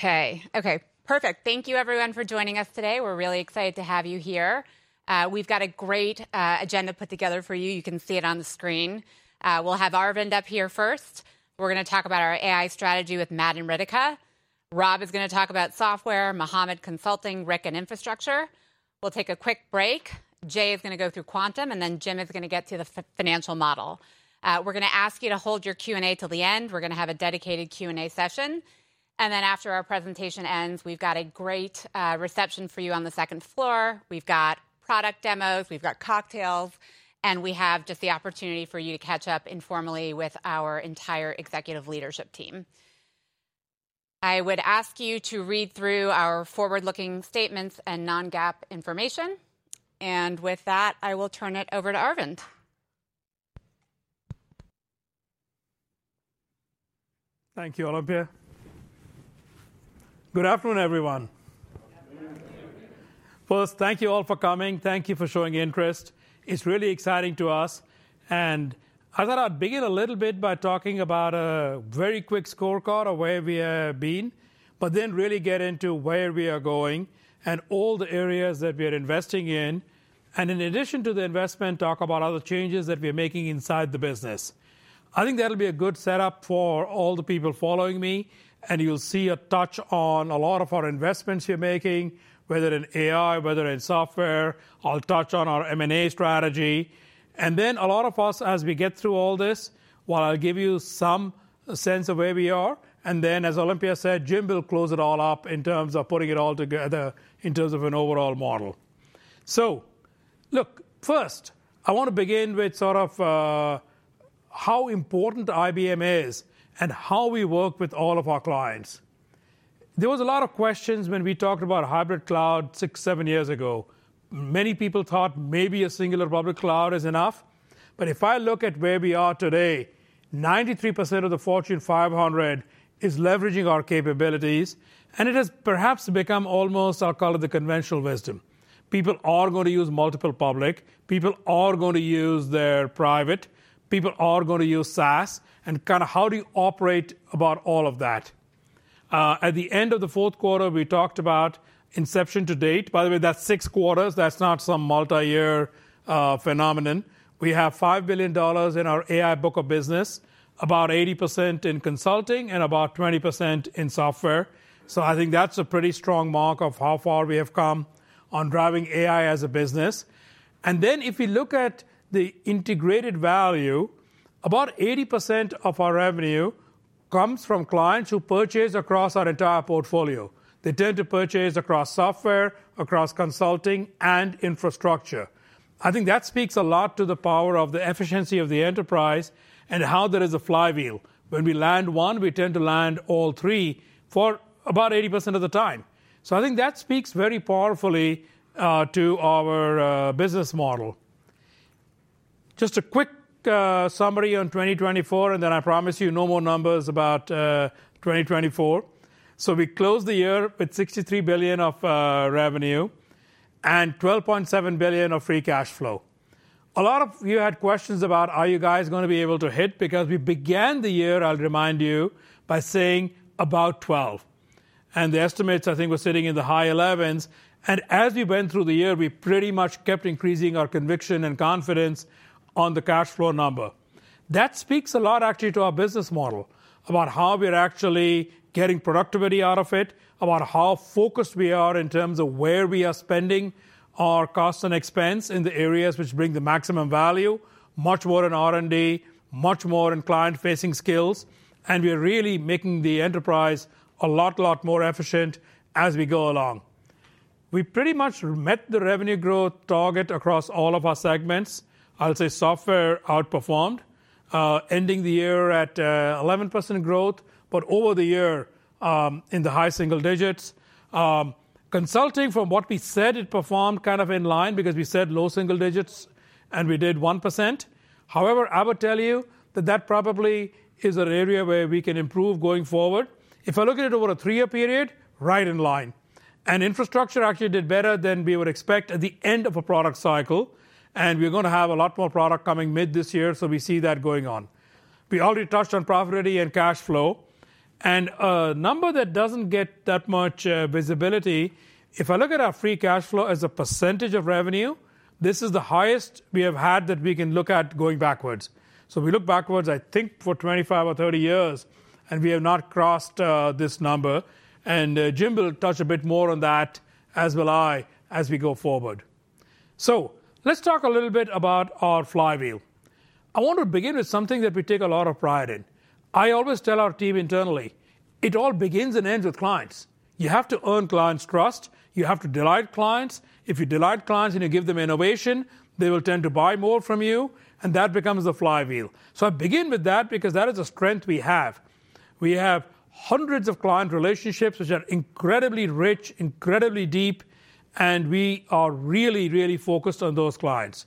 Okay, okay, perfect. Thank you, everyone, for joining us today. We're really excited to have you here. We've got a great agenda put together for you. You can see it on the screen. We'll have Arvind up here first. We're going to talk about our AI strategy with Matt and Ritika. Rob is going to talk about software, Mohamad, Consulting, Ric and infrastructure. We'll take a quick break. Jay is going to go through quantum, and then Jim is going to get to the financial model. We're going to ask you to hold your Q&A till the end. We're going to have a dedicated Q&A session. And then after our presentation ends, we've got a great reception for you on the second floor. We've got product demos, we've got cocktails, and we have just the opportunity for you to catch up informally with our entire executive leadership team. I would ask you to read through our forward-looking statements and non-GAAP information, and with that, I will turn it over to Arvind. Thank you, Olympia. Good afternoon, everyone. Good afternoon. First, thank you all for coming. Thank you for showing interest. It's really exciting to us. And I thought I'd begin a little bit by talking about a very quick scorecard of where we have been, but then really get into where we are going and all the areas that we are investing in. And in addition to the investment, talk about other changes that we are making inside the business. I think that'll be a good setup for all the people following me. And you'll see a touch on a lot of our investments we're making, whether in AI, whether in software. I'll touch on our M&A strategy. And then a lot of us, as we get through all this, while I'll give you some sense of where we are, and then, as Olympia said, Jim will close it all up in terms of putting it all together in terms of an overall model. So look, first, I want to begin with sort of how important IBM is and how we work with all of our clients. There were a lot of questions when we talked about hybrid cloud six, seven years ago. Many people thought maybe a singular public cloud is enough. But if I look at where we are today, 93% of the Fortune 500 is leveraging our capabilities, and it has perhaps become almost, I'll call it the conventional wisdom. People are going to use multiple public. People are going to use their private. People are going to use SaaS. Kind of how do you operate about all of that? At the end of the fourth quarter, we talked about inception to date. By the way, that's six quarters. That's not some multi-year phenomenon. We have $5 billion in our AI book of business, about 80% in consulting and about 20% in software. I think that's a pretty strong mark of how far we have come on driving AI as a business. If you look at the integrated value, about 80% of our revenue comes from clients who purchase across our entire portfolio. They tend to purchase across software, across consulting, and infrastructure. I think that speaks a lot to the power of the efficiency of the enterprise and how there is a flywheel. When we land one, we tend to land all three for about 80% of the time. I think that speaks very powerfully to our business model. Just a quick summary on 2024, and then I promise you no more numbers about 2024. We closed the year with $63 billion of revenue and $12.7 billion of free cash flow. A lot of you had questions about, are you guys going to be able to hit? Because we began the year, I'll remind you, by saying about $12 billion. And the estimates, I think, were sitting in the high $11 billion. And as we went through the year, we pretty much kept increasing our conviction and confidence on the cash flow number. That speaks a lot, actually, to our business model, about how we're actually getting productivity out of it, about how focused we are in terms of where we are spending our cost and expense in the areas which bring the maximum value, much more in R&D, much more in client-facing skills, and we are really making the enterprise a lot, lot more efficient as we go along. We pretty much met the revenue growth target across all of our segments. I'll say software outperformed, ending the year at 11% growth, but over the year in the high single digits. Consulting, from what we said, it performed kind of in line because we said low single digits, and we did 1%. However, I would tell you that that probably is an area where we can improve going forward. If I look at it over a three-year period, right in line. Infrastructure actually did better than we would expect at the end of a product cycle. We're going to have a lot more product coming mid this year, so we see that going on. We already touched on profitability and cash flow. A number that doesn't get that much visibility, if I look at our free cash flow as a percentage of revenue, this is the highest we have had that we can look at going backwards. We look backwards, I think, for 25 or 30 years, and we have not crossed this number. Jim will touch a bit more on that, as will I, as we go forward. Let's talk a little bit about our flywheel. I want to begin with something that we take a lot of pride in. I always tell our team internally, it all begins and ends with clients. You have to earn clients' trust. You have to delight clients. If you delight clients and you give them innovation, they will tend to buy more from you, and that becomes the flywheel, so I begin with that because that is a strength we have. We have hundreds of client relationships which are incredibly rich, incredibly deep, and we are really, really focused on those clients,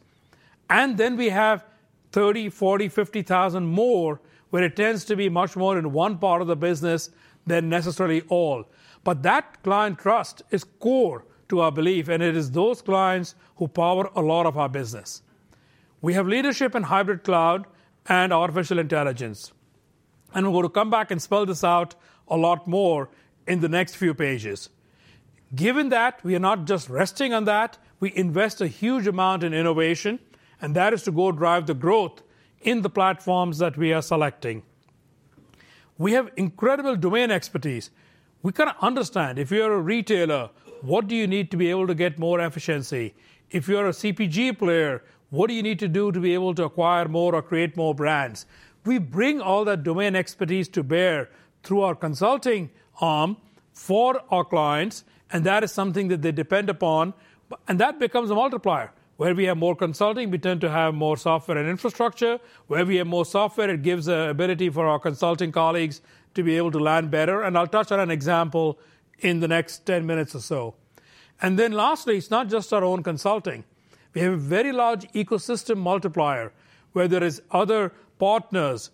and then we have 30, 40, 50,000 more, where it tends to be much more in one part of the business than necessarily all, but that client trust is core to our belief, and it is those clients who power a lot of our business. We have leadership in hybrid cloud and artificial intelligence, and we're going to come back and spell this out a lot more in the next few pages. Given that, we are not just resting on that. We invest a huge amount in innovation, and that is to go drive the growth in the platforms that we are selecting. We have incredible domain expertise. We kind of understand, if you're a retailer, what do you need to be able to get more efficiency? If you're a CPG player, what do you need to do to be able to acquire more or create more brands? We bring all that domain expertise to bear through our consulting arm for our clients, and that is something that they depend upon. And that becomes a multiplier. Where we have more consulting, we tend to have more software and infrastructure. Where we have more software, it gives the ability for our consulting colleagues to be able to land better. And I'll touch on an example in the next 10 minutes or so. And then lastly, it's not just our own consulting. We have a very large ecosystem multiplier, where there are other partners,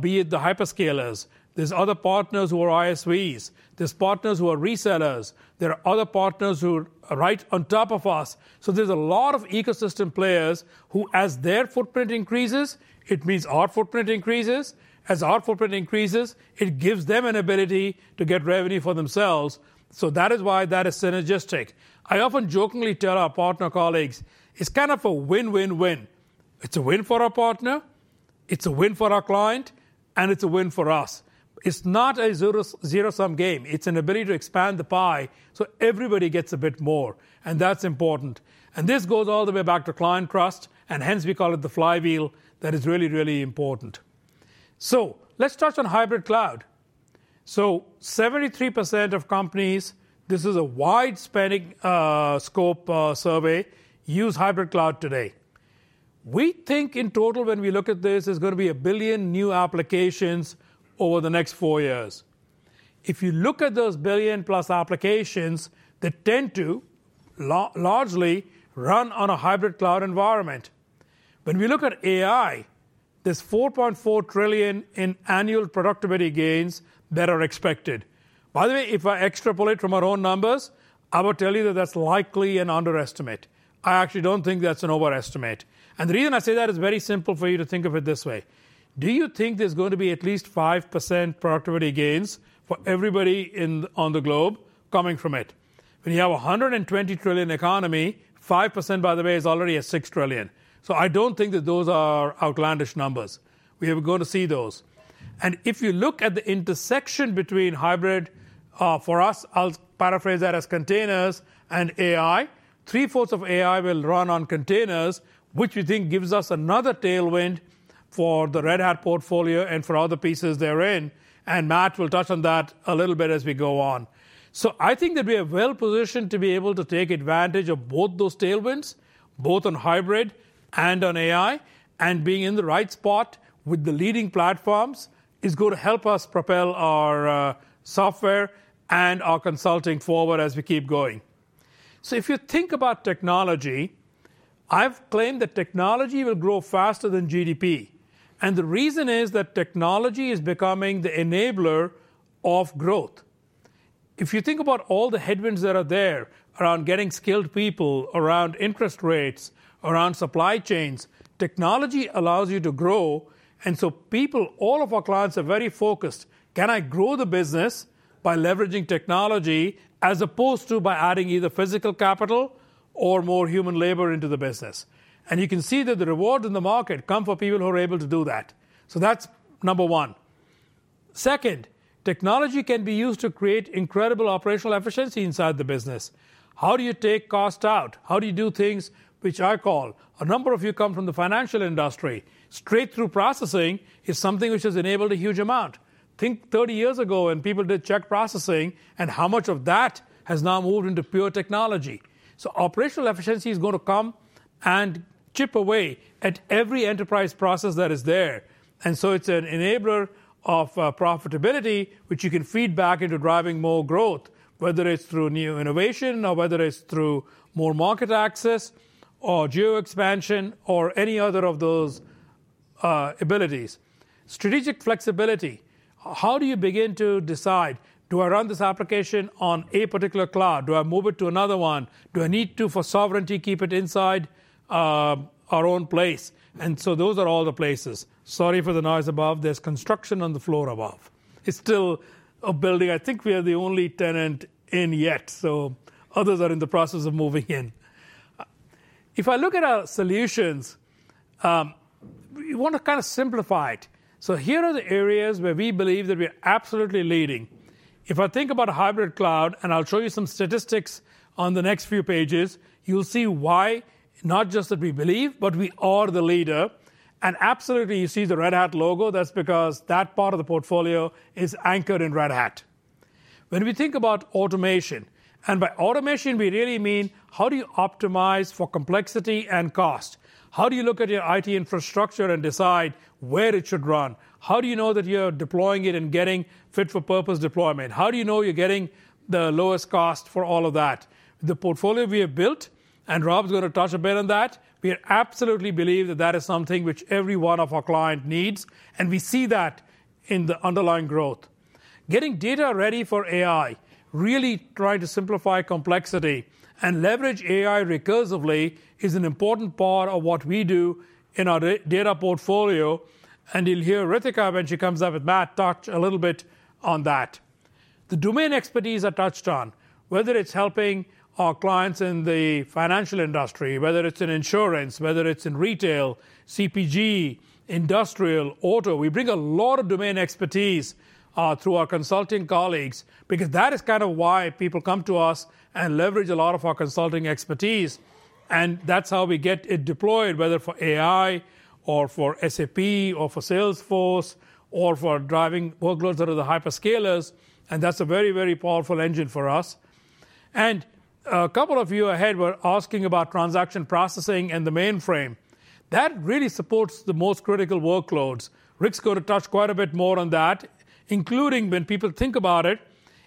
be it the hyperscalers. There are other partners who are ISVs. There are partners who are resellers. There are other partners who are right on top of us. So there's a lot of ecosystem players who, as their footprint increases, it means our footprint increases. As our footprint increases, it gives them an ability to get revenue for themselves. So that is why that is synergistic. I often jokingly tell our partner colleagues, it's kind of a win-win-win. It's a win for our partner. It's a win for our client. And it's a win for us. It's not a zero-sum game. It's an ability to expand the pie so everybody gets a bit more. And that's important. This goes all the way back to client trust, and hence we call it the flywheel that is really, really important. Let's touch on hybrid cloud. 73% of companies, this is a wide-spanning scope survey, use hybrid cloud today. We think in total, when we look at this, there's going to be a billion new applications over the next four years. If you look at those billion-plus applications, they tend to largely run on a hybrid cloud environment. When we look at AI, there's 4.4 trillion in annual productivity gains that are expected. By the way, if I extrapolate from our own numbers, I would tell you that that's likely an underestimate. I actually don't think that's an overestimate. The reason I say that is very simple for you to think of it this way. Do you think there's going to be at least 5% productivity gains for everybody on the globe coming from it? When you have a $120 trillion economy, 5%, by the way, is already at $6 trillion. So I don't think that those are outlandish numbers. We are going to see those. And if you look at the intersection between hybrid, for us, I'll paraphrase that as containers and AI, three-fourths of AI will run on containers, which we think gives us another tailwind for the Red Hat portfolio and for other pieces therein. And Matt will touch on that a little bit as we go on. So I think that we are well-positioned to be able to take advantage of both those tailwinds, both on hybrid and on AI, and being in the right spot with the leading platforms is going to help us propel our software and our consulting forward as we keep going. So if you think about technology, I've claimed that technology will grow faster than GDP. And the reason is that technology is becoming the enabler of growth. If you think about all the headwinds that are there around getting skilled people, around interest rates, around supply chains, technology allows you to grow. And so people, all of our clients, are very focused. Can I grow the business by leveraging technology as opposed to by adding either physical capital or more human labor into the business? You can see that the reward in the market comes for people who are able to do that. That's number one. Second, technology can be used to create incredible operational efficiency inside the business. How do you take cost out? How do you do things which I call? A number of you come from the financial industry. Straight-through processing is something which has enabled a huge amount. Think 30 years ago when people did check processing, and how much of that has now moved into pure technology. Operational efficiency is going to come and chip away at every enterprise process that is there. It's an enabler of profitability, which you can feed back into driving more growth, whether it's through new innovation or whether it's through more market access or geo-expansion or any other of those abilities. Strategic flexibility. How do you begin to decide, do I run this application on a particular cloud? Do I move it to another one? Do I need to, for sovereignty, keep it inside our own place? And so those are all the places. Sorry for the noise above. There's construction on the floor above. It's still a building. I think we are the only tenant in yet, so others are in the process of moving in. If I look at our solutions, we want to kind of simplify it. So here are the areas where we believe that we are absolutely leading. If I think about hybrid cloud, and I'll show you some statistics on the next few pages, you'll see why, not just that we believe, but we are the leader. And absolutely, you see the Red Hat logo. That's because that part of the portfolio is anchored in Red Hat. When we think about automation, and by automation, we really mean how do you optimize for complexity and cost? How do you look at your IT infrastructure and decide where it should run? How do you know that you're deploying it and getting fit-for-purpose deployment? How do you know you're getting the lowest cost for all of that? The portfolio we have built, and Rob's going to touch a bit on that, we absolutely believe that that is something which every one of our clients needs. And we see that in the underlying growth. Getting data ready for AI, really trying to simplify complexity and leverage AI recursively is an important part of what we do in our data portfolio. And you'll hear Ritika, when she comes up with Matt, touch a little bit on that. The domain expertise I touched on, whether it's helping our clients in the financial industry, whether it's in insurance, whether it's in retail, CPG, industrial, auto, we bring a lot of domain expertise through our consulting colleagues because that is kind of why people come to us and leverage a lot of our consulting expertise. And that's how we get it deployed, whether for AI or for SAP or for Salesforce or for driving workloads that are the hyperscalers. And that's a very, very powerful engine for us. And a couple of you ahead were asking about transaction processing and the mainframe. That really supports the most critical workloads. Ric's going to touch quite a bit more on that, including when people think about it,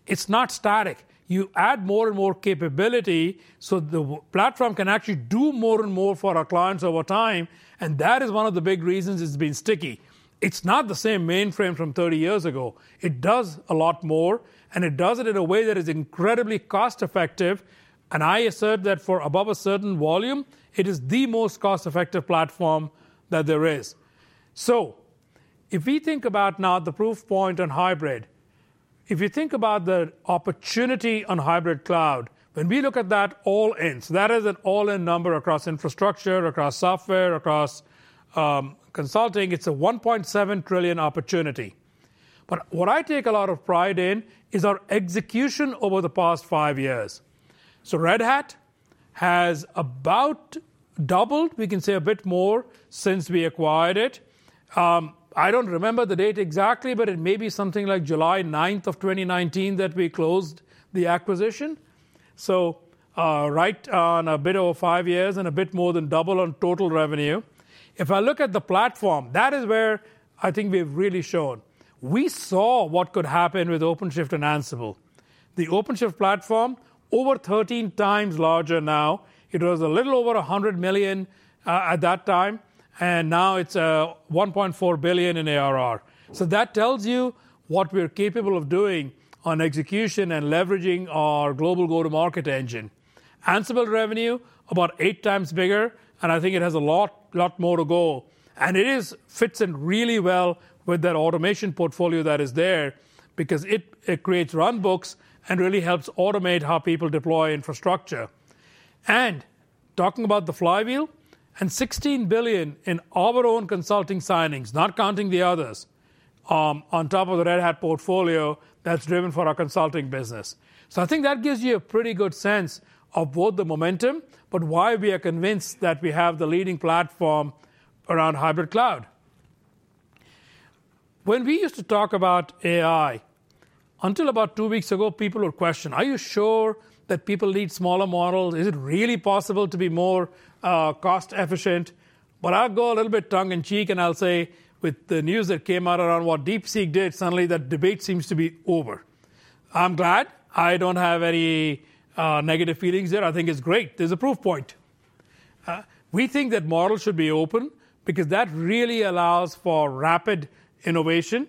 it's not static. You add more and more capability so the platform can actually do more and more for our clients over time. That is one of the big reasons it's been sticky. It's not the same mainframe from 30 years ago. It does a lot more, and it does it in a way that is incredibly cost-effective. And I assert that for above a certain volume, it is the most cost-effective platform that there is. So if we think about now the proof point on hybrid, if you think about the opportunity on hybrid cloud, when we look at that all in, so that is an all-in number across infrastructure, across software, across consulting, it's a $1.7 trillion opportunity. But what I take a lot of pride in is our execution over the past five years. So Red Hat has about doubled, we can say a bit more, since we acquired it. I don't remember the date exactly, but it may be something like July 9th of 2019 that we closed the acquisition. So right on a bit over five years and a bit more than double on total revenue. If I look at the platform, that is where I think we've really shown. We saw what could happen with OpenShift and Ansible. The OpenShift platform, over 13 times larger now. It was a little over $100 million at that time, and now it's $1.4 billion in ARR. So that tells you what we're capable of doing on execution and leveraging our global go-to-market engine. Ansible revenue, about eight times bigger, and I think it has a lot more to go. And it fits in really well with that automation portfolio that is there because it creates runbooks and really helps automate how people deploy infrastructure. And talking about the flywheel, and $16 billion in our own consulting signings, not counting the others, on top of the Red Hat portfolio that's driven for our consulting business. So I think that gives you a pretty good sense of both the momentum, but why we are convinced that we have the leading platform around hybrid cloud. When we used to talk about AI, until about two weeks ago, people would question, are you sure that people need smaller models? Is it really possible to be more cost-efficient? But I'll go a little bit tongue in cheek, and I'll say, with the news that came out around what DeepSeek did, suddenly that debate seems to be over. I'm glad. I don't have any negative feelings there. I think it's great. There's a proof point. We think that models should be open because that really allows for rapid innovation.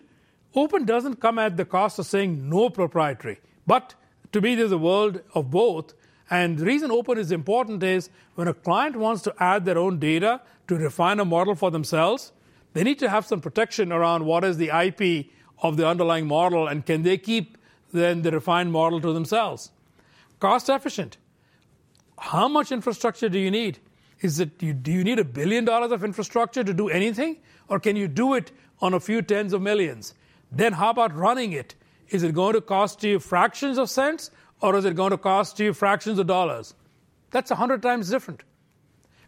Open doesn't come at the cost of saying no proprietary. But to me, there's a world of both. And the reason open is important is when a client wants to add their own data to refine a model for themselves, they need to have some protection around what is the IP of the underlying model, and can they keep then the refined model to themselves? Cost-efficient. How much infrastructure do you need? Do you need $1 billion of infrastructure to do anything, or can you do it on a few tens of millions? Then how about running it? Is it going to cost you fractions of cents, or is it going to cost you fractions of dollars? That's 100 times different.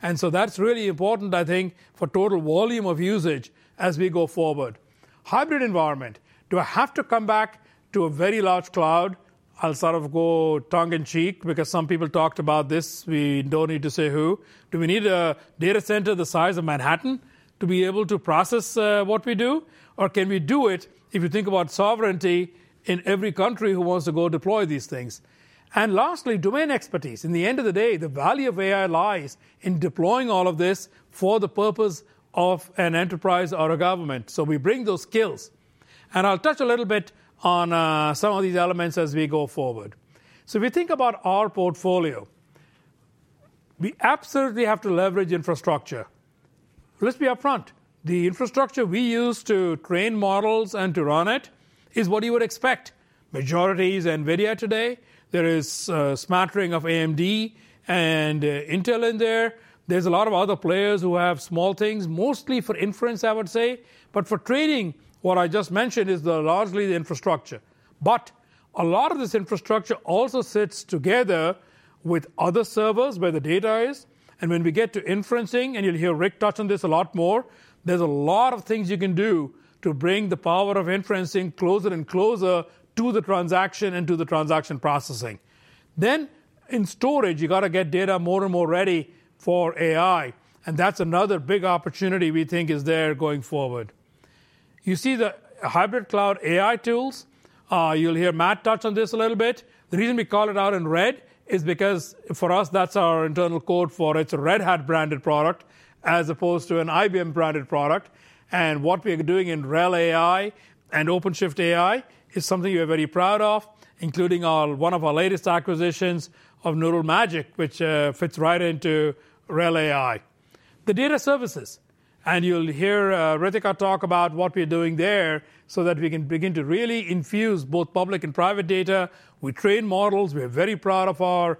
And so that's really important, I think, for total volume of usage as we go forward. Hybrid environment. Do I have to come back to a very large cloud? I'll sort of go tongue in cheek because some people talked about this. We don't need to say who. Do we need a data center the size of Manhattan to be able to process what we do, or can we do it, if you think about sovereignty, in every country who wants to go deploy these things? And lastly, domain expertise. In the end of the day, the value of AI lies in deploying all of this for the purpose of an enterprise or a government. So we bring those skills. And I'll touch a little bit on some of these elements as we go forward. So if we think about our portfolio, we absolutely have to leverage infrastructure. Let's be upfront. The infrastructure we use to train models and to run it is what you would expect. is NVIDIA today. There is smattering of AMD and Intel in there. There's a lot of other players who have small things, mostly for inference, I would say. But for training, what I just mentioned is largely the infrastructure. But a lot of this infrastructure also sits together with other servers where the data is. And when we get to inferencing, and you'll hear Ric touch on this a lot more, there's a lot of things you can do to bring the power of inferencing closer and closer to the transaction and to the transaction processing. Then in storage, you've got to get data more and more ready for AI. And that's another big opportunity we think is there going forward. You see the hybrid cloud AI tools. You'll hear Matt touch on this a little bit. The reason we call it out in red is because for us, that's our internal code for it's a Red Hat-branded product as opposed to an IBM-branded product. And what we are doing in RHEL AI and OpenShift AI is something we are very proud of, including one of our latest acquisitions of Neural Magic, which fits right into RHEL AI. The data services. And you'll hear Ritika talk about what we are doing there so that we can begin to really infuse both public and private data. We train models. We are very proud of our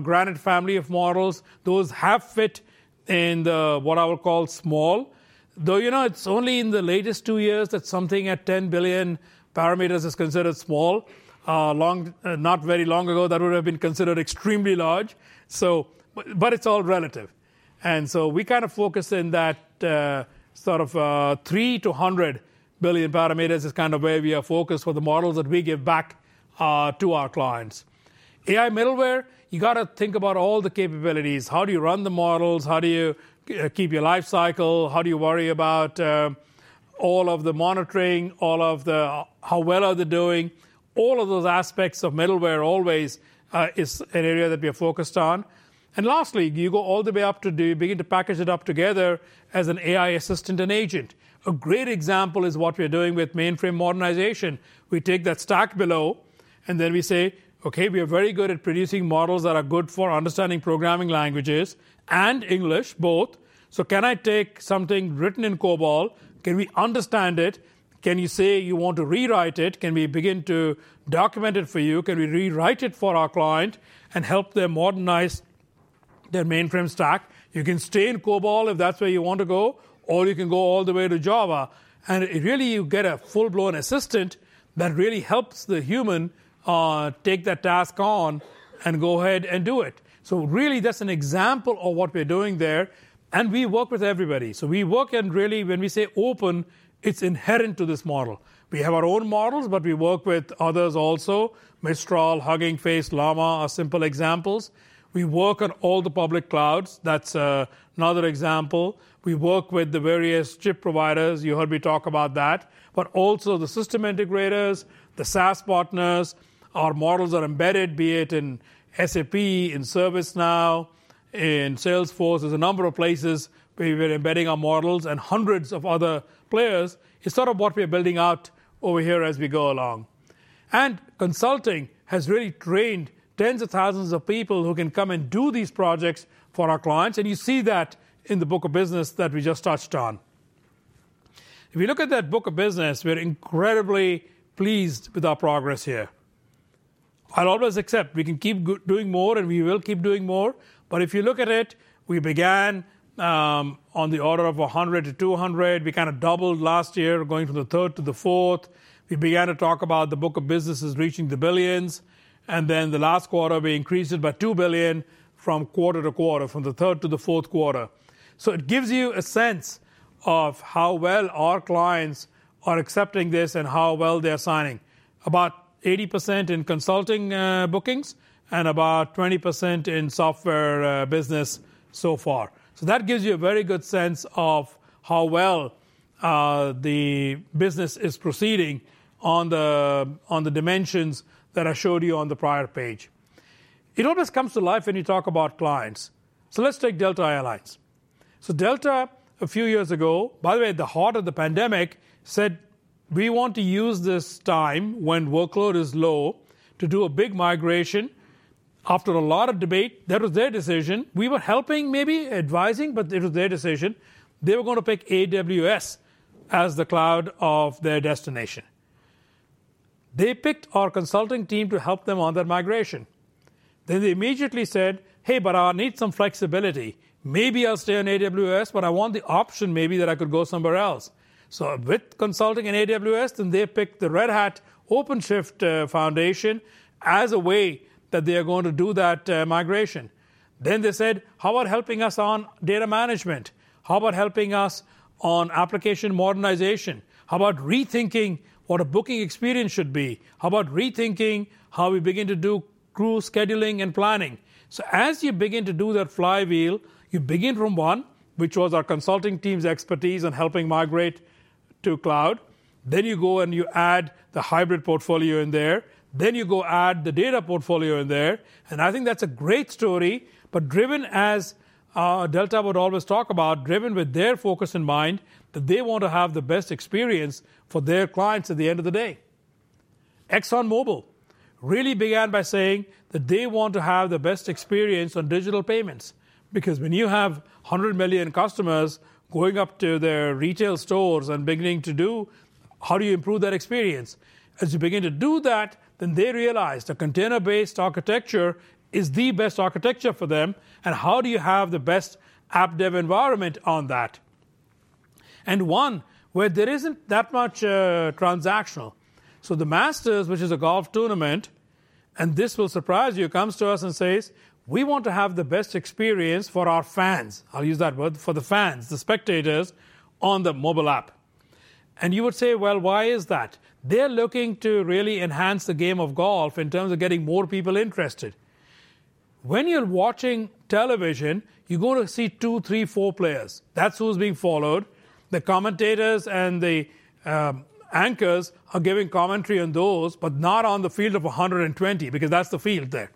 Granite family of models. Those have fit in what I would call small. Though it's only in the latest two years that something at 10 billion parameters is considered small. Not very long ago, that would have been considered extremely large. But it's all relative. And so we kind of focus in that sort of three to 100 billion parameters. That is kind of where we are focused for the models that we give back to our clients. AI middleware, you've got to think about all the capabilities. How do you run the models? How do you keep your lifecycle? How do you worry about all of the monitoring, all of the how well are they doing? All of those aspects of middleware always is an area that we are focused on. And lastly, you go all the way up to begin to package it up together as an AI assistant and agent. A great example is what we are doing with mainframe modernization. We take that stack below, and then we say, "Okay, we are very good at producing models that are good for understanding programming languages and English, both. So can I take something written in COBOL? Can we understand it? Can you say you want to rewrite it? Can we begin to document it for you? Can we rewrite it for our client and help them modernize their mainframe stack?" You can stay in COBOL if that's where you want to go, or you can go all the way to Java. Really, you get a full-blown assistant that really helps the human take that task on and go ahead and do it. Really, that's an example of what we're doing there. We work with everybody. We work in really, when we say open, it's inherent to this model. We have our own models, but we work with others also. Mistral, Hugging Face, Llama are simple examples. We work on all the public clouds. That's another example. We work with the various chip providers. You heard me talk about that. But also the system integrators, the SaaS partners. Our models are embedded, be it in SAP, in ServiceNow, in Salesforce. There's a number of places where we're embedding our models and hundreds of other players. It's sort of what we're building out over here as we go along. Consulting has really trained tens of thousands of people who can come and do these projects for our clients. You see that in the book of business that we just touched on. If you look at that book of business, we're incredibly pleased with our progress here. I'll always accept we can keep doing more, and we will keep doing more. But if you look at it, we began on the order of 100 to 200. We kind of doubled last year, going from the third to the fourth. We began to talk about the book of businesses reaching the billions. And then the last quarter, we increased it by $2 billion from quarter-to-quarter, from the third to the fourth quarter. So it gives you a sense of how well our clients are accepting this and how well they're signing. About 80% in consulting bookings and about 20% in software business so far. So that gives you a very good sense of how well the business is proceeding on the dimensions that I showed you on the prior page. It always comes to life when you talk about clients. So let's take Delta Air Lines. So Delta, a few years ago, by the way, at the heart of the pandemic, said, "We want to use this time when workload is low to do a big migration." After a lot of debate, that was their decision. We were helping, maybe advising, but it was their decision. They were going to pick AWS as the cloud of their destination. They picked our consulting team to help them on that migration, then they immediately said, "Hey, but I need some flexibility. Maybe I'll stay on AWS, but I want the option maybe that I could go somewhere else," so with consulting and AWS, then they picked the Red Hat OpenShift Foundation as a way that they are going to do that migration, then they said, "How about helping us on data management? How about helping us on application modernization? How about rethinking what a booking experience should be? How about rethinking how we begin to do crew scheduling and planning," so as you begin to do that flywheel, you begin from one, which was our consulting team's expertise on helping migrate to cloud. Then you go and you add the hybrid portfolio in there. Then you go add the data portfolio in there. And I think that's a great story. But driven as Delta would always talk about, driven with their focus in mind that they want to have the best experience for their clients at the end of the day. ExxonMobil really began by saying that they want to have the best experience on digital payments. Because when you have 100 million customers going up to their retail stores and beginning to do, how do you improve that experience? As you begin to do that, then they realized a container-based architecture is the best architecture for them. And how do you have the best app dev environment on that? And one where there isn't that much transactional. The Masters, which is a golf tournament, and this will surprise you, comes to us and says, "We want to have the best experience for our fans." I'll use that word, for the fans, the spectators on the mobile app, and you would say, "Well, why is that?" They're looking to really enhance the game of golf in terms of getting more people interested. When you're watching television, you're going to see two, three, four players. That's who's being followed. The commentators and the anchors are giving commentary on those, but not on the field of 120 because that's the field there.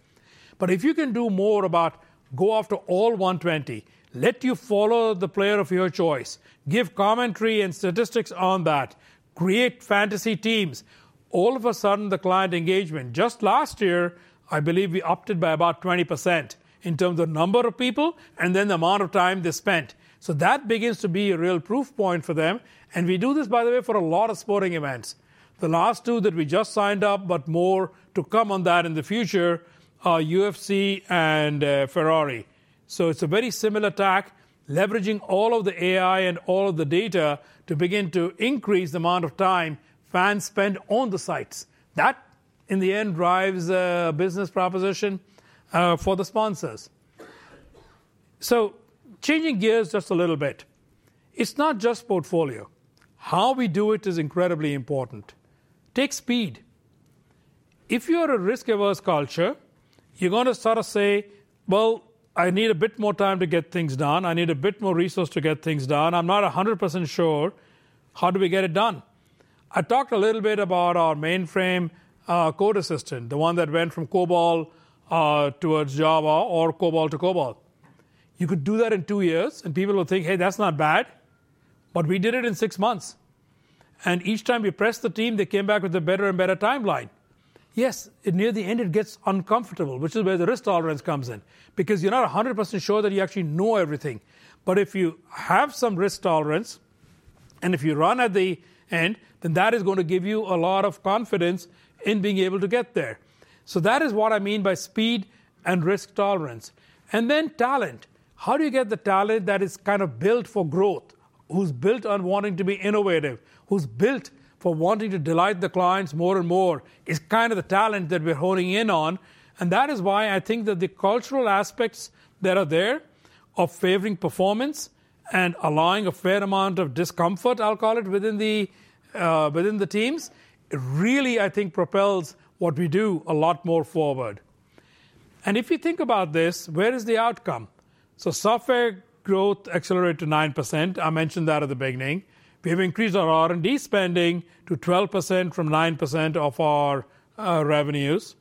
But if you can do more about go after all 120, let you follow the player of your choice, give commentary and statistics on that, create fantasy teams. All of a sudden, the client engagement, just last year, I believe we upped it by about 20% in terms of number of people and then the amount of time they spent, so that begins to be a real proof point for them, and we do this, by the way, for a lot of sporting events. The last two that we just signed up but more to come on that in the future: UFC and Ferrari, so it's a very similar tack, leveraging all of the AI and all of the data to begin to increase the amount of time fans spend on the sites. That, in the end, drives a business proposition for the sponsors, so changing gears just a little bit. It's not just portfolio. How we do it is incredibly important. Take speed. If you're a risk-averse culture, you're going to sort of say, "Well, I need a bit more time to get things done. I need a bit more resource to get things done. I'm not 100% sure. How do we get it done?" I talked a little bit about our mainframe code assistant, the one that went from COBOL towards Java or COBOL to COBOL. You could do that in two years, and people will think, "Hey, that's not bad." But we did it in six months, and each time we pressed the team, they came back with a better and better timeline. Yes, near the end, it gets uncomfortable, which is where the risk tolerance comes in. Because you're not 100% sure that you actually know everything. But if you have some risk tolerance and if you run at the end, then that is going to give you a lot of confidence in being able to get there. So that is what I mean by speed and risk tolerance. And then talent. How do you get the talent that is kind of built for growth, who's built on wanting to be innovative, who's built for wanting to delight the clients more and more is kind of the talent that we're honing in on. And that is why I think that the cultural aspects that are there of favoring performance and allowing a fair amount of discomfort, I'll call it, within the teams, really, I think, propels what we do a lot more forward. And if you think about this, where is the outcome? So software growth accelerated to 9%. I mentioned that at the beginning. We have increased our R&D spending to 12% from 9% of our revenues.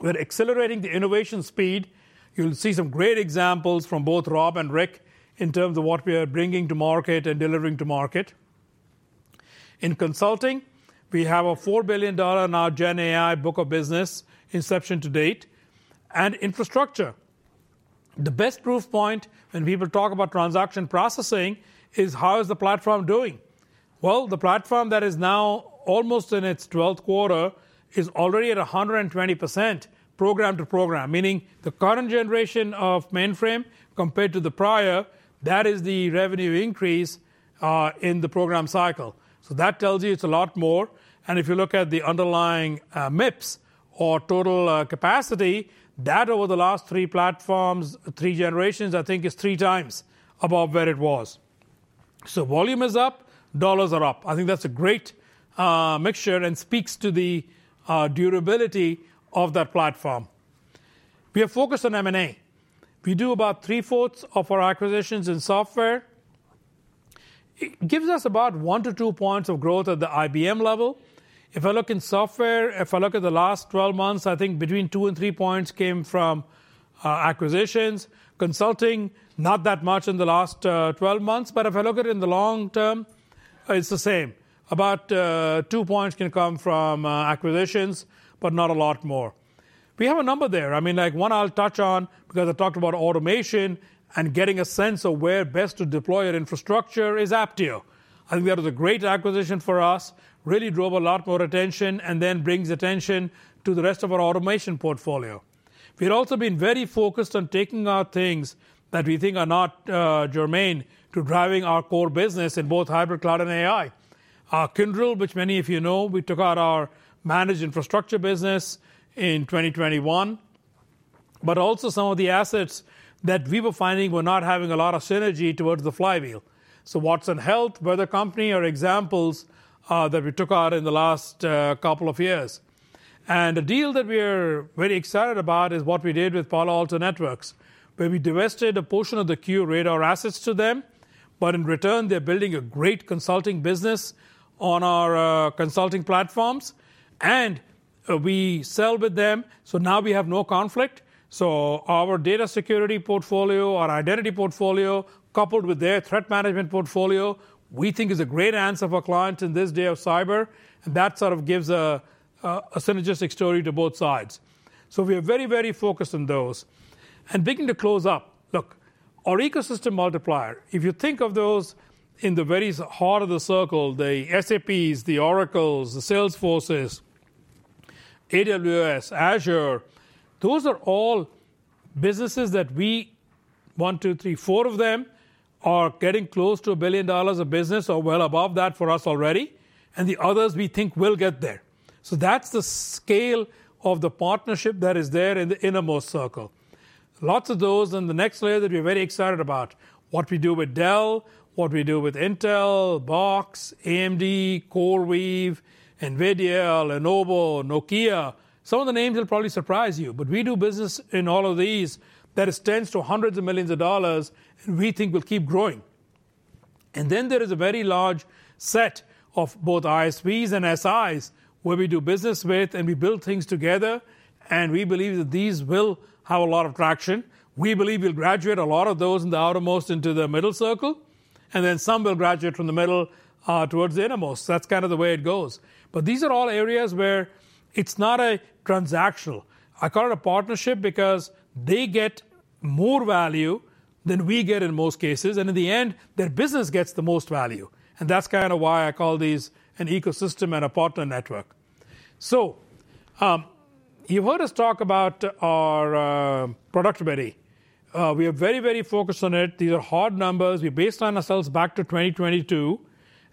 We're accelerating the innovation speed. You'll see some great examples from both Rob and Ric in terms of what we are bringing to market and delivering to market. In consulting, we have a $4 billion GenAI book of business inception to date, and infrastructure. The best proof point when people talk about transaction processing is how is the platform doing? Well, the platform that is now almost in its 12th quarter is already at 120% program to program, meaning the current generation of mainframe compared to the prior, that is the revenue increase in the program cycle. So that tells you it's a lot more, and if you look at the underlying MIPS or total capacity, that over the last three platforms, three generations, I think is three times above where it was. So volume is up, dollars are up. I think that's a great mixture and speaks to the durability of that platform. We are focused on M&A. We do about three-fourths of our acquisitions in software. It gives us about one to two points of growth at the IBM level. If I look in software, if I look at the last 12 months, I think between two and three points came from acquisitions. Consulting, not that much in the last 12 months. But if I look at it in the long term, it's the same. About two points can come from acquisitions, but not a lot more. We have a number there. I mean, one I'll touch on because I talked about automation and getting a sense of where best to deploy our infrastructure is Apptio. I think that was a great acquisition for us, really drove a lot more attention and then brings attention to the rest of our automation portfolio. We've also been very focused on taking our things that we think are not germane to driving our core business in both hybrid cloud and AI. Kyndryl, which many of you know, we took out our managed infrastructure business in 2021, but also some of the assets that we were finding were not having a lot of synergy towards the flywheel. So Watson Health, Weather Company, are examples that we took out in the last couple of years, and a deal that we are very excited about is what we did with Palo Alto Networks, where we divested a portion of the QRadar assets to them. But in return, they're building a great consulting business on our consulting platforms. We sell with them. So now we have no conflict. So our data security portfolio, our identity portfolio, coupled with their threat management portfolio, we think is a great answer for clients in this day of cyber. And that sort of gives a synergistic story to both sides. So we are very, very focused on those. And beginning to close up, look, our ecosystem multiplier, if you think of those in the very heart of the circle, the SAPs, the Oracles, the Salesforces, AWS, Azure, those are all businesses that we, one, two, three, four of them are getting close to $1 billion of business or well above that for us already. And the others we think will get there. So that's the scale of the partnership that is there in the innermost circle. Lots of those in the next layer that we're very excited about, what we do with Dell, what we do with Intel, Box, AMD, CoreWeave, NVIDIA, Lenovo, Nokia. Some of the names will probably surprise you, but we do business in all of these that extends to hundreds of millions of dollars, and we think we'll keep growing, and then there is a very large set of both ISVs and SIs where we do business with, and we build things together, and we believe that these will have a lot of traction. We believe we'll graduate a lot of those in the outermost into the middle circle, and then some will graduate from the middle towards the innermost. That's kind of the way it goes, but these are all areas where it's not a transactional. I call it a partnership because they get more value than we get in most cases, and in the end, their business gets the most value, and that's kind of why I call these an ecosystem and a partner network, so you've heard us talk about our productivity. We are very, very focused on it. These are hard numbers. We based on ourselves back to 2022,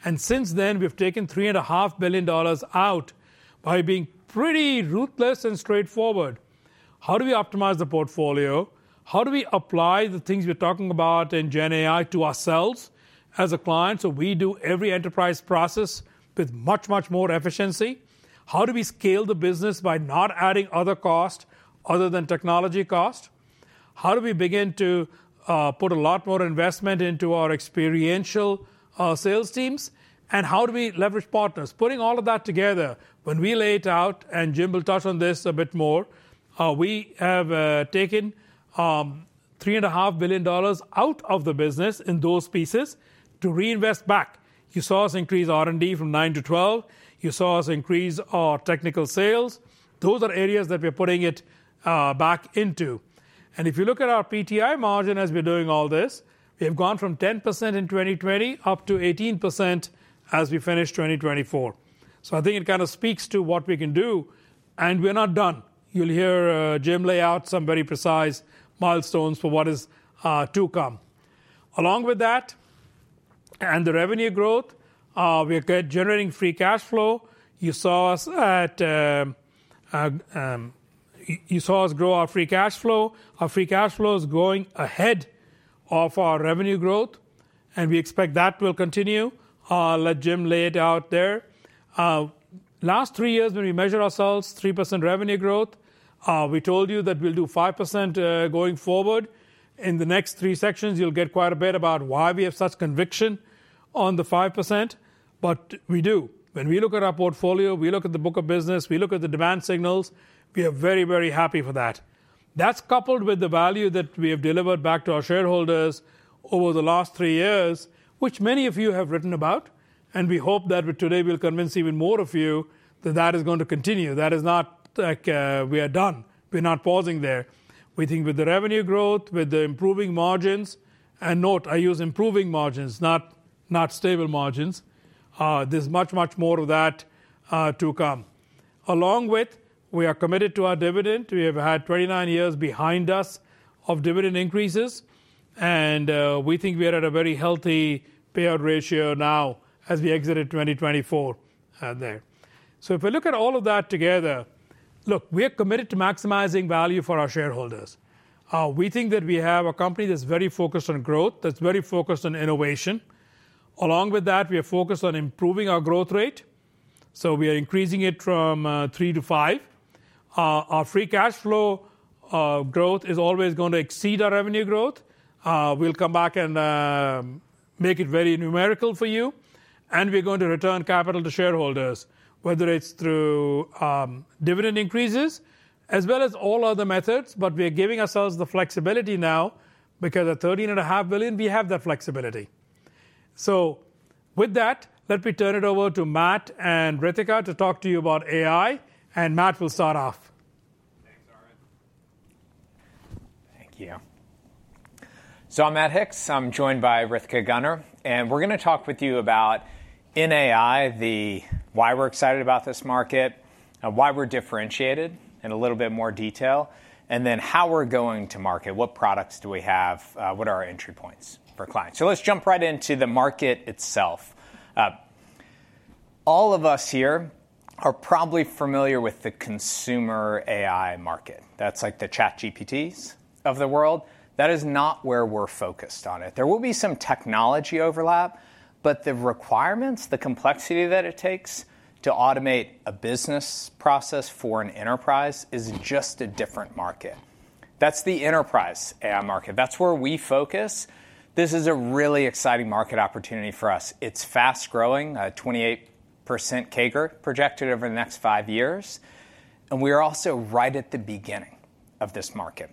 and since then, we've taken $3.5 billion out by being pretty ruthless and straightforward. How do we optimize the portfolio? How do we apply the things we're talking about in GenAI to ourselves as a client, so we do every enterprise process with much, much more efficiency? How do we scale the business by not adding other costs other than technology cost? How do we begin to put a lot more investment into our experiential sales teams, and how do we leverage partners? Putting all of that together, when we laid out, and Jim will touch on this a bit more, we have taken $3.5 billion out of the business in those pieces to reinvest back. You saw us increase R&D from 9 to 12. You saw us increase our technical sales. Those are areas that we're putting it back into. And if you look at our PTI margin as we're doing all this, we have gone from 10% in 2020 up to 18% as we finish 2024. So I think it kind of speaks to what we can do. And we're not done. You'll hear Jim lay out some very precise milestones for what is to come. Along with that and the revenue growth, we are generating free cash flow. You saw us grow our free cash flow. Our free cash flow is going ahead of our revenue growth. And we expect that will continue. I'll let Jim lay it out there. Last three years, when we measured ourselves 3% revenue growth, we told you that we'll do 5% going forward. In the next three sections, you'll get quite a bit about why we have such conviction on the 5%. But we do. When we look at our portfolio, we look at the book of business, we look at the demand signals, we are very, very happy for that. That's coupled with the value that we have delivered back to our shareholders over the last three years, which many of you have written about. And we hope that today we'll convince even more of you that that is going to continue. That is not like we are done. We're not pausing there. We think with the revenue growth, with the improving margins, and note, I use improving margins, not stable margins, there's much, much more of that to come. Along with, we are committed to our dividend. We have had 29 years behind us of dividend increases. And we think we are at a very healthy payout ratio now as we exit in 2024 there. So if we look at all of that together, look, we are committed to maximizing value for our shareholders. We think that we have a company that's very focused on growth, that's very focused on innovation. Along with that, we are focused on improving our growth rate. So we are increasing it from three to five. Our free cash flow growth is always going to exceed our revenue growth. We'll come back and make it very numerical for you. And we're going to return capital to shareholders, whether it's through dividend increases as well as all other methods. But we are giving ourselves the flexibility now because at $13.5 billion, we have that flexibility. So with that, let me turn it over to Matt and Ritika to talk to you about AI. And Matt will start off. Thanks, Arvind. Thank you. So I'm Matt Hicks. I'm joined by Ritika Gunnar. And we're going to talk with you about in AI, why we're excited about this market, why we're differentiated in a little bit more detail, and then how we're going to market, what products do we have, what are our entry points for clients. So let's jump right into the market itself. All of us here are probably familiar with the consumer AI market. That's like the ChatGPTs of the world. That is not where we're focused on it. There will be some technology overlap, but the requirements, the complexity that it takes to automate a business process for an enterprise is just a different market. That's the enterprise AI market. That's where we focus. This is a really exciting market opportunity for us. It's fast growing, 28% CAGR projected over the next five years. We are also right at the beginning of this market.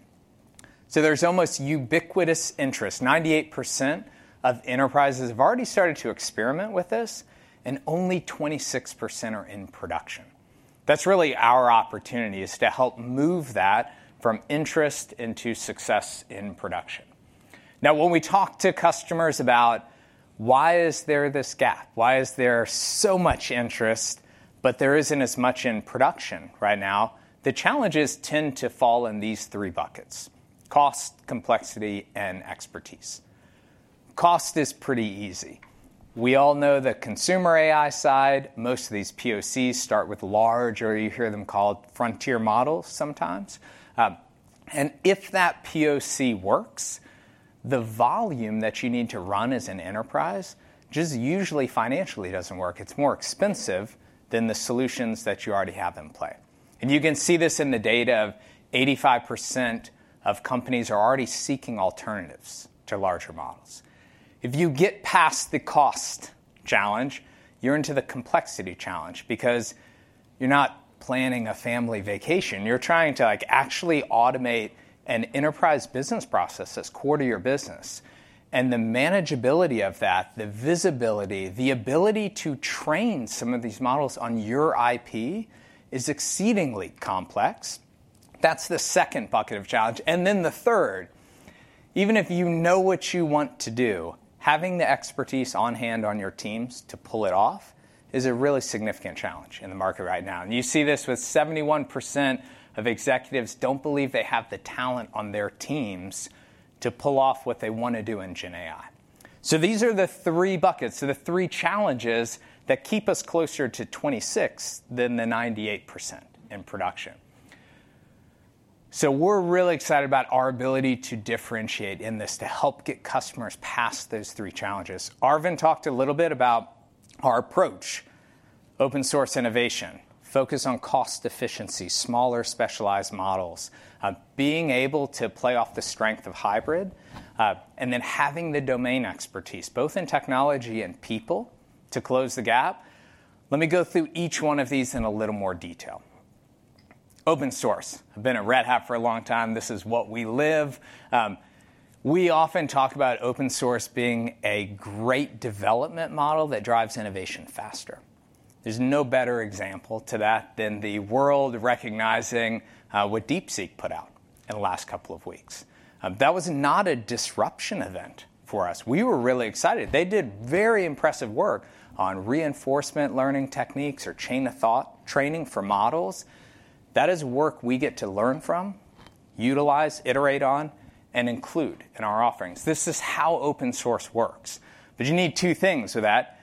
There's almost ubiquitous interest. 98% of enterprises have already started to experiment with this, and only 26% are in production. That's really our opportunity is to help move that from interest into success in production. Now, when we talk to customers about why is there this gap, why is there so much interest, but there isn't as much in production right now, the challenges tend to fall in these three buckets: cost, complexity, and expertise. Cost is pretty easy. We all know the consumer AI side. Most of these POCs start with large, or you hear them called frontier models sometimes. If that POC works, the volume that you need to run as an enterprise just usually financially doesn't work. It's more expensive than the solutions that you already have in play. And you can see this in the data of 85% of companies are already seeking alternatives to larger models. If you get past the cost challenge, you're into the complexity challenge because you're not planning a family vacation. You're trying to actually automate an enterprise business process that's core to your business. And the manageability of that, the visibility, the ability to train some of these models on your IP is exceedingly complex. That's the second bucket of challenge. And then the third, even if you know what you want to do, having the expertise on hand on your teams to pull it off is a really significant challenge in the market right now. And you see this with 71% of executives don't believe they have the talent on their teams to pull off what they want to do in GenAI. These are the three buckets, the three challenges that keep us closer to 26 than the 98% in production. We're really excited about our ability to differentiate in this to help get customers past those three challenges. Arvind talked a little bit about our approach, open source innovation, focus on cost efficiency, smaller specialized models, being able to play off the strength of hybrid, and then having the domain expertise, both in technology and people, to close the gap. Let me go through each one of these in a little more detail. Open source. I've been at Red Hat for a long time. This is what we live. We often talk about open source being a great development model that drives innovation faster. There's no better example to that than the world recognizing what DeepSeek put out in the last couple of weeks. That was not a disruption event for us. We were really excited. They did very impressive work on reinforcement learning techniques or chain of thought training for models. That is work we get to learn from, utilize, iterate on, and include in our offerings. This is how open source works. But you need two things for that.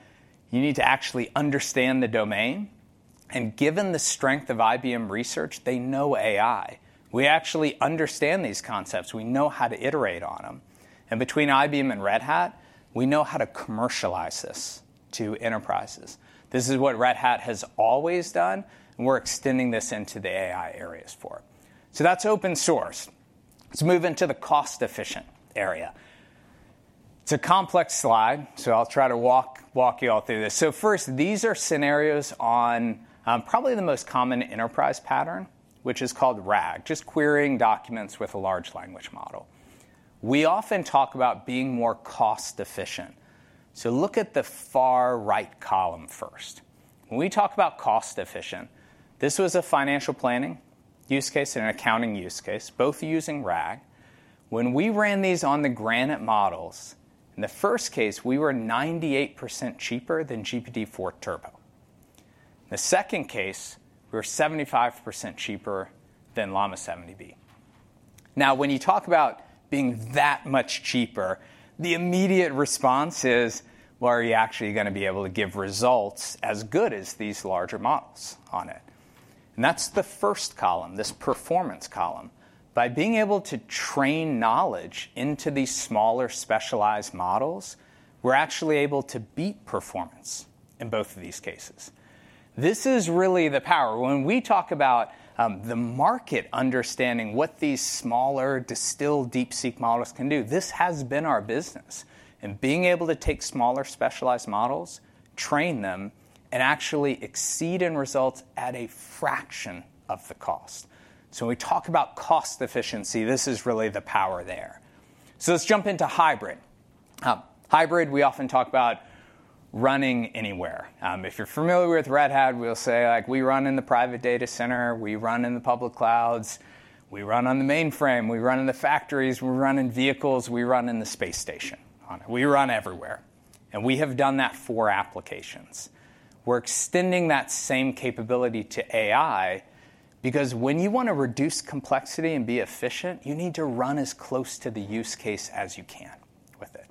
You need to actually understand the domain. And given the strength of IBM Research, they know AI. We actually understand these concepts. We know how to iterate on them. And between IBM and Red Hat, we know how to commercialize this to enterprises. This is what Red Hat has always done. And we're extending this into the AI areas for it. So that's open source. Let's move into the cost efficient area. It's a complex slide. So I'll try to walk you all through this. These are scenarios on probably the most common enterprise pattern, which is called RAG, just querying documents with a large language model. We often talk about being more cost efficient. Look at the far right column first. When we talk about cost efficient, this was a financial planning use case and an accounting use case, both using RAG. When we ran these on the Granite models, in the first case, we were 98% cheaper than GPT-4 Turbo. In the second case, we were 75% cheaper than Llama 70B. Now, when you talk about being that much cheaper, the immediate response is, well, are you actually going to be able to give results as good as these larger models on it? That's the first column, this performance column. By being able to train knowledge into these smaller specialized models, we're actually able to beat performance in both of these cases. This is really the power. When we talk about the market understanding what these smaller distilled DeepSeek models can do, this has been our business, and being able to take smaller specialized models, train them, and actually exceed in results at a fraction of the cost. So when we talk about cost efficiency, this is really the power there, so let's jump into hybrid. Hybrid, we often talk about running anywhere. If you're familiar with Red Hat, we'll say we run in the private data center. We run in the public clouds. We run on the mainframe. We run in the factories. We run in vehicles. We run in the space station. We run everywhere, and we have done that for applications. We're extending that same capability to AI because when you want to reduce complexity and be efficient, you need to run as close to the use case as you can with it.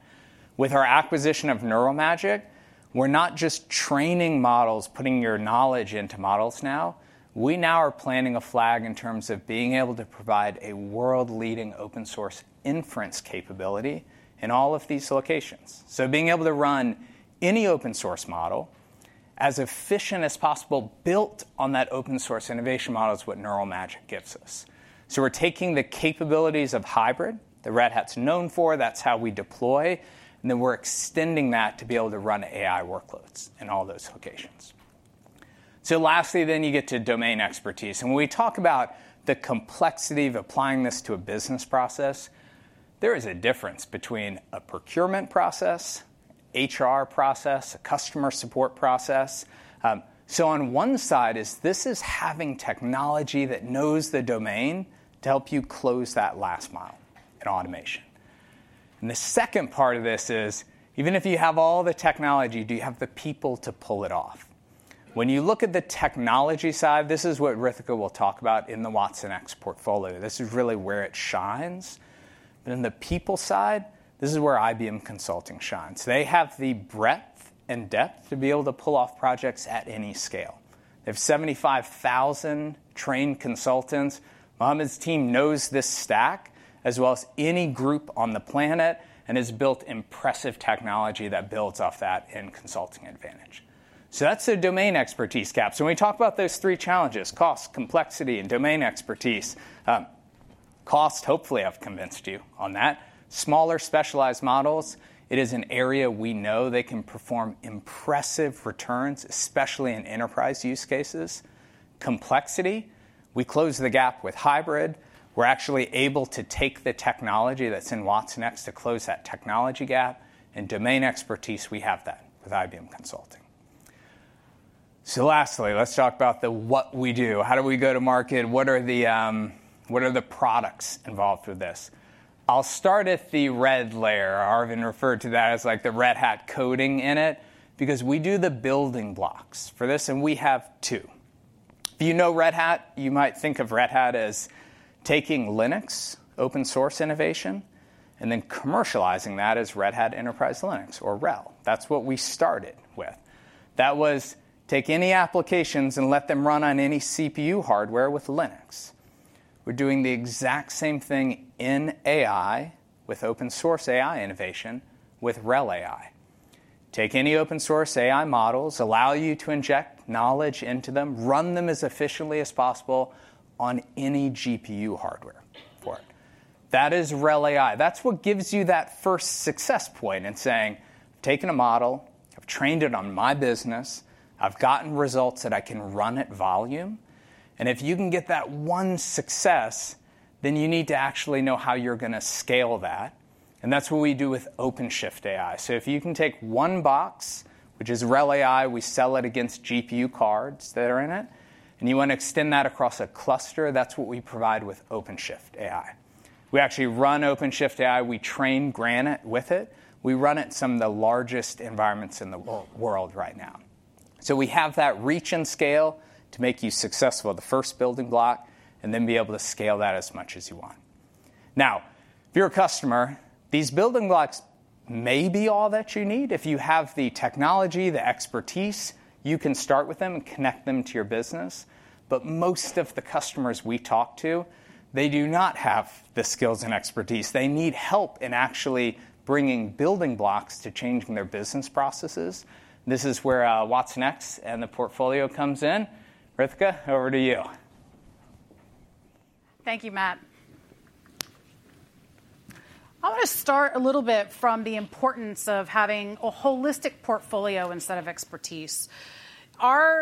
With our acquisition of Neural Magic, we're not just training models, putting your knowledge into models now. We now are planning a flag in terms of being able to provide a world-leading open source inference capability in all of these locations. So being able to run any open source model as efficient as possible built on that open source innovation model is what Neural Magic gives us. So we're taking the capabilities of hybrid that Red Hat's known for. That's how we deploy. And then we're extending that to be able to run AI workloads in all those locations. So lastly, then you get to domain expertise. When we talk about the complexity of applying this to a business process, there is a difference between a procurement process, HR process, a customer support process. So on one side is having technology that knows the domain to help you close that last mile in automation. The second part of this is, even if you have all the technology, do you have the people to pull it off? When you look at the technology side, this is what Ritika will talk about in the watsonx portfolio. This is really where it shines. But in the people side, this is where IBM Consulting shines. They have the breadth and depth to be able to pull off projects at any scale. They have 75,000 trained consultants. Mohamad's team knows this stack as well as any group on the planet and has built impressive technology that builds off that in Consulting Advantage. That's the domain expertise gap. When we talk about those three challenges, cost, complexity, and domain expertise, cost, hopefully, I've convinced you on that. Smaller specialized models, it is an area we know they can perform impressive returns, especially in enterprise use cases. Complexity, we close the gap with hybrid. We're actually able to take the technology that's in watsonx to close that technology gap. Domain expertise, we have that with IBM Consulting. Lastly, let's talk about what we do. How do we go to market? What are the products involved with this? I'll start at the red layer. Arvind referred to that as the Red Hat coding in it because we do the building blocks for this. And we have two. If you know Red Hat, you might think of Red Hat as taking Linux, open source innovation, and then commercializing that as Red Hat Enterprise Linux or RHEL. That's what we started with. That was take any applications and let them run on any CPU hardware with Linux. We're doing the exact same thing in AI with open source AI innovation with RHEL AI. Take any open source AI models, allow you to inject knowledge into them, run them as efficiently as possible on any GPU hardware. For it. That is RHEL AI. That's what gives you that first success point in saying, I've taken a model, I've trained it on my business, I've gotten results that I can run at volume. And if you can get that one success, then you need to actually know how you're going to scale that. That's what we do with OpenShift AI. If you can take one box, which is RHEL AI, we sell it against GPU cards that are in it. You want to extend that across a cluster, that's what we provide with OpenShift AI. We actually run OpenShift AI. We train Granite with it. We run it in some of the largest environments in the world right now. We have that reach and scale to make you successful at the first building block and then be able to scale that as much as you want. Now, if you're a customer, these building blocks may be all that you need. If you have the technology, the expertise, you can start with them and connect them to your business. Most of the customers we talk to, they do not have the skills and expertise. They need help in actually bringing building blocks to changing their business processes. This is where watsonx and the portfolio comes in. Ritika, over to you. Thank you, Matt. I want to start a little bit from the importance of having a holistic portfolio instead of expertise. Our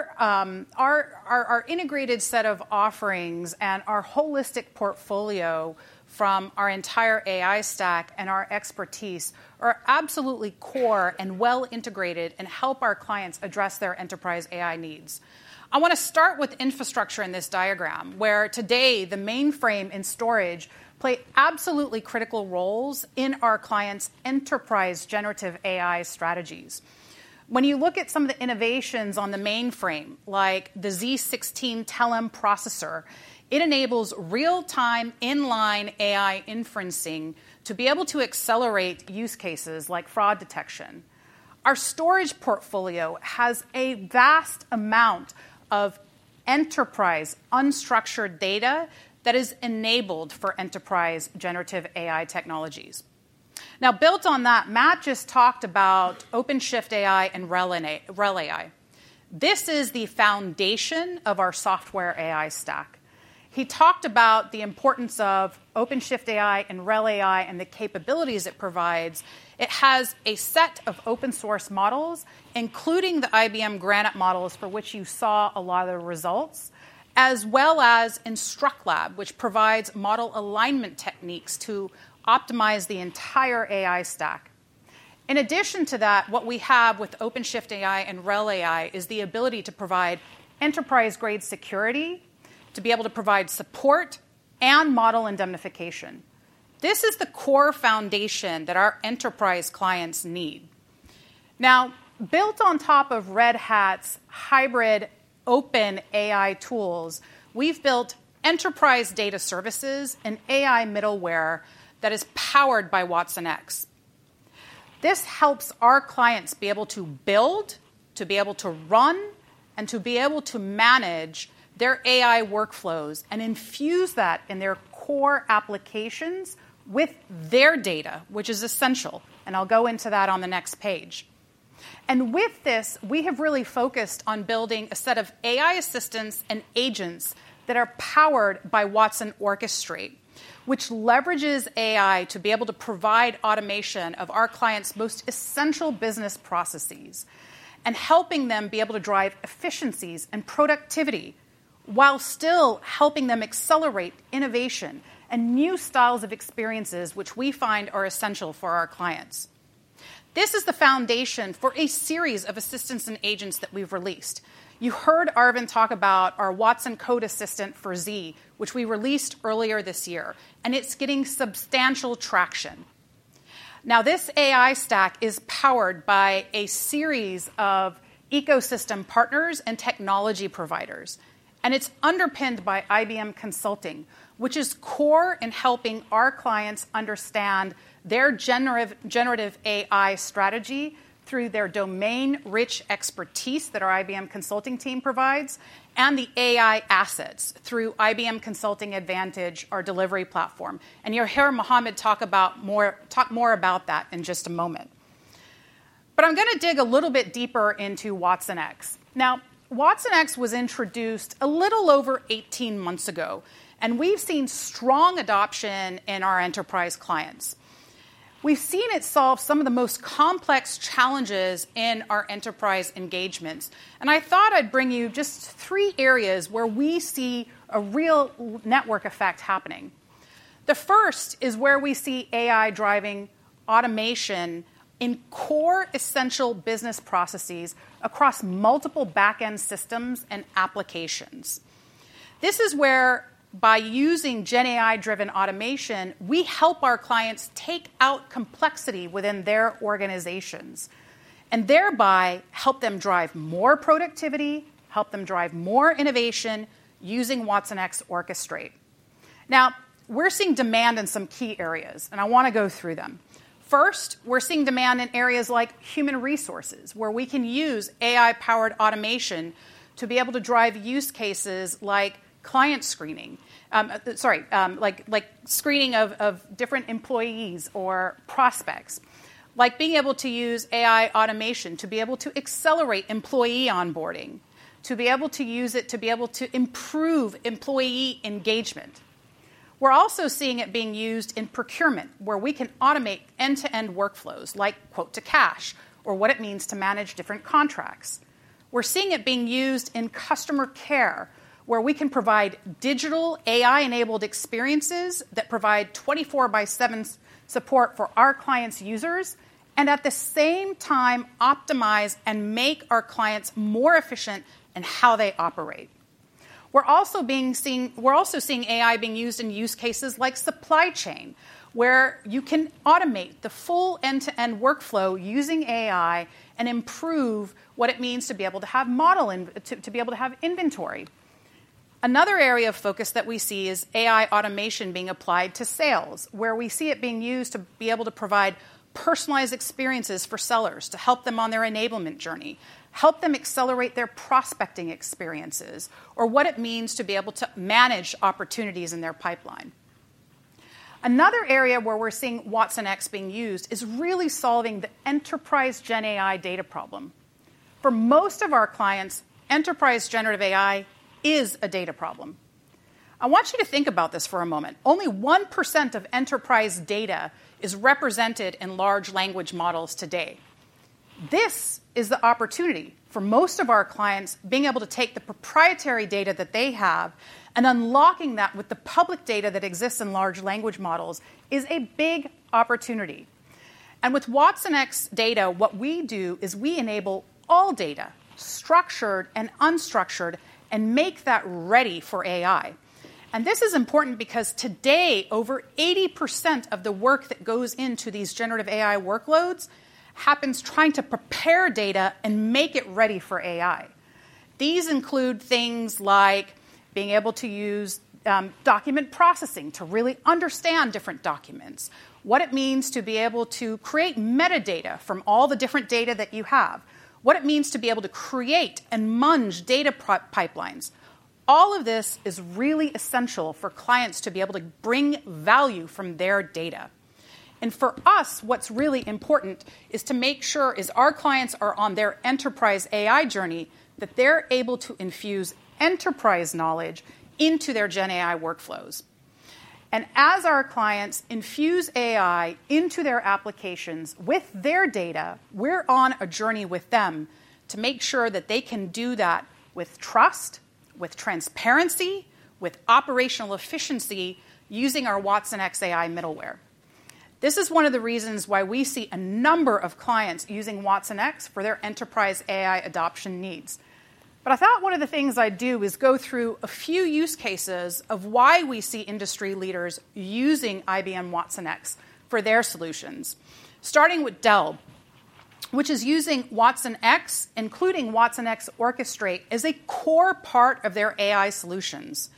integrated set of offerings and our holistic portfolio from our entire AI stack and our expertise are absolutely core and well integrated and help our clients address their enterprise AI needs. I want to start with infrastructure in this diagram where today the mainframe and storage play absolutely critical roles in our clients' enterprise generative AI strategies. When you look at some of the innovations on the mainframe, like the z16 Telum processor, it enables real-time inline AI inferencing to be able to accelerate use cases like fraud detection. Our storage portfolio has a vast amount of enterprise unstructured data that is enabled for enterprise generative AI technologies. Now, built on that, Matt just talked about OpenShift AI and RHEL AI. This is the foundation of our software AI stack. He talked about the importance of OpenShift AI and RHEL AI and the capabilities it provides. It has a set of open source models, including the IBM Granite models for which you saw a lot of the results, as well as InstructLab, which provides model alignment techniques to optimize the entire AI stack. In addition to that, what we have with OpenShift AI and RHEL AI is the ability to provide enterprise-grade security to be able to provide support and model indemnification. This is the core foundation that our enterprise clients need. Now, built on top of Red Hat's hybrid open AI tools, we've built enterprise data services and AI middleware that is powered by watsonx. This helps our clients be able to build, to be able to run, and to be able to manage their AI workflows and infuse that in their core applications with their data, which is essential, and I'll go into that on the next page. With this, we have really focused on building a set of AI assistants and agents that are powered by watsonx Orchestrate, which leverages AI to be able to provide automation of our clients' most essential business processes and helping them be able to drive efficiencies and productivity while still helping them accelerate innovation and new styles of experiences, which we find are essential for our clients. This is the foundation for a series of assistants and agents that we've released. You heard Arvind talk about our watsonx Code Assistant for Z, which we released earlier this year, and it's getting substantial traction. Now, this AI stack is powered by a series of ecosystem partners and technology providers, and it's underpinned by IBM Consulting, which is core in helping our clients understand their generative AI strategy through their domain-rich expertise that our IBM Consulting team provides and the AI assets through IBM Consulting Advantage, our delivery platform. You'll hear Mohamad talk more about that in just a moment, but I'm going to dig a little bit deeper into watsonx. Now, watsonx was introduced a little over 18 months ago, and we've seen strong adoption in our enterprise clients. We've seen it solve some of the most complex challenges in our enterprise engagements. I thought I'd bring you just three areas where we see a real network effect happening. The first is where we see AI driving automation in core essential business processes across multiple back-end systems and applications. This is where, by using GenAI-driven automation, we help our clients take out complexity within their organizations and thereby help them drive more productivity, help them drive more innovation using watsonx Orchestrate. Now, we're seeing demand in some key areas. I want to go through them. First, we're seeing demand in areas like human resources, where we can use AI-powered automation to be able to drive use cases like client screening, sorry, like screening of different employees or prospects, like being able to use AI automation to be able to accelerate employee onboarding, to be able to use it to be able to improve employee engagement. We're also seeing it being used in procurement, where we can automate end-to-end workflows like quote to cash or what it means to manage different contracts. We're seeing it being used in customer care, where we can provide digital AI-enabled experiences that provide 24/7 support for our clients' users and at the same time optimize and make our clients more efficient in how they operate. We're also seeing AI being used in use cases like supply chain, where you can automate the full end-to-end workflow using AI and improve what it means to be able to have modeling, to be able to have inventory. Another area of focus that we see is AI automation being applied to sales, where we see it being used to be able to provide personalized experiences for sellers to help them on their enablement journey, help them accelerate their prospecting experiences, or what it means to be able to manage opportunities in their pipeline. Another area where we're seeing watsonx being used is really solving the enterprise GenAI data problem. For most of our clients, enterprise generative AI is a data problem. I want you to think about this for a moment. Only 1% of enterprise data is represented in large language models today. This is the opportunity for most of our clients being able to take the proprietary data that they have and unlocking that with the public data that exists in large language models is a big opportunity. With watsonx.data, what we do is we enable all data, structured and unstructured, and make that ready for AI. This is important because today, over 80% of the work that goes into these generative AI workloads happens trying to prepare data and make it ready for AI. These include things like being able to use document processing to really understand different documents, what it means to be able to create metadata from all the different data that you have, what it means to be able to create and munge data pipelines. All of this is really essential for clients to be able to bring value from their data. For us, what's really important is to make sure our clients are on their enterprise AI journey that they're able to infuse enterprise knowledge into their GenAI workflows. And as our clients infuse AI into their applications with their data, we're on a journey with them to make sure that they can do that with trust, with transparency, with operational efficiency using our watsonx AI middleware. This is one of the reasons why we see a number of clients using watsonx for their enterprise AI adoption needs. But I thought one of the things I'd do is go through a few use cases of why we see industry leaders using IBM watsonx for their solutions. Starting with Dell, which is using watsonx, including watsonx Orchestrate, as a core part of their AI solutions.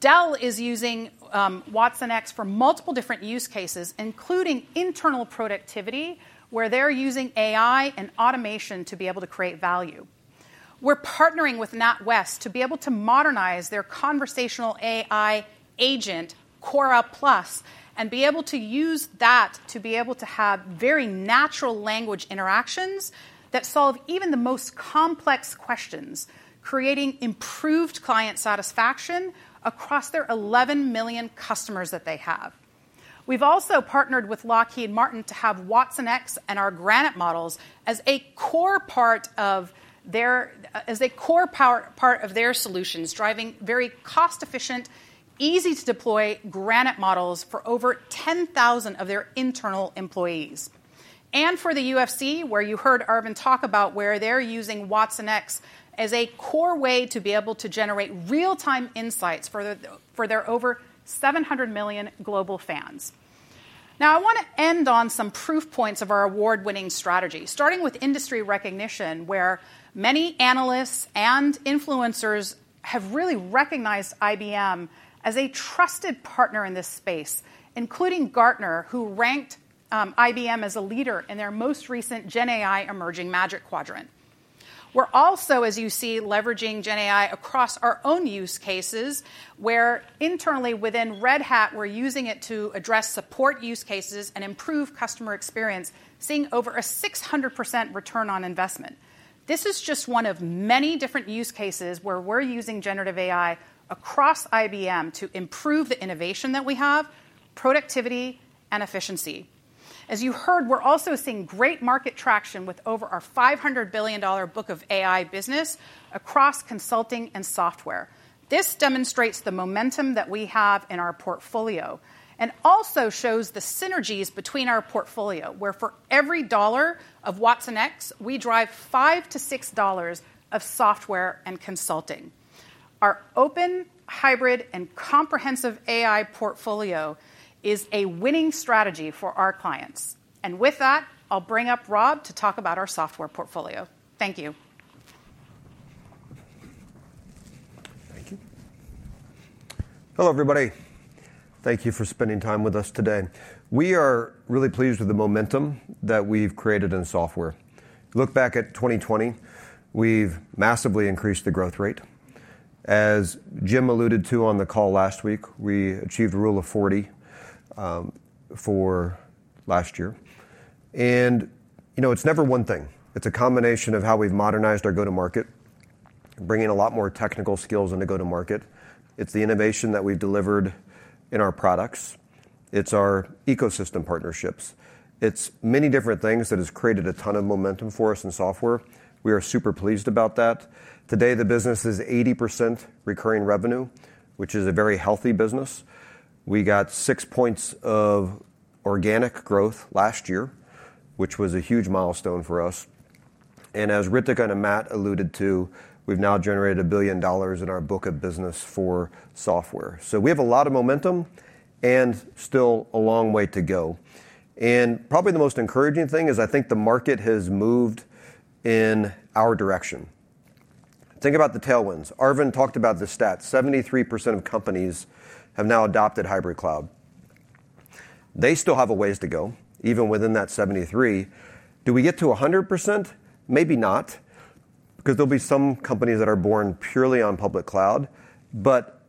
Dell is using watsonx for multiple different use cases, including internal productivity, where they're using AI and automation to be able to create value. We're partnering with NatWest to be able to modernize their conversational AI agent, Cora+, and be able to use that to be able to have very natural language interactions that solve even the most complex questions, creating improved client satisfaction across their 11 million customers that they have. We've also partnered with Lockheed Martin to have watsonx and our Granite models as a core part of their solutions, driving very cost-efficient, easy-to-deploy Granite models for over 10,000 of their internal employees. For the UFC, where you heard Arvind talk about where they're using watsonx as a core way to be able to generate real-time insights for their over 700 million global fans. Now, I want to end on some proof points of our award-winning strategy, starting with industry recognition, where many analysts and influencers have really recognized IBM as a trusted partner in this space, including Gartner, who ranked IBM as a leader in their most recent GenAI Emerging Magic Quadrant. We're also, as you see, leveraging GenAI across our own use cases, where internally within Red Hat, we're using it to address support use cases and improve customer experience, seeing over a 600% return on investment. This is just one of many different use cases where we're using generative AI across IBM to improve the innovation that we have, productivity, and efficiency. As you heard, we're also seeing great market traction with over our $500 billion book of AI business across consulting and software. This demonstrates the momentum that we have in our portfolio and also shows the synergies between our portfolio, where for every dollar of watsonx, we drive $5-$6 of software and consulting. Our open, hybrid, and comprehensive AI portfolio is a winning strategy for our clients, and with that, I'll bring up Rob to talk about our software portfolio. Thank you. Thank you. Hello, everybody. Thank you for spending time with us today. We are really pleased with the momentum that we've created in software. Look back at 2020, we've massively increased the growth rate. As Jim alluded to on the call last week, we achieved a Rule of 40 for last year, and it's never one thing. It's a combination of how we've modernized our go-to-market, bringing a lot more technical skills into go-to-market. It's the innovation that we've delivered in our products. It's our ecosystem partnerships. It's many different things that have created a ton of momentum for us in software. We are super pleased about that. Today, the business is 80% recurring revenue, which is a very healthy business. We got six points of organic growth last year, which was a huge milestone for us. And as Ritika and Matt alluded to, we've now generated $1 billion in our book of business for software. So we have a lot of momentum and still a long way to go. And probably the most encouraging thing is I think the market has moved in our direction. Think about the tailwinds. Arvind talked about the stats. 73% of companies have now adopted hybrid cloud. They still have a ways to go, even within that 73. Do we get to 100%? Maybe not, because there'll be some companies that are born purely on public cloud. But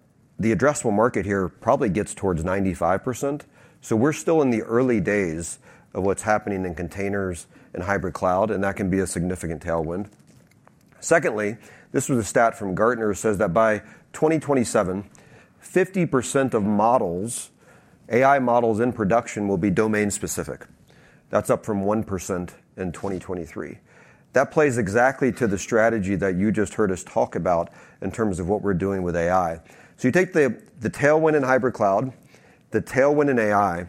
the addressable market here probably gets towards 95%. So we're still in the early days of what's happening in containers and hybrid cloud. And that can be a significant tailwind. Secondly, this was a stat from Gartner who says that by 2027, 50% of AI models in production will be domain-specific. That's up from 1% in 2023. That plays exactly to the strategy that you just heard us talk about in terms of what we're doing with AI. So you take the tailwind in hybrid cloud, the tailwind in AI.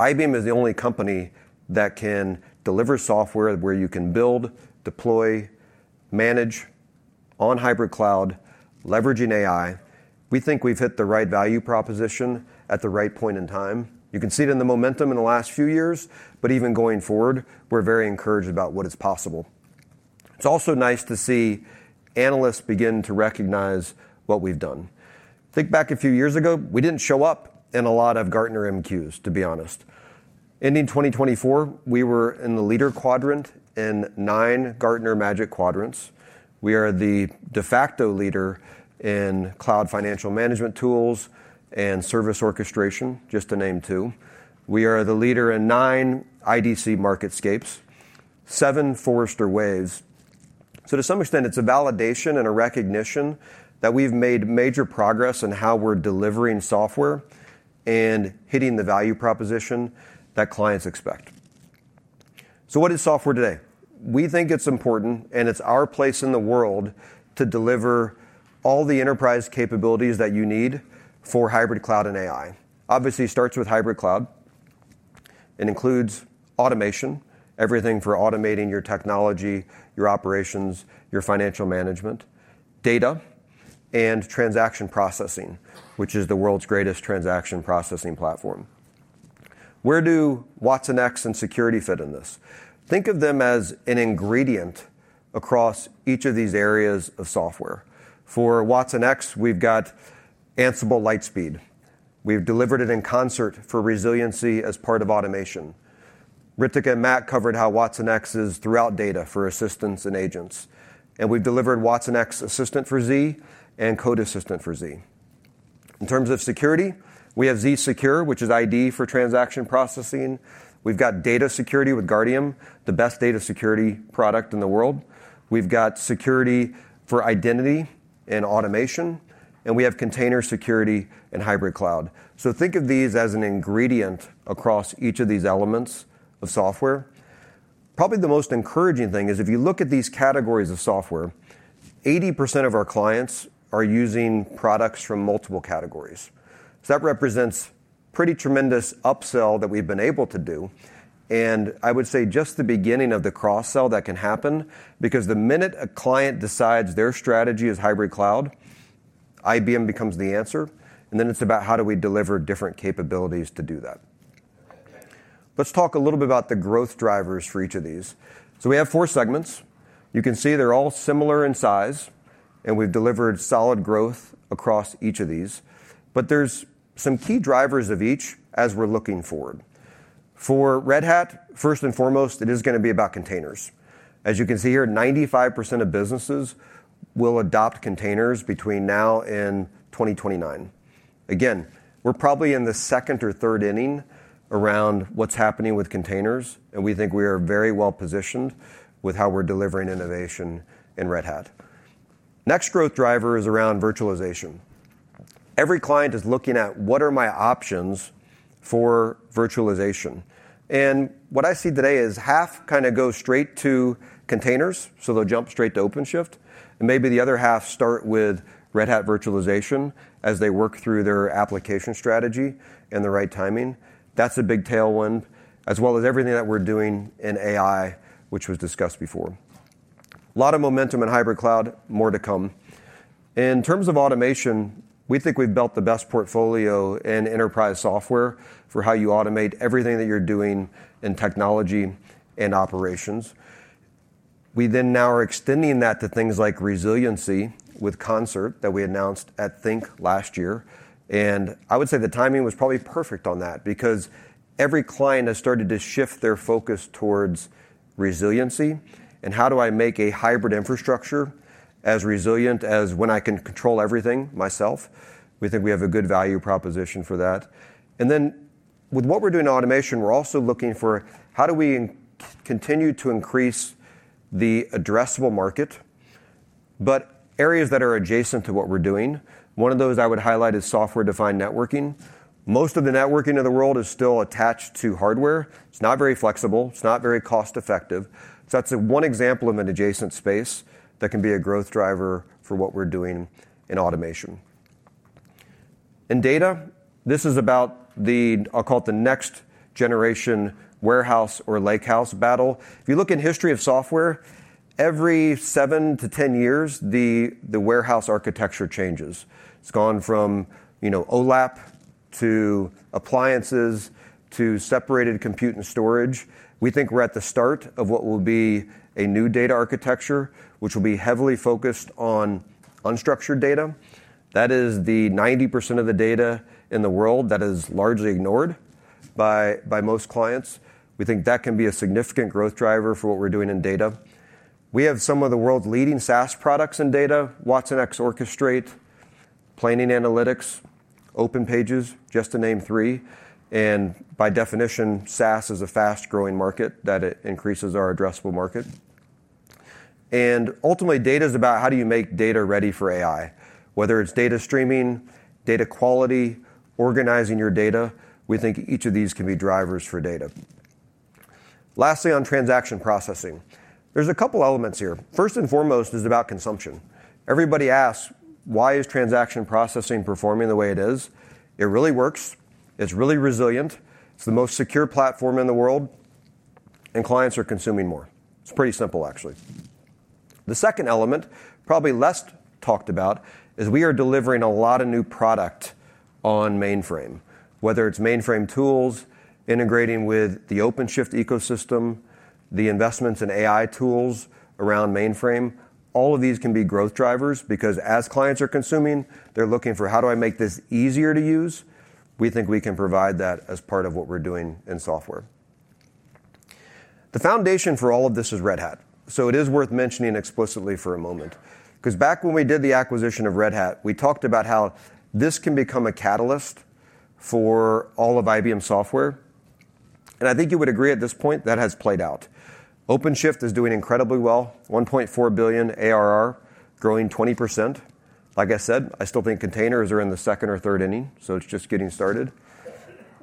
IBM is the only company that can deliver software where you can build, deploy, manage on hybrid cloud, leveraging AI. We think we've hit the right value proposition at the right point in time. You can see it in the momentum in the last few years. But even going forward, we're very encouraged about what is possible. It's also nice to see analysts begin to recognize what we've done. Think back a few years ago. We didn't show up in a lot of Gartner MQs, to be honest. Ending 2024, we were in the leader quadrant in nine Gartner Magic Quadrants. We are the de facto leader in cloud financial management tools and service orchestration, just to name two. We are the leader in nine IDC MarketScapes, seven Forrester Waves. So to some extent, it's a validation and a recognition that we've made major progress in how we're delivering software and hitting the value proposition that clients expect. So what is software today? We think it's important, and it's our place in the world to deliver all the enterprise capabilities that you need for hybrid cloud and AI. Obviously, it starts with hybrid cloud. It includes automation, everything for automating your technology, your operations, your financial management, data, and transaction processing, which is the world's greatest transaction processing platform. Where do watsonx and security fit in this? Think of them as an ingredient across each of these areas of software. For watsonx, we've got Ansible Lightspeed. We've delivered it in Concert for resiliency as part of automation. Ritika and Matt covered how watsonx is throughout data for assistance and agents. We've delivered watsonx Assistant for Z and Code Assistant for Z. In terms of security, we have zSecure, which is AI for transaction processing. We've got data security with Guardium, the best data security product in the world. We've got security for identity and automation. We have container security and hybrid cloud. Think of these as an ingredient across each of these elements of software. Probably the most encouraging thing is if you look at these categories of software, 80% of our clients are using products from multiple categories. So that represents pretty tremendous upsell that we've been able to do. And I would say just the beginning of the cross-sell that can happen, because the minute a client decides their strategy is hybrid cloud, IBM becomes the answer. And then it's about how do we deliver different capabilities to do that. Let's talk a little bit about the growth drivers for each of these. So we have four segments. You can see they're all similar in size. And we've delivered solid growth across each of these. But there's some key drivers of each as we're looking forward. For Red Hat, first and foremost, it is going to be about containers. As you can see here, 95% of businesses will adopt containers between now and 2029. Again, we're probably in the second or third inning around what's happening with containers, and we think we are very well positioned with how we're delivering innovation in Red Hat. Next growth driver is around virtualization. Every client is looking at what are my options for virtualization, and what I see today is half kind of go straight to containers, so they'll jump straight to OpenShift, and maybe the other half start with Red Hat virtualization as they work through their application strategy and the right timing. That's a big tailwind, as well as everything that we're doing in AI, which was discussed before, a lot of momentum in hybrid cloud, more to come. In terms of automation, we think we've built the best portfolio in enterprise software for how you automate everything that you're doing in technology and operations. We then now are extending that to things like resiliency with Concert that we announced at Think last year. I would say the timing was probably perfect on that, because every client has started to shift their focus towards resiliency. How do I make a hybrid infrastructure as resilient as when I can control everything myself? We think we have a good value proposition for that. With what we're doing in automation, we're also looking for how do we continue to increase the addressable market, but areas that are adjacent to what we're doing. One of those I would highlight is software-defined networking. Most of the networking of the world is still attached to hardware. It's not very flexible. It's not very cost-effective. So that's one example of an adjacent space that can be a growth driver for what we're doing in automation. In data, this is about the, I'll call it the next-generation warehouse or lakehouse battle. If you look in history of software, every seven to 10 years, the warehouse architecture changes. It's gone from OLAP to appliances to separated compute and storage. We think we're at the start of what will be a new data architecture, which will be heavily focused on unstructured data. That is the 90% of the data in the world that is largely ignored by most clients. We think that can be a significant growth driver for what we're doing in data. We have some of the world's leading SaaS products in data: watsonx Orchestrate, Planning Analytics, OpenPages, just to name three. By definition, SaaS is a fast-growing market that increases our addressable market. Ultimately, data is about how do you make data ready for AI, whether it's data streaming, data quality, organizing your data. We think each of these can be drivers for data. Lastly, on transaction processing, there's a couple of elements here. First and foremost is about consumption. Everybody asks, why is transaction processing performing the way it is? It really works. It's really resilient. It's the most secure platform in the world. And clients are consuming more. It's pretty simple, actually. The second element, probably less talked about, is we are delivering a lot of new product on mainframe, whether it's mainframe tools integrating with the OpenShift ecosystem, the investments in AI tools around mainframe. All of these can be growth drivers, because as clients are consuming, they're looking for how do I make this easier to use. We think we can provide that as part of what we're doing in software. The foundation for all of this is Red Hat, so it is worth mentioning explicitly for a moment, because back when we did the acquisition of Red Hat, we talked about how this can become a catalyst for all of IBM software, and I think you would agree at this point that has played out. OpenShift is doing incredibly well. $1.4 billion ARR, growing 20%. Like I said, I still think containers are in the second or third inning, so it's just getting started.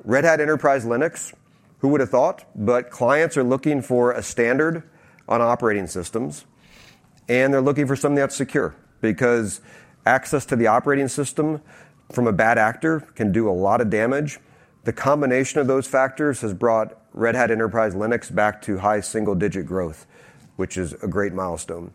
Red Hat Enterprise Linux, who would have thought, but clients are looking for a standard on operating systems. They're looking for something that's secure, because access to the operating system from a bad actor can do a lot of damage. The combination of those factors has brought Red Hat Enterprise Linux back to high single-digit growth, which is a great milestone.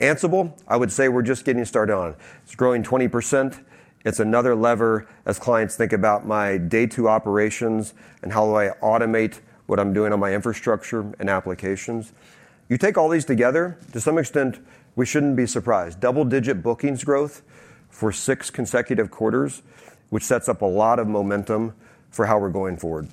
Ansible, I would say we're just getting started on. It's growing 20%. It's another lever as clients think about my day-to-day operations and how do I automate what I'm doing on my infrastructure and applications. You take all these together, to some extent, we shouldn't be surprised. Double-digit bookings growth for six consecutive quarters, which sets up a lot of momentum for how we're going forward.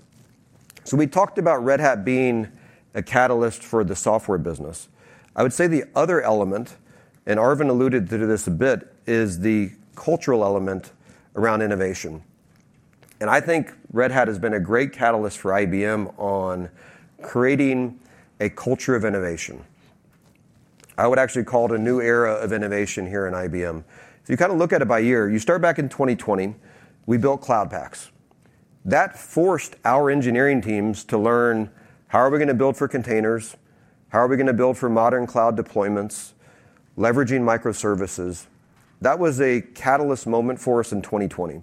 We talked about Red Hat being a catalyst for the software business. I would say the other element, and Arvind alluded to this a bit, is the cultural element around innovation. I think Red Hat has been a great catalyst for IBM on creating a culture of innovation. I would actually call it a new era of innovation here in IBM. If you kind of look at it by year, you start back in 2020, we built Cloud Paks. That forced our engineering teams to learn how are we going to build for containers, how are we going to build for modern cloud deployments, leveraging microservices. That was a catalyst moment for us in 2020.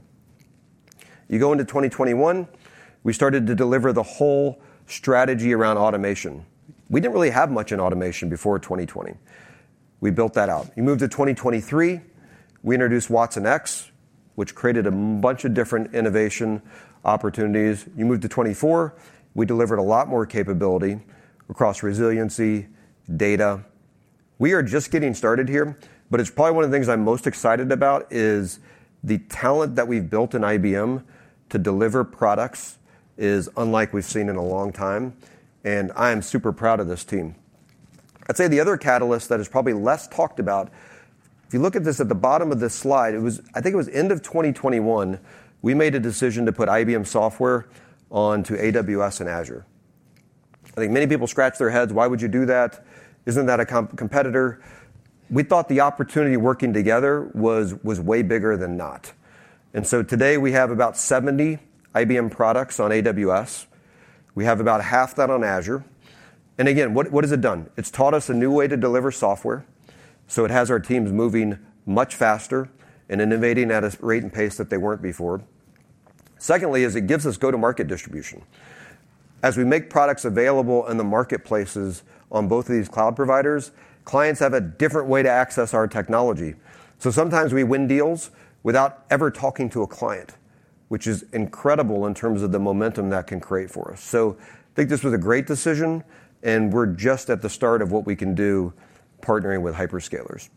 You go into 2021, we started to deliver the whole strategy around automation. We didn't really have much in automation before 2020. We built that out. You move to 2023, we introduced watsonx, which created a bunch of different innovation opportunities. You move to 2024, we delivered a lot more capability across resiliency, data. We are just getting started here. But it's probably one of the things I'm most excited about is the talent that we've built in IBM to deliver products is unlike we've seen in a long time. And I am super proud of this team. I'd say the other catalyst that is probably less talked about, if you look at this at the bottom of this slide. I think it was end of 2021, we made a decision to put IBM software onto AWS and Azure. I think many people scratch their heads. Why would you do that? Isn't that a competitor? We thought the opportunity working together was way bigger than not. And so today we have about 70 IBM products on AWS. We have about half that on Azure. And again, what has it done? It's taught us a new way to deliver software. So it has our teams moving much faster and innovating at a rate and pace that they weren't before. Secondly, it gives us go-to-market distribution. As we make products available in the marketplaces on both of these cloud providers, clients have a different way to access our technology. So sometimes we win deals without ever talking to a client, which is incredible in terms of the momentum that can create for us. So I think this was a great decision. And we're just at the start of what we can do partnering with hyperscalers.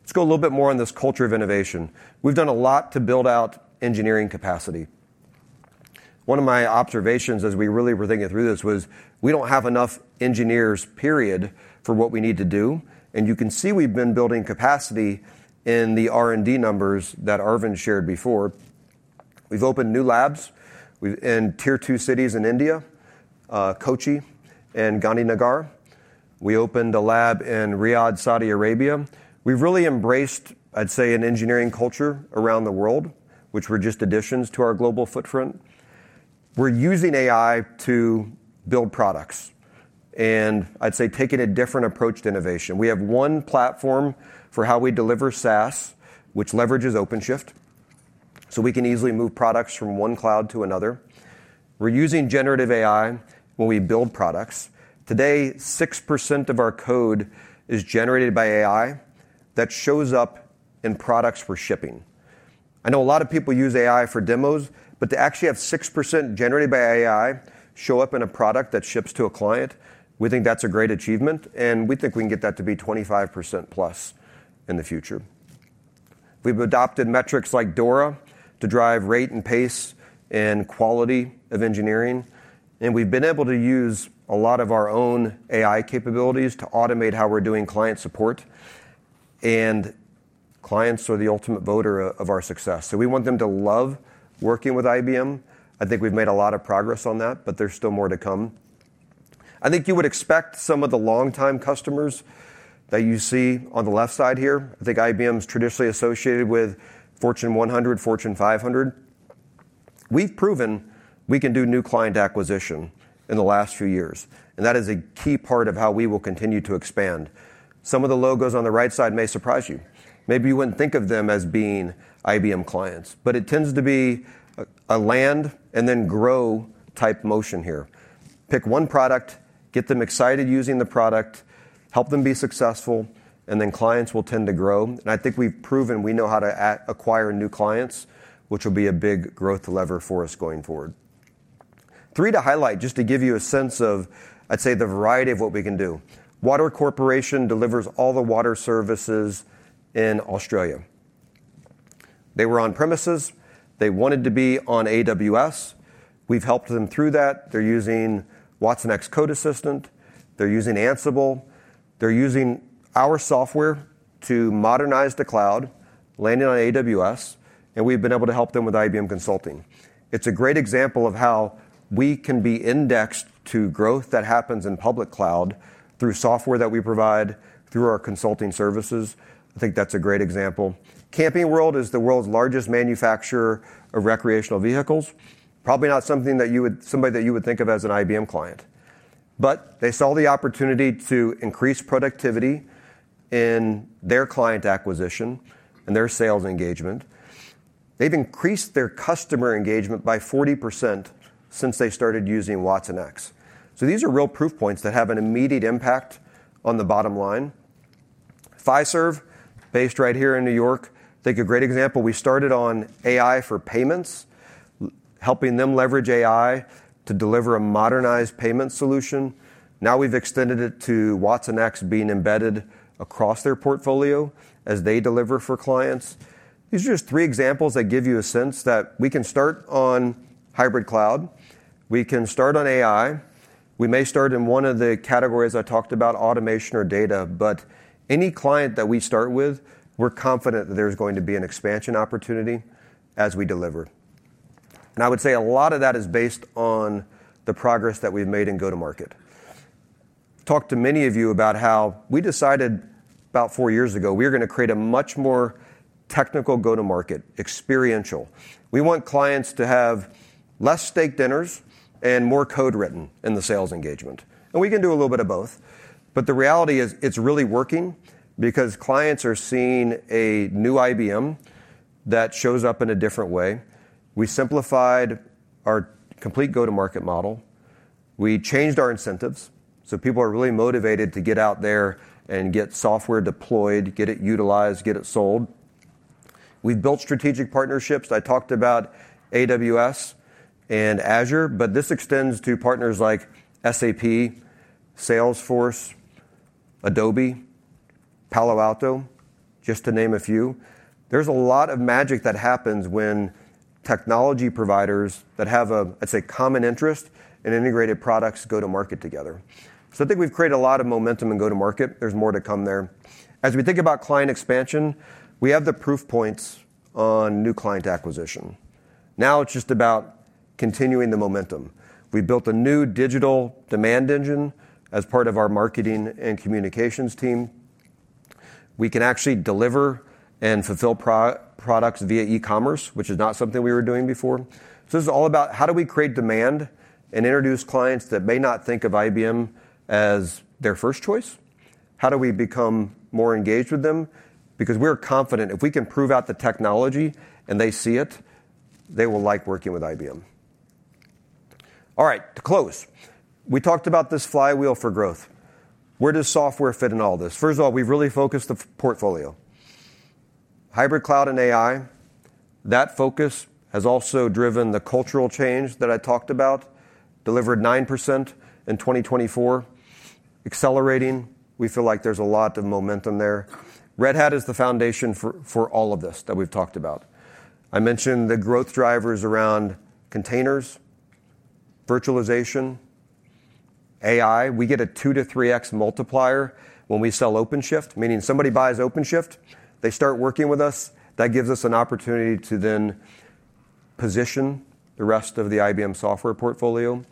Let's go a little bit more on this culture of innovation. We've done a lot to build out engineering capacity. One of my observations as we really were thinking through this was we don't have enough engineers, period, for what we need to do. And you can see we've been building capacity in the R&D numbers that Arvind shared before. We've opened new labs in tier two cities in India, Kochi and Gandhinagar. We opened a lab in Riyadh, Saudi Arabia. We've really embraced, I'd say, an engineering culture around the world, which were just additions to our global footprint. We're using AI to build products. And I'd say taking a different approach to innovation. We have one platform for how we deliver SaaS, which leverages OpenShift. So we can easily move products from one cloud to another. We're using generative AI when we build products. Today, 6% of our code is generated by AI that shows up in products for shipping. I know a lot of people use AI for demos. To actually have 6% generated by AI show up in a product that ships to a client, we think that's a great achievement. We think we can get that to be 25% plus in the future. We've adopted metrics like DORA to drive rate and pace and quality of engineering. We've been able to use a lot of our own AI capabilities to automate how we're doing client support. Clients are the ultimate voter of our success. We want them to love working with IBM. I think we've made a lot of progress on that, but there's still more to come. I think you would expect some of the longtime customers that you see on the left side here. I think IBM is traditionally associated with Fortune 100, Fortune 500. We've proven we can do new client acquisition in the last few years. And that is a key part of how we will continue to expand. Some of the logos on the right side may surprise you. Maybe you wouldn't think of them as being IBM clients. But it tends to be a land and then grow type motion here. Pick one product, get them excited using the product, help them be successful, and then clients will tend to grow. And I think we've proven we know how to acquire new clients, which will be a big growth lever for us going forward. Three to highlight, just to give you a sense of, I'd say, the variety of what we can do. Water Corporation delivers all the water services in Australia. They were on-premises. They wanted to be on AWS. We've helped them through that. They're using watsonx Code Assistant. They're using Ansible. They're using our software to modernize the cloud, landing on AWS, and we've been able to help them with IBM Consulting. It's a great example of how we can be indexed to growth that happens in public cloud through software that we provide through our consulting services. I think that's a great example. Camping World is the world's largest manufacturer of recreational vehicles. Probably not somebody that you would think of as an IBM client, but they saw the opportunity to increase productivity in their client acquisition and their sales engagement. They've increased their customer engagement by 40% since they started using watsonx, so these are real proof points that have an immediate impact on the bottom line. Fiserv, based right here in New York, I think a great example. We started on AI for payments, helping them leverage AI to deliver a modernized payment solution. Now we've extended it to watsonx being embedded across their portfolio as they deliver for clients. These are just three examples that give you a sense that we can start on hybrid cloud. We can start on AI. We may start in one of the categories I talked about, automation or data. But any client that we start with, we're confident that there's going to be an expansion opportunity as we deliver. And I would say a lot of that is based on the progress that we've made in go-to-market. Talked to many of you about how we decided about four years ago we were going to create a much more technical go-to-market, experiential. We want clients to have less steak dinners and more code written in the sales engagement. And we can do a little bit of both. But the reality is it's really working because clients are seeing a new IBM that shows up in a different way. We simplified our complete go-to-market model. We changed our incentives. So people are really motivated to get out there and get software deployed, get it utilized, get it sold. We've built strategic partnerships. I talked about AWS and Azure. But this extends to partners like SAP, Salesforce, Adobe, Palo Alto, just to name a few. There's a lot of magic that happens when technology providers that have a, I'd say, common interest in integrated products go to market together. So I think we've created a lot of momentum in go-to-market. There's more to come there. As we think about client expansion, we have the proof points on new client acquisition. Now it's just about continuing the momentum. We built a new digital demand engine as part of our marketing and communications team. We can actually deliver and fulfill products via e-commerce, which is not something we were doing before. So this is all about how do we create demand and introduce clients that may not think of IBM as their first choice? How do we become more engaged with them? Because we're confident if we can prove out the technology and they see it, they will like working with IBM. All right, to close, we talked about this flywheel for growth. Where does software fit in all this? First of all, we've really focused the portfolio. Hybrid cloud and AI. That focus has also driven the cultural change that I talked about, delivered 9% in 2024. Accelerating, we feel like there's a lot of momentum there. Red Hat is the foundation for all of this that we've talked about. I mentioned the growth drivers around containers, virtualization, AI. We get a 2-3x multiplier when we sell OpenShift, meaning somebody buys OpenShift, they start working with us. That gives us an opportunity to then position the rest of the IBM software portfolio.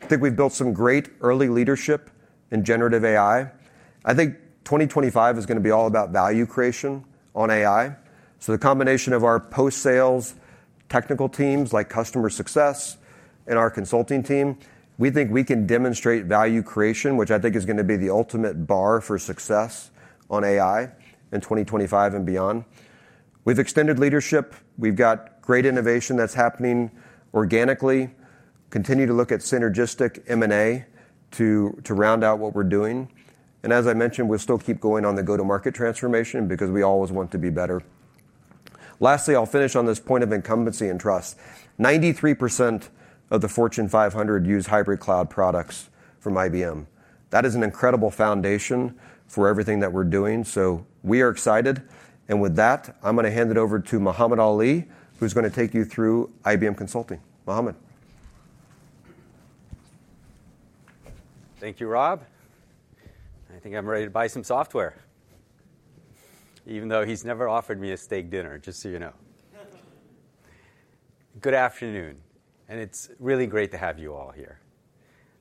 I think we've built some great early leadership in generative AI. I think 2025 is going to be all about value creation on AI. So the combination of our post-sales technical teams like customer success and our consulting team, we think we can demonstrate value creation, which I think is going to be the ultimate bar for success on AI in 2025 and beyond. We've extended leadership. We've got great innovation that's happening organically. Continue to look at synergistic M&A to round out what we're doing. As I mentioned, we'll still keep going on the go-to-market transformation because we always want to be better. Lastly, I'll finish on this point of incumbency and trust. 93% of the Fortune 500 use hybrid cloud products from IBM. That is an incredible foundation for everything that we're doing. We are excited. With that, I'm going to hand it over to Mohamad Ali, who's going to take you through IBM Consulting. Mohamad. Thank you, Rob. I think I'm ready to buy some software, even though he's never offered me a steak dinner, just so you know. Good afternoon. And it's really great to have you all here.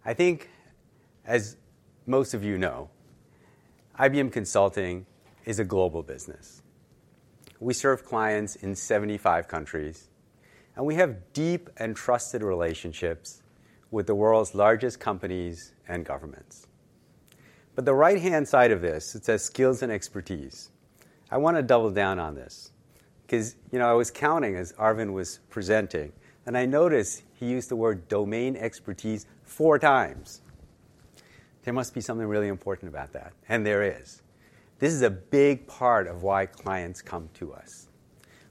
I think, as most of you know, IBM Consulting is a global business. We serve clients in 75 countries. And we have deep and trusted relationships with the world's largest companies and governments. But the right-hand side of this, it says skills and expertise. I want to double down on this because I was counting as Arvind was presenting. And I noticed he used the word domain expertise four times. There must be something really important about that. And there is. This is a big part of why clients come to us.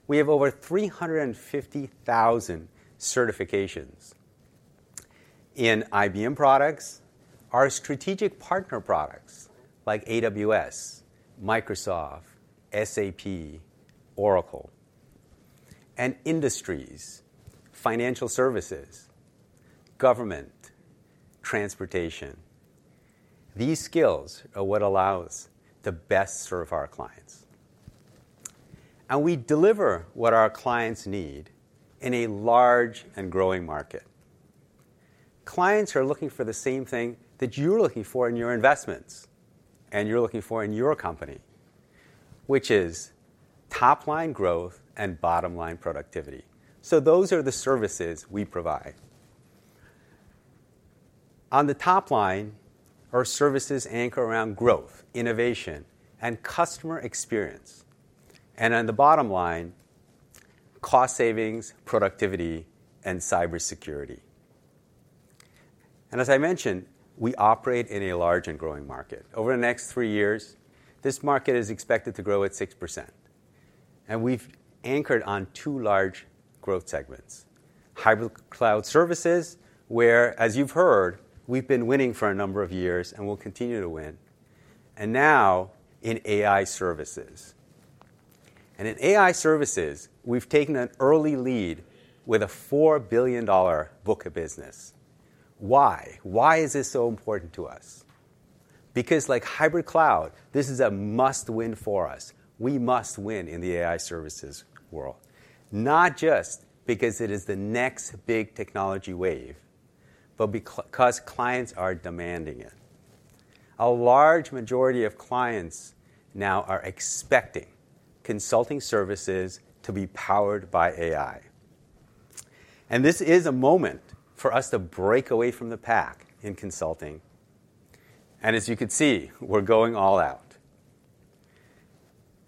We have over 350,000 certifications in IBM products, our strategic partner products like AWS, Microsoft, SAP, Oracle, and industries, financial services, government, transportation. These skills are what allow us to best serve our clients. We deliver what our clients need in a large and growing market. Clients are looking for the same thing that you're looking for in your investments and you're looking for in your company, which is top-line growth and bottom-line productivity. So those are the services we provide. On the top line, our services anchor around growth, innovation, and customer experience. And on the bottom line, cost savings, productivity, and cybersecurity. And as I mentioned, we operate in a large and growing market. Over the next three years, this market is expected to grow at 6%. And we've anchored on two large growth segments: hybrid cloud services, where, as you've heard, we've been winning for a number of years and will continue to win, and now in AI services. And in AI services, we've taken an early lead with a $4 billion book of business. Why? Why is this so important to us? Because, like hybrid cloud, this is a must-win for us. We must win in the AI services world, not just because it is the next big technology wave, but because clients are demanding it. A large majority of clients now are expecting consulting services to be powered by AI. And this is a moment for us to break away from the pack in consulting. And as you can see, we're going all out.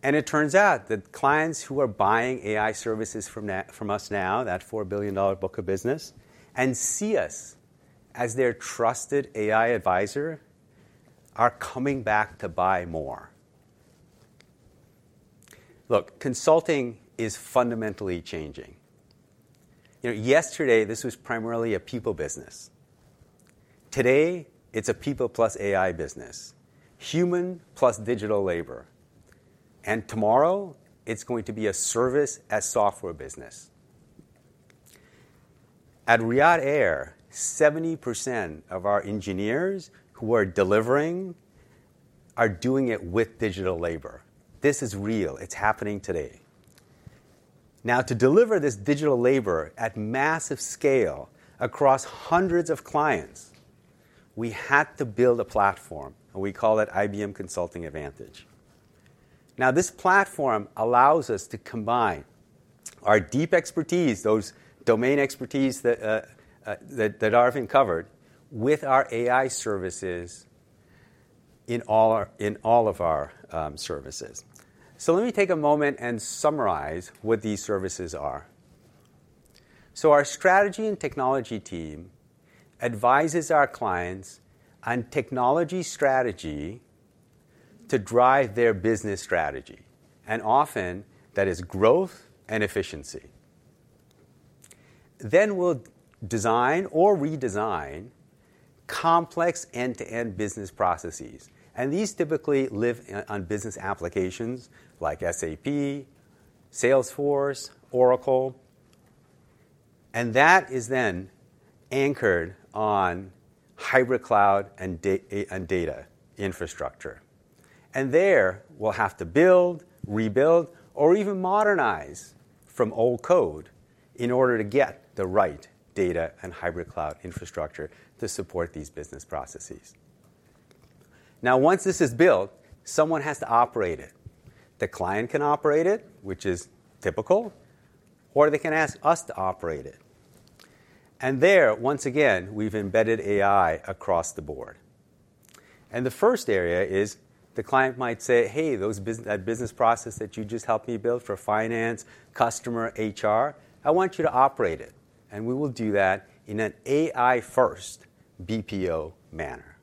And it turns out that clients who are buying AI services from us now, that $4 billion book of business, and see us as their trusted AI advisor are coming back to buy more. Look, consulting is fundamentally changing. Yesterday, this was primarily a people business. Today, it's a people plus AI business, human plus digital labor. And tomorrow, it's going to be a service as software business. At Riyadh Air, 70% of our engineers who are delivering are doing it with digital labor. This is real. It's happening today. Now, to deliver this digital labor at massive scale across hundreds of clients, we had to build a platform. And we call it IBM Consulting Advantage. Now, this platform allows us to combine our deep expertise, those domain expertise that Arvind covered, with our AI services in all of our services. So let me take a moment and summarize what these services are. So our strategy and technology team advises our clients on technology strategy to drive their business strategy. And often, that is growth and efficiency. Then we'll design or redesign complex end-to-end business processes. These typically live on business applications like SAP, Salesforce, Oracle. That is then anchored on hybrid cloud and data infrastructure. There, we'll have to build, rebuild, or even modernize from old code in order to get the right data and hybrid cloud infrastructure to support these business processes. Now, once this is built, someone has to operate it. The client can operate it, which is typical, or they can ask us to operate it. There, once again, we've embedded AI across the board. The first area is the client might say, "Hey, that business process that you just helped me build for finance, customer, HR, I want you to operate it." We will do that in an AI-first BPO manner.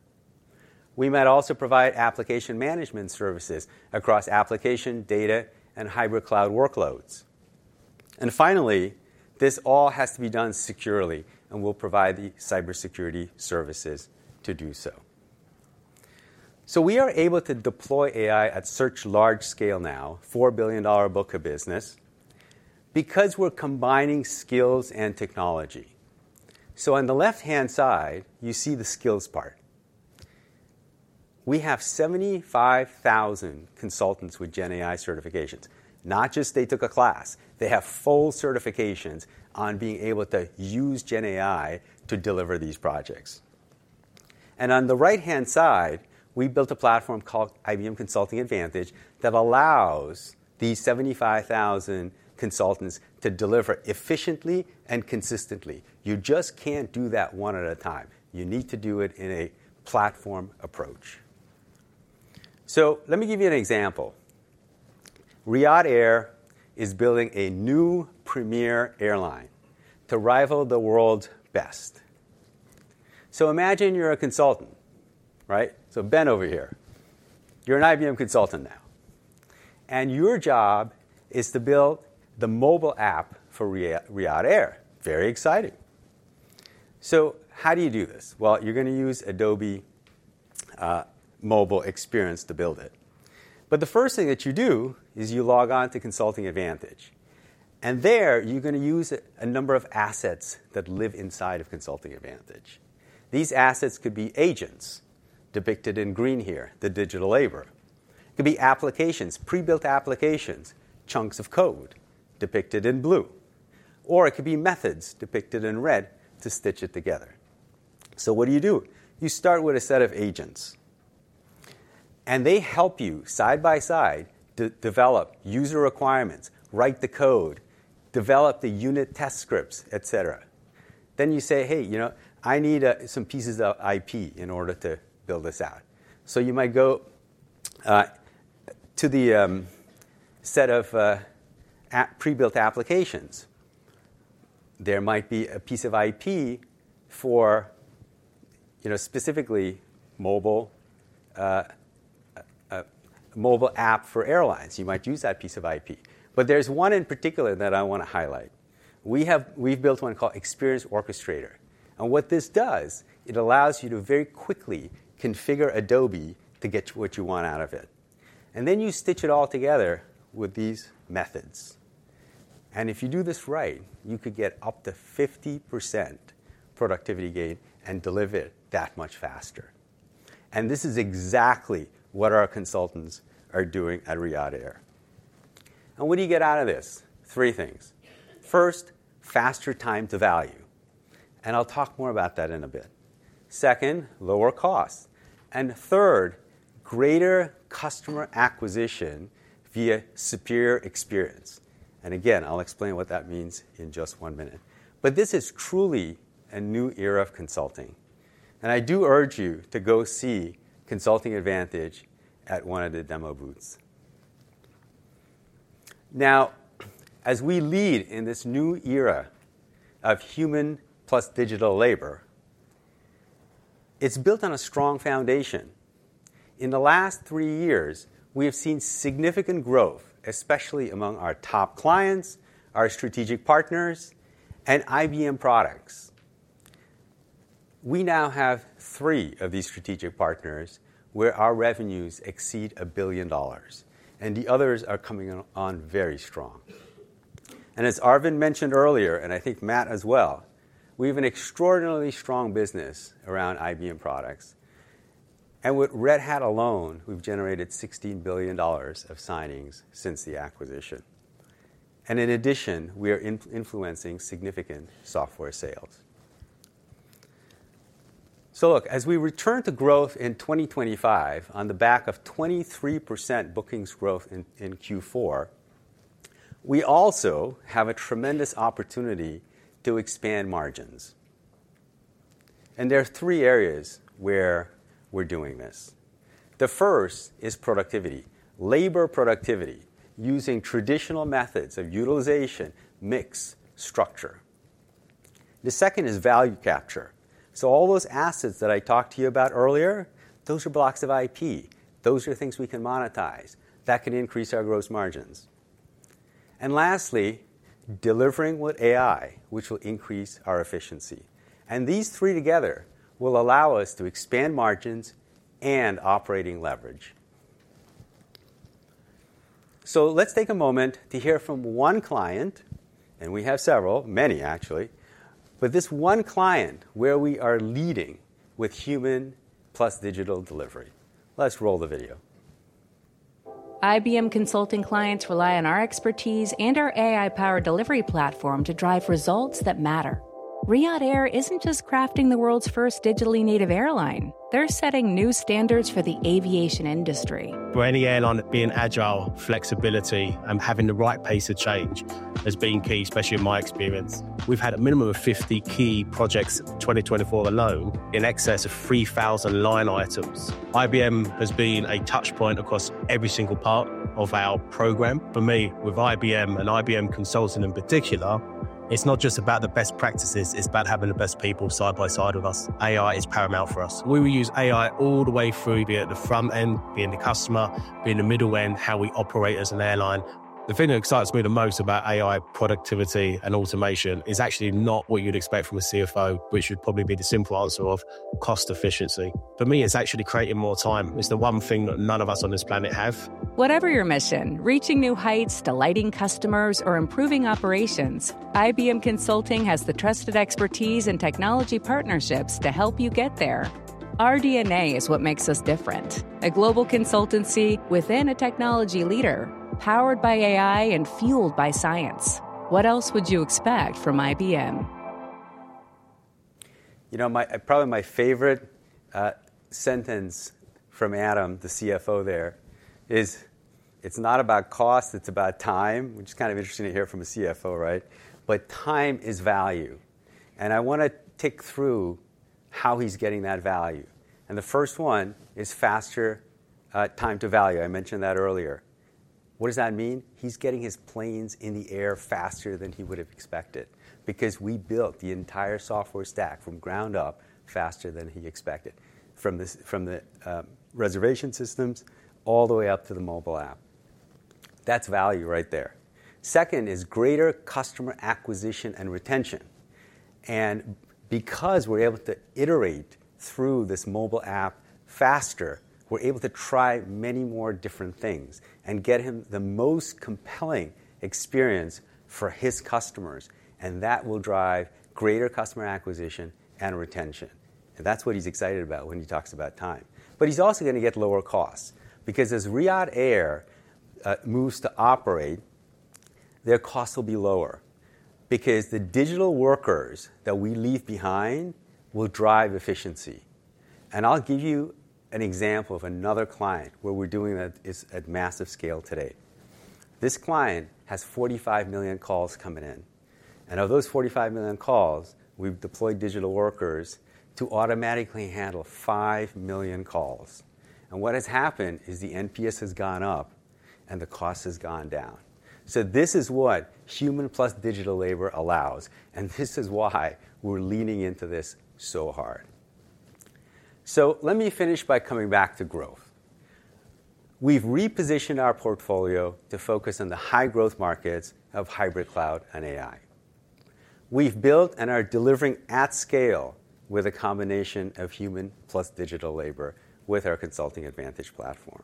We might also provide application management services across application, data, and hybrid cloud workloads. Finally, this all has to be done securely. We'll provide the cybersecurity services to do so. We are able to deploy AI at such large scale now, $4 billion book of business, because we're combining skills and technology. On the left-hand side, you see the skills part. We have 75,000 consultants with GenAI certifications. Not just they took a class. They have full certifications on being able to use GenAI to deliver these projects. On the right-hand side, we built a platform called IBM Consulting Advantage that allows these 75,000 consultants to deliver efficiently and consistently. You just can't do that one at a time. You need to do it in a platform approach. Let me give you an example. Riyadh Air is building a new premier airline to rival the world's best. Imagine you're a consultant, right? Ben over here. You're an IBM consultant now. And your job is to build the mobile app for Riyadh Air. Very exciting. So how do you do this? Well, you are going to use Adobe Experience Cloud to build it. But the first thing that you do is you log on to IBM Consulting Advantage. And there, you are going to use a number of assets that live inside of IBM Consulting Advantage. These assets could be agents, depicted in green here, the digital labor. It could be applications, pre-built applications, chunks of code, depicted in blue. Or it could be methods, depicted in red, to stitch it together. So what do you do? You start with a set of agents. And they help you side by side to develop user requirements, write the code, develop the unit test scripts, et cetera. Then you say, "Hey, I need some pieces of IP in order to build this out." So you might go to the set of pre-built applications. There might be a piece of IP for specifically mobile app for airlines. You might use that piece of IP. But there's one in particular that I want to highlight. We've built one called Experience Orchestrator. And what this does, it allows you to very quickly configure Adobe to get what you want out of it. And then you stitch it all together with these methods. And if you do this right, you could get up to 50% productivity gain and deliver it that much faster. And this is exactly what our consultants are doing at Riyadh Air. And what do you get out of this? Three things. First, faster time to value. And I'll talk more about that in a bit. Second, lower cost, and third, greater customer acquisition via superior experience. And again, I'll explain what that means in just one minute. But this is truly a new era of consulting. And I do urge you to go see Consulting Advantage at one of the demo booths. Now, as we lead in this new era of human plus digital labor, it's built on a strong foundation. In the last three years, we have seen significant growth, especially among our top clients, our strategic partners, and IBM products. We now have three of these strategic partners where our revenues exceed $1 billion. And the others are coming on very strong. And as Arvind mentioned earlier, and I think Matt as well, we have an extraordinarily strong business around IBM products. And with Red Hat alone, we've generated $16 billion of signings since the acquisition. And in addition, we are influencing significant software sales. So look, as we return to growth in 2025 on the back of 23% bookings growth in Q4, we also have a tremendous opportunity to expand margins. And there are three areas where we're doing this. The first is productivity, labor productivity, using traditional methods of utilization, mix, structure. The second is value capture. So all those assets that I talked to you about earlier, those are blocks of IP. Those are things we can monetize that can increase our gross margins. And lastly, delivering with AI, which will increase our efficiency. And these three together will allow us to expand margins and operating leverage. So let's take a moment to hear from one client. And we have several, many, actually. But this one client where we are leading with human plus digital delivery. Let's roll the video. IBM Consulting clients rely on our expertise and our AI-powered delivery platform to drive results that matter. Riyadh Air isn't just crafting the world's first digitally native airline. They're setting new standards for the aviation industry. For any airline, being agile, flexibility, and having the right pace of change has been key, especially in my experience. We've had a minimum of 50 key projects in 2024 alone in excess of 3,000 line items. IBM has been a touchpoint across every single part of our program. For me, with IBM and IBM Consulting in particular, it's not just about the best practices. It's about having the best people side by side with us. AI is paramount for us. We will use AI all the way through, be it the front end, being the customer, being the middle end, how we operate as an airline. The thing that excites me the most about AI productivity and automation is actually not what you'd expect from a CFO, which would probably be the simple answer of cost efficiency. For me, it's actually creating more time. It's the one thing that none of us on this planet have. Whatever your mission, reaching new heights, delighting customers, or improving operations, IBM Consulting has the trusted expertise and technology partnerships to help you get there. Our DNA is what makes us different: a global consultancy within a technology leader, powered by AI and fueled by science. What else would you expect from IBM? You know, probably my favorite sentence from Adam, the CFO there, is, "It's not about cost. It's about time," which is kind of interesting to hear from a CFO, right? But time is value. And I want to tick through how he's getting that value. The first one is faster time to value. I mentioned that earlier. What does that mean? He's getting his planes in the air faster than he would have expected because we built the entire software stack from ground up faster than he expected, from the reservation systems all the way up to the mobile app. That's value right there. Second is greater customer acquisition and retention. And because we're able to iterate through this mobile app faster, we're able to try many more different things and get him the most compelling experience for his customers. And that will drive greater customer acquisition and retention. And that's what he's excited about when he talks about time. But he's also going to get lower costs because as Riyadh Air moves to operate, their costs will be lower because the digital workers that we leave behind will drive efficiency. I'll give you an example of another client where we're doing that at massive scale today. This client has 45 million calls coming in. Of those 45 million calls, we've deployed digital workers to automatically handle 5 million calls. What has happened is the NPS has gone up and the cost has gone down. This is what human plus digital labor allows. This is why we're leaning into this so hard. Let me finish by coming back to growth. We've repositioned our portfolio to focus on the high-growth markets of hybrid cloud and AI. We've built and are delivering at scale with a combination of human plus digital labor with our Consulting Advantage platform.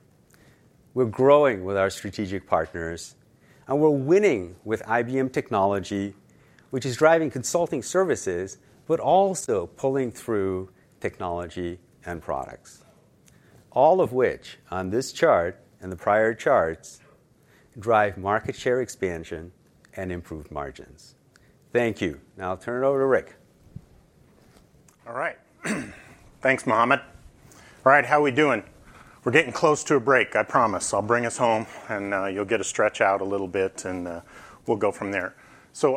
We're growing with our strategic partners. We're winning with IBM technology, which is driving consulting services, but also pulling through technology and products, all of which, on this chart and the prior charts, drive market share expansion and improved margins. Thank you. Now I'll turn it over to Ric. All right. Thanks, Mohamad. All right, how are we doing? We're getting close to a break, I promise. I'll bring us home. You'll get to stretch out a little bit. We'll go from there.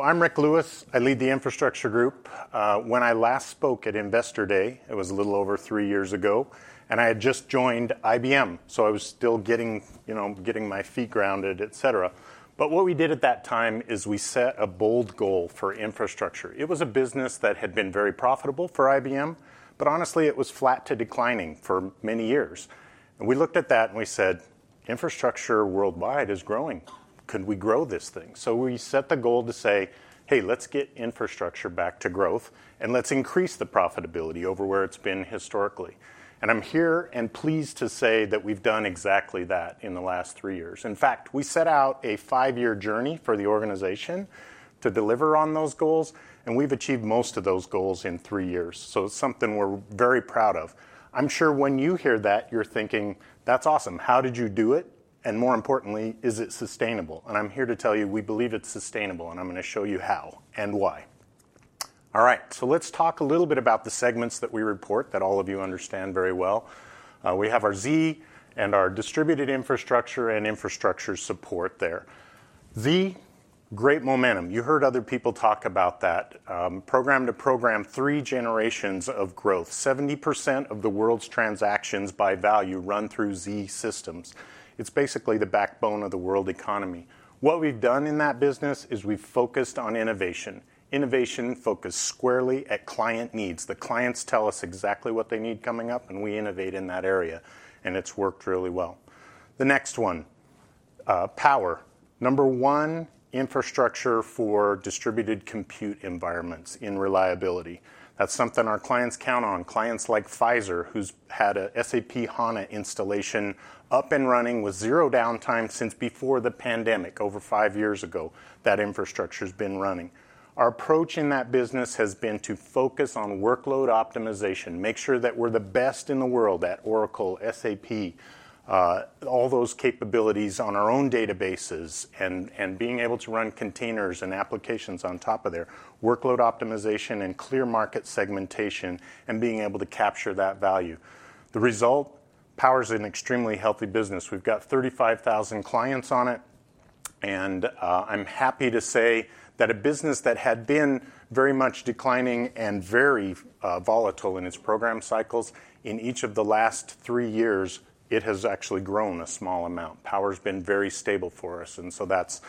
I'm Ric Lewis. I lead the infrastructure group. When I last spoke at Investor Day, it was a little over three years ago. I had just joined IBM. I was still getting my feet grounded, et cetera. What we did at that time is we set a bold goal for infrastructure. It was a business that had been very profitable for IBM. But honestly, it was flat to declining for many years. And we looked at that and we said, "Infrastructure worldwide is growing. Could we grow this thing?" So we set the goal to say, "Hey, let's get infrastructure back to growth. And let's increase the profitability over where it's been historically." And I'm here and pleased to say that we've done exactly that in the last three years. In fact, we set out a five-year journey for the organization to deliver on those goals. And we've achieved most of those goals in three years. So it's something we're very proud of. I'm sure when you hear that, you're thinking, "That's awesome. How did you do it? And more importantly, is it sustainable?" And I'm here to tell you we believe it's sustainable. And I'm going to show you how and why. All right. So let's talk a little bit about the segments that we report that all of you understand very well. We have our Z and our distributed infrastructure and infrastructure support there. Z, great momentum. You heard other people talk about that. Program to program, three generations of growth. 70% of the world's transactions by value run through Z systems. It's basically the backbone of the world economy. What we've done in that business is we've focused on innovation. Innovation focused squarely at client needs. The clients tell us exactly what they need coming up. And we innovate in that area. And it's worked really well. The next one, power. Number one, infrastructure for distributed compute environments in reliability. That's something our clients count on. Clients like Pfizer, who's had an SAP HANA installation up and running with zero downtime since before the pandemic, over five years ago, that infrastructure has been running. Our approach in that business has been to focus on workload optimization, make sure that we're the best in the world at Oracle, SAP, all those capabilities on our own databases, and being able to run containers and applications on top of there, workload optimization and clear market segmentation, and being able to capture that value. The result, Power is an extremely healthy business. We've got 35,000 clients on it. I'm happy to say that a business that had been very much declining and very volatile in its program cycles in each of the last three years, it has actually grown a small amount. Power has been very stable for us. That's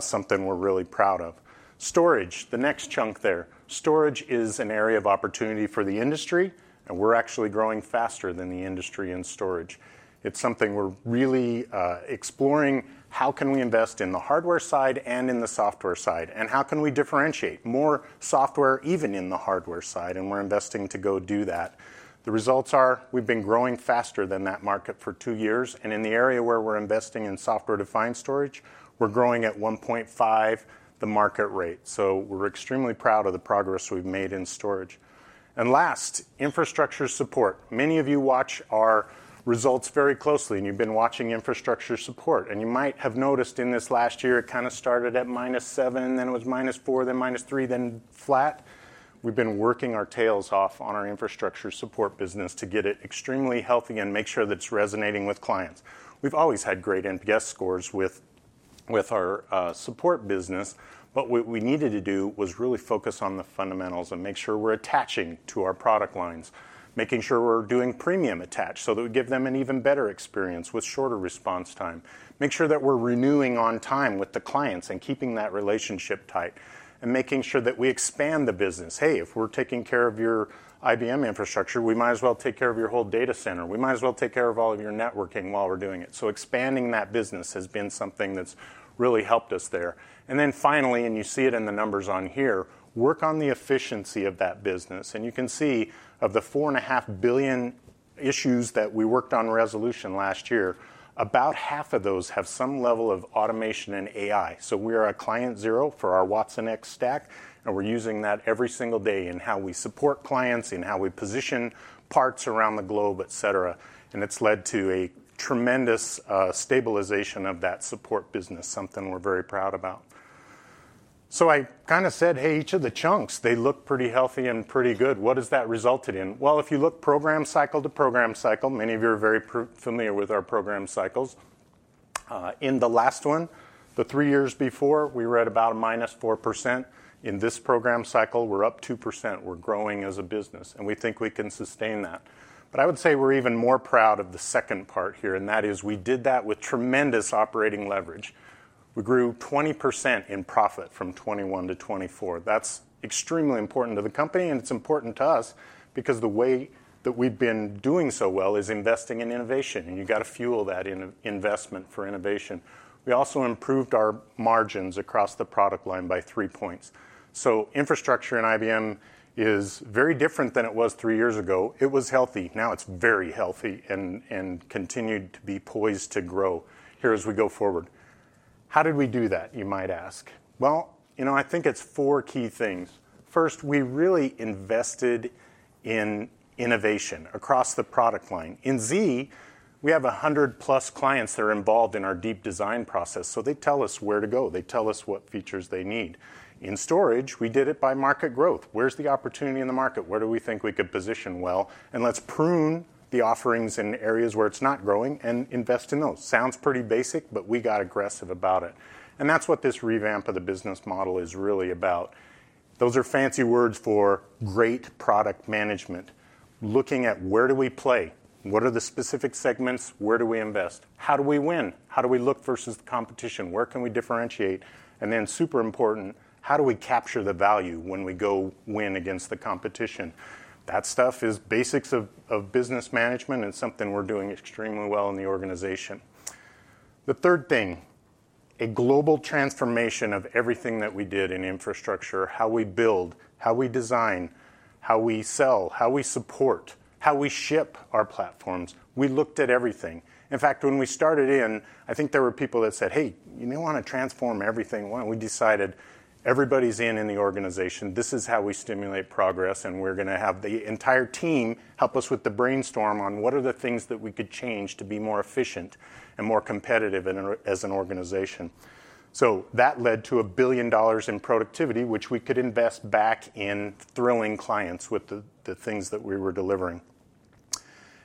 something we're really proud of. Storage, the next chunk there. Storage is an area of opportunity for the industry. And we're actually growing faster than the industry in storage. It's something we're really exploring. How can we invest in the hardware side and in the software side? And how can we differentiate more software even in the hardware side? And we're investing to go do that. The results are we've been growing faster than that market for two years. And in the area where we're investing in software-defined storage, we're growing at 1.5 the market rate. So we're extremely proud of the progress we've made in storage. And last, infrastructure support. Many of you watch our results very closely. And you've been watching infrastructure support. And you might have noticed in this last year, it kind of started at minus 7, then it was minus 4, then minus 3, then flat. We've been working our tails off on our infrastructure support business to get it extremely healthy and make sure that it's resonating with clients. We've always had great NPS scores with our support business. But what we needed to do was really focus on the fundamentals and make sure we're attaching to our product lines, making sure we're doing premium attached so that we give them an even better experience with shorter response time, make sure that we're renewing on time with the clients and keeping that relationship tight, and making sure that we expand the business. Hey, if we're taking care of your IBM Infrastructure, we might as well take care of your whole data center. We might as well take care of all of your networking while we're doing it. So expanding that business has been something that's really helped us there. And then, finally, and you see it in the numbers on here, work on the efficiency of that business. And you can see of the 4.5 billion issues that we worked on resolution last year, about half of those have some level of automation and AI. So we are a client zero for our watsonx stack. And we're using that every single day in how we support clients, in how we position parts around the globe, et cetera. And it's led to a tremendous stabilization of that support business, something we're very proud about. So I kind of said, "Hey, each of the chunks, they look pretty healthy and pretty good. What has that resulted in?" Well, if you look program cycle to program cycle, many of you are very familiar with our program cycles. In the last one, the three years before, we were at about -4%. In this program cycle, we're up 2%. We're growing as a business. And we think we can sustain that. But I would say we're even more proud of the second part here. And that is we did that with tremendous operating leverage. We grew 20% in profit from 2021 to 2024. That's extremely important to the company. And it's important to us because the way that we've been doing so well is investing in innovation. And you've got to fuel that investment for innovation. We also improved our margins across the product line by three points. So infrastructure in IBM is very different than it was three years ago. It was healthy. Now it's very healthy and continued to be poised to grow here as we go forward. How did we do that, you might ask? Well, you know I think it's four key things. First, we really invested in innovation across the product line. In Z, we have 100-plus clients that are involved in our deep design process. So they tell us where to go. They tell us what features they need. In storage, we did it by market growth. Where's the opportunity in the market? Where do we think we could position well? And let's prune the offerings in areas where it's not growing and invest in those. Sounds pretty basic, but we got aggressive about it. And that's what this revamp of the business model is really about. Those are fancy words for great product management. Looking at where do we play? What are the specific segments? Where do we invest? How do we win? How do we look versus the competition? Where can we differentiate? And then super important, how do we capture the value when we go win against the competition? That stuff is basics of business management and something we're doing extremely well in the organization. The third thing, a global transformation of everything that we did in infrastructure, how we build, how we design, how we sell, how we support, how we ship our platforms. We looked at everything. In fact, when we started in, I think there were people that said, "Hey, you may want to transform everything." Well, we decided everybody's in the organization. This is how we stimulate progress. We're going to have the entire team help us with the brainstorm on what are the things that we could change to be more efficient and more competitive as an organization. So that led to $1 billion in productivity, which we could invest back in thrilling clients with the things that we were delivering.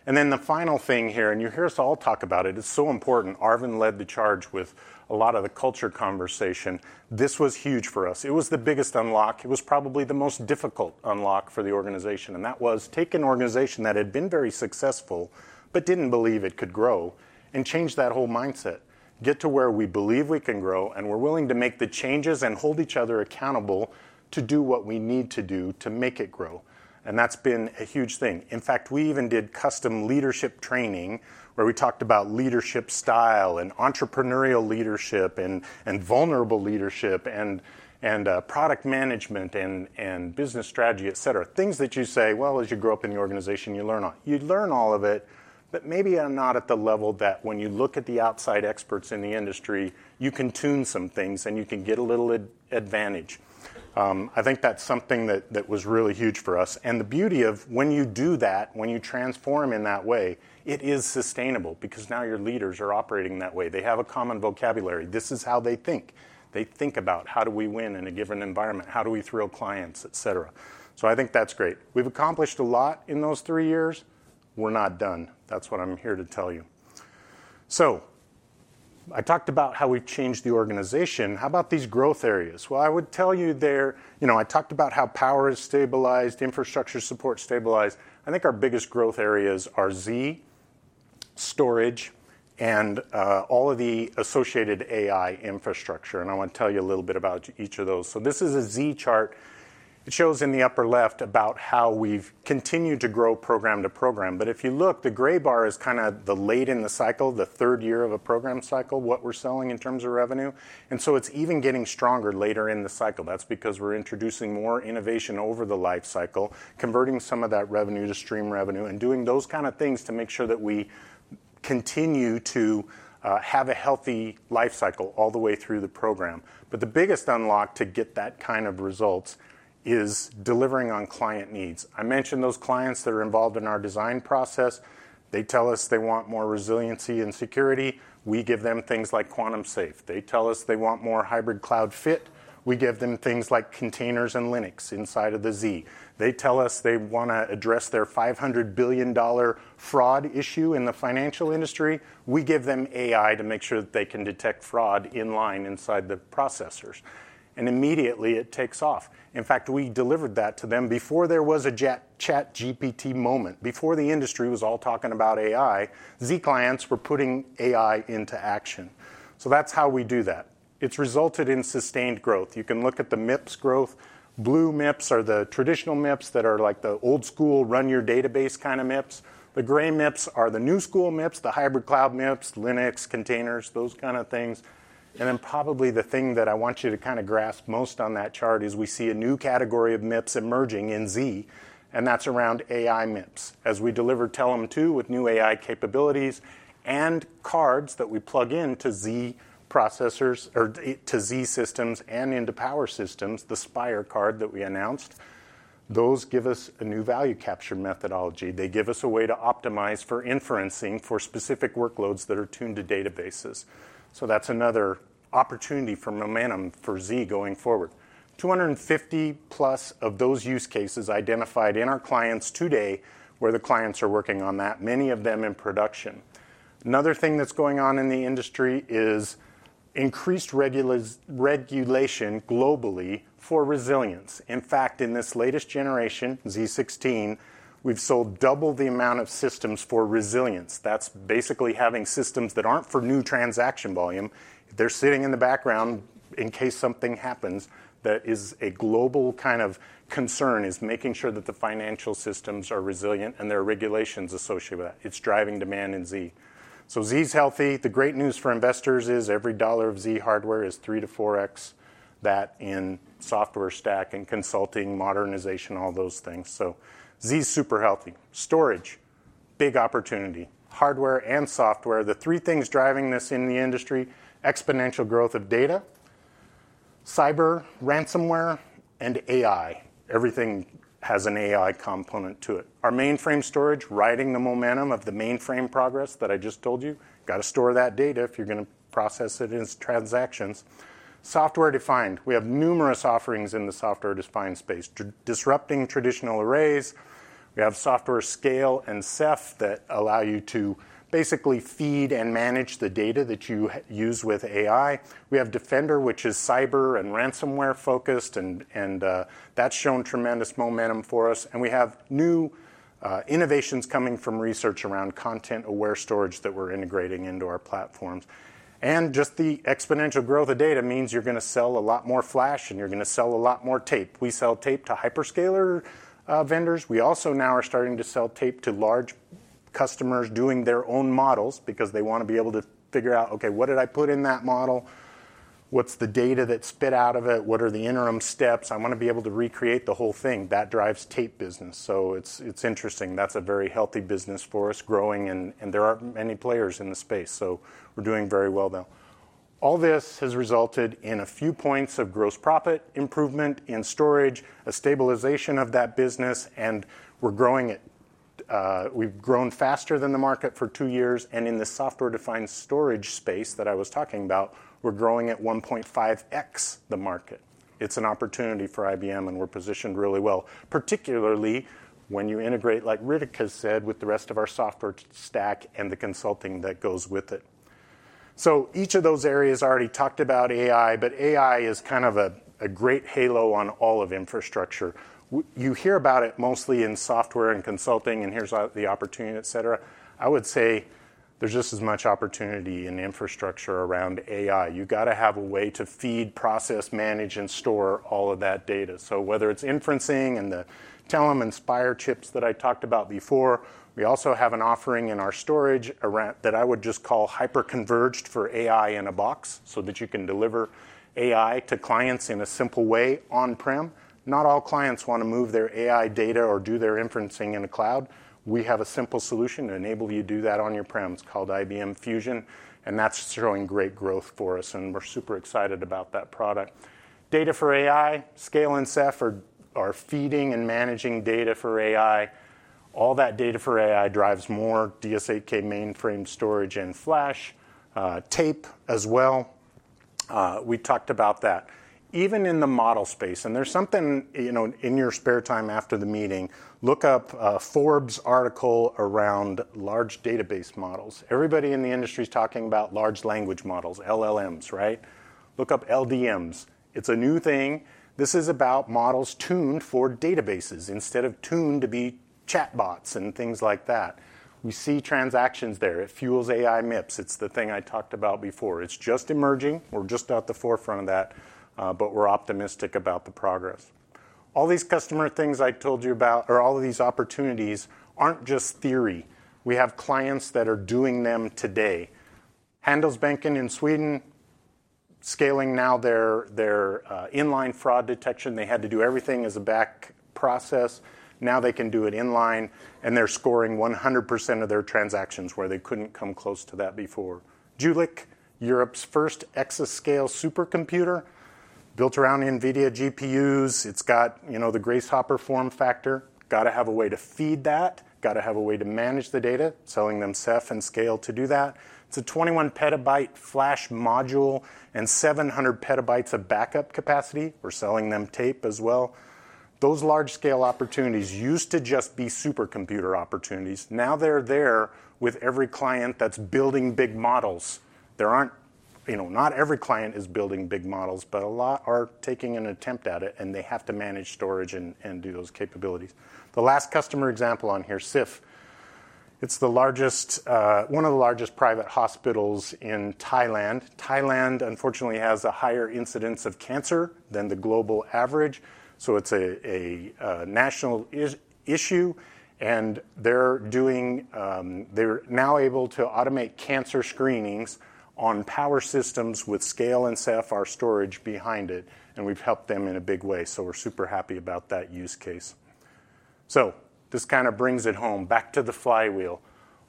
Then the final thing here, and you hear us all talk about it. It's so important. Arvind led the charge with a lot of the culture conversation. This was huge for us. It was the biggest unlock. It was probably the most difficult unlock for the organization. That was to take an organization that had been very successful but didn't believe it could grow and change that whole mindset, get to where we believe we can grow. We're willing to make the changes and hold each other accountable to do what we need to do to make it grow. That's been a huge thing. In fact, we even did custom leadership training where we talked about leadership style and entrepreneurial leadership and vulnerable leadership and product management and business strategy, et cetera. Things that you say, well, as you grow up in the organization, you learn all of it. But maybe I'm not at the level that when you look at the outside experts in the industry, you can tune some things and you can get a little advantage. I think that's something that was really huge for us. And the beauty of when you do that, when you transform in that way, it is sustainable because now your leaders are operating that way. They have a common vocabulary. This is how they think. They think about how do we win in a given environment, how do we thrill clients, et cetera. So I think that's great. We've accomplished a lot in those three years. We're not done. That's what I'm here to tell you, so I talked about how we've changed the organization. How about these growth areas? Well, I would tell you there, you know I talked about how power is stabilized, infrastructure support stabilized. I think our biggest growth areas are Z, storage, and all of the associated AI infrastructure, and I want to tell you a little bit about each of those, so this is a Z chart. It shows in the upper left about how we've continued to grow program to program, but if you look, the gray bar is kind of late in the cycle, the third year of a program cycle, what we're selling in terms of revenue, and so it's even getting stronger later in the cycle. That's because we're introducing more innovation over the life cycle, converting some of that revenue to stream revenue, and doing those kind of things to make sure that we continue to have a healthy life cycle all the way through the program. But the biggest unlock to get that kind of results is delivering on client needs. I mentioned those clients that are involved in our design process. They tell us they want more resiliency and security. We give them things like Quantum Safe. They tell us they want more hybrid cloud fit. We give them things like containers and Linux inside of the Z. They tell us they want to address their $500 billion fraud issue in the financial industry. We give them AI to make sure that they can detect fraud in line inside the processors. And immediately, it takes off. In fact, we delivered that to them before there was a ChatGPT moment. Before the industry was all talking about AI, Z clients were putting AI into action. So that's how we do that. It's resulted in sustained growth. You can look at the MIPS growth. Blue MIPS are the traditional MIPS that are like the old school run your database kind of MIPS. The gray MIPS are the new school MIPS, the hybrid cloud MIPS, Linux, containers, those kind of things. And then probably the thing that I want you to kind of grasp most on that chart is we see a new category of MIPS emerging in Z. And that's around AI MIPS. As we deliver Telum II with new AI capabilities and cards that we plug into Z systems and into power systems, the Spyre card that we announced, those give us a new value capture methodology. They give us a way to optimize for inferencing for specific workloads that are tuned to databases. So that's another opportunity for momentum for Z going forward. 250-plus of those use cases identified in our clients today, where the clients are working on that, many of them in production. Another thing that's going on in the industry is increased regulation globally for resilience. In fact, in this latest generation, z16, we've sold double the amount of systems for resilience. That's basically having systems that aren't for new transaction volume. They're sitting in the background in case something happens that is a global kind of concern, is making sure that the financial systems are resilient and there are regulations associated with that. It's driving demand in Z. So Z is healthy. The great news for investors is every $1 of Z hardware is 3-4x that in software stack and consulting, modernization, all those things. So Z is super healthy. Storage, big opportunity. Hardware and software, the three things driving this in the industry, exponential growth of data, cyber, ransomware, and AI. Everything has an AI component to it. Our mainframe storage, riding the momentum of the mainframe progress that I just told you, got to store that data if you're going to process it as transactions. Software-defined, we have numerous offerings in the software-defined space, disrupting traditional arrays. We have Storage Scale and Ceph that allow you to basically feed and manage the data that you use with AI. We have Defender, which is cyber and ransomware focused, and that's shown tremendous momentum for us. We have new innovations coming from research around content-aware storage that we're integrating into our platforms. Just the exponential growth of data means you're going to sell a lot more flash, and you're going to sell a lot more tape. We sell tape to hyperscaler vendors. We also now are starting to sell tape to large customers doing their own models because they want to be able to figure out, "OK, what did I put in that model? What's the data that spit out of it? What are the interim steps? I want to be able to recreate the whole thing." That drives tape business. It's interesting. That's a very healthy business for us growing. There aren't many players in the space. We're doing very well, though. All this has resulted in a few points of gross profit improvement in storage, a stabilization of that business, and we're growing it. We've grown faster than the market for two years, and in the software defined storage space that I was talking about, we're growing at 1.5x the market. It's an opportunity for IBM, and we're positioned really well, particularly when you integrate, like Rob or Red Hat has said, with the rest of our software stack and the consulting that goes with it. So each of those areas already talked about AI, but AI is kind of a great halo on all of infrastructure. You hear about it mostly in software and consulting, and here's the opportunity, et cetera. I would say there's just as much opportunity in infrastructure around AI. You've got to have a way to feed, process, manage, and store all of that data. Whether it's inferencing and the Telum and Spyre chips that I talked about before, we also have an offering in our storage that I would just call hyper-converged for AI in a box so that you can deliver AI to clients in a simple way on-prem. Not all clients want to move their AI data or do their inferencing in the cloud. We have a simple solution to enable you to do that on your premises. It's called IBM Fusion. That's showing great growth for us. We're super excited about that product. Data for AI, Scale and Ceph are feeding and managing data for AI. All that data for AI drives more DS8000 mainframe storage and flash, tape as well. We talked about that. Even in the model space, there's something in your spare time after the meeting. Look up Forbes article around large database models. Everybody in the industry is talking about large language models, LLMs, right? Look up LDMs. It's a new thing. This is about models tuned for databases instead of tuned to be chatbots and things like that. We see transactions there. It fuels AI MIPS. It's the thing I talked about before. It's just emerging. We're just at the forefront of that, but we're optimistic about the progress. All these customer things I told you about, or all of these opportunities, aren't just theory. We have clients that are doing them today. Handelsbanken in Sweden, scaling now their inline fraud detection. They had to do everything as a back process. Now they can do it inline, and they're scoring 100% of their transactions where they couldn't come close to that before. Jülich, Europe's first exascale supercomputer, built around NVIDIA GPUs. It's got the Grace Hopper form factor. Got to have a way to feed that. Got to have a way to manage the data, selling them Ceph and Scale to do that. It's a 21-petabyte flash module and 700 petabytes of backup capacity. We're selling them tape as well. Those large-scale opportunities used to just be supercomputer opportunities. Now they're there with every client that's building big models. Not every client is building big models, but a lot are taking an attempt at it. And they have to manage storage and do those capabilities. The last customer example on here, Siriraj. It's one of the largest private hospitals in Thailand. Thailand, unfortunately, has a higher incidence of cancer than the global average. So it's a national issue. And they're now able to automate cancer screenings on Power systems with Scale and Ceph, our storage behind it. And we've helped them in a big way. So we're super happy about that use case. So this kind of brings it home, back to the flywheel.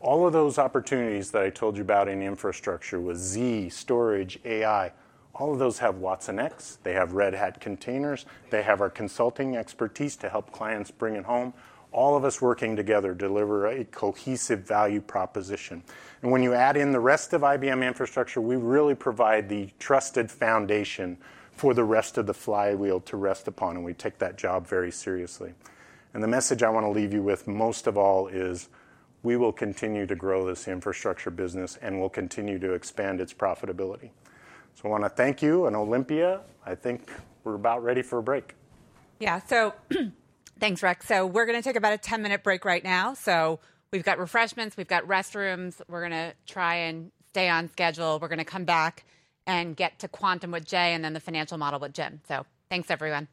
All of those opportunities that I told you about in infrastructure with Z, storage, AI, all of those have watsonx. They have Red Hat containers. They have our consulting expertise to help clients bring it home. All of us working together deliver a cohesive value proposition. And when you add in the rest of IBM infrastructure, we really provide the trusted foundation for the rest of the flywheel to rest upon. And we take that job very seriously. And the message I want to leave you with most of all is we will continue to grow this infrastructure business, and we'll continue to expand its profitability. So I want to thank you and Olympia. I think we're about ready for a break. Yeah. So thanks, Ric. We're going to take about a 10-minute break right now. We've got refreshments. We've got restrooms. We're going to try and stay on schedule. We're going to come back and get to Quantum with Jay and then the financial model with Jim. Thanks, everyone.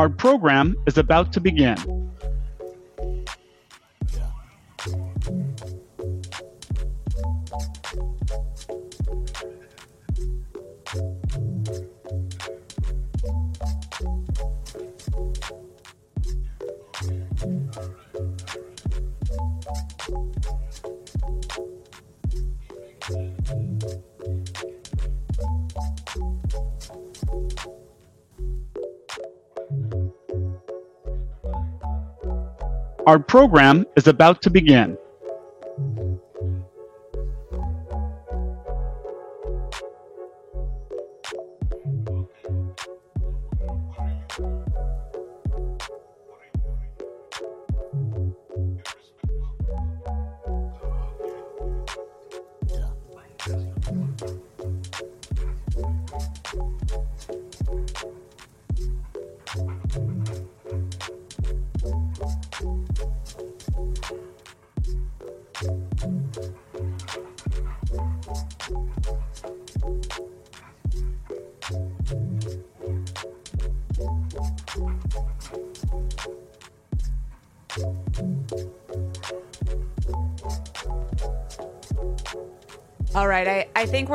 Our program is about to begin. All right. I think we're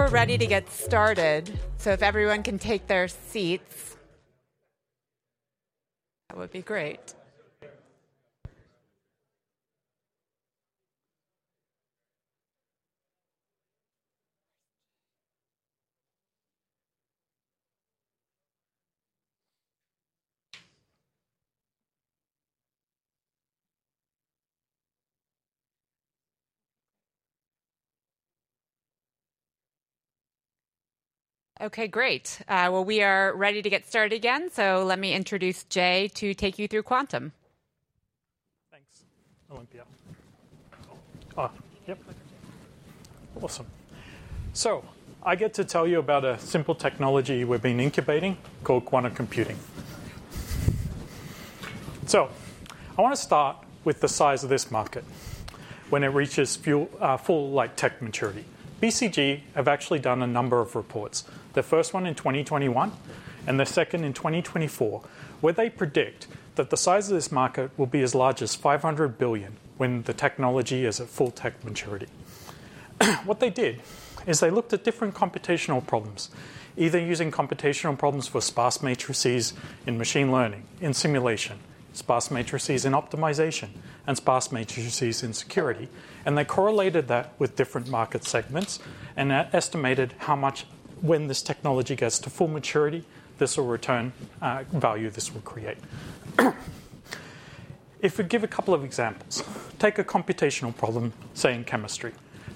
ready to get started. So if everyone can take their seats, that would be great. OK, great. Well, we are ready to get started again. So let me introduce Jay to take you through Quantum. Thanks, Olympia. Awesome. So I get to tell you about a simple technology we've been incubating called quantum computing. So I want to start with the size of this market when it reaches full-like tech maturity. BCG have actually done a number of reports, the first one in 2021 and the second in 2024, where they predict that the size of this market will be as large as $500 billion when the technology is at full-tech maturity. What they did is they looked at different computational problems, either using computational problems for sparse matrices in machine learning, in simulation, sparse matrices in optimization, and sparse matrices in security. And they correlated that with different market segments and estimated how much, when this technology gets to full maturity, this will return value this will create. If we give a couple of examples, take a computational problem, say in chemistry,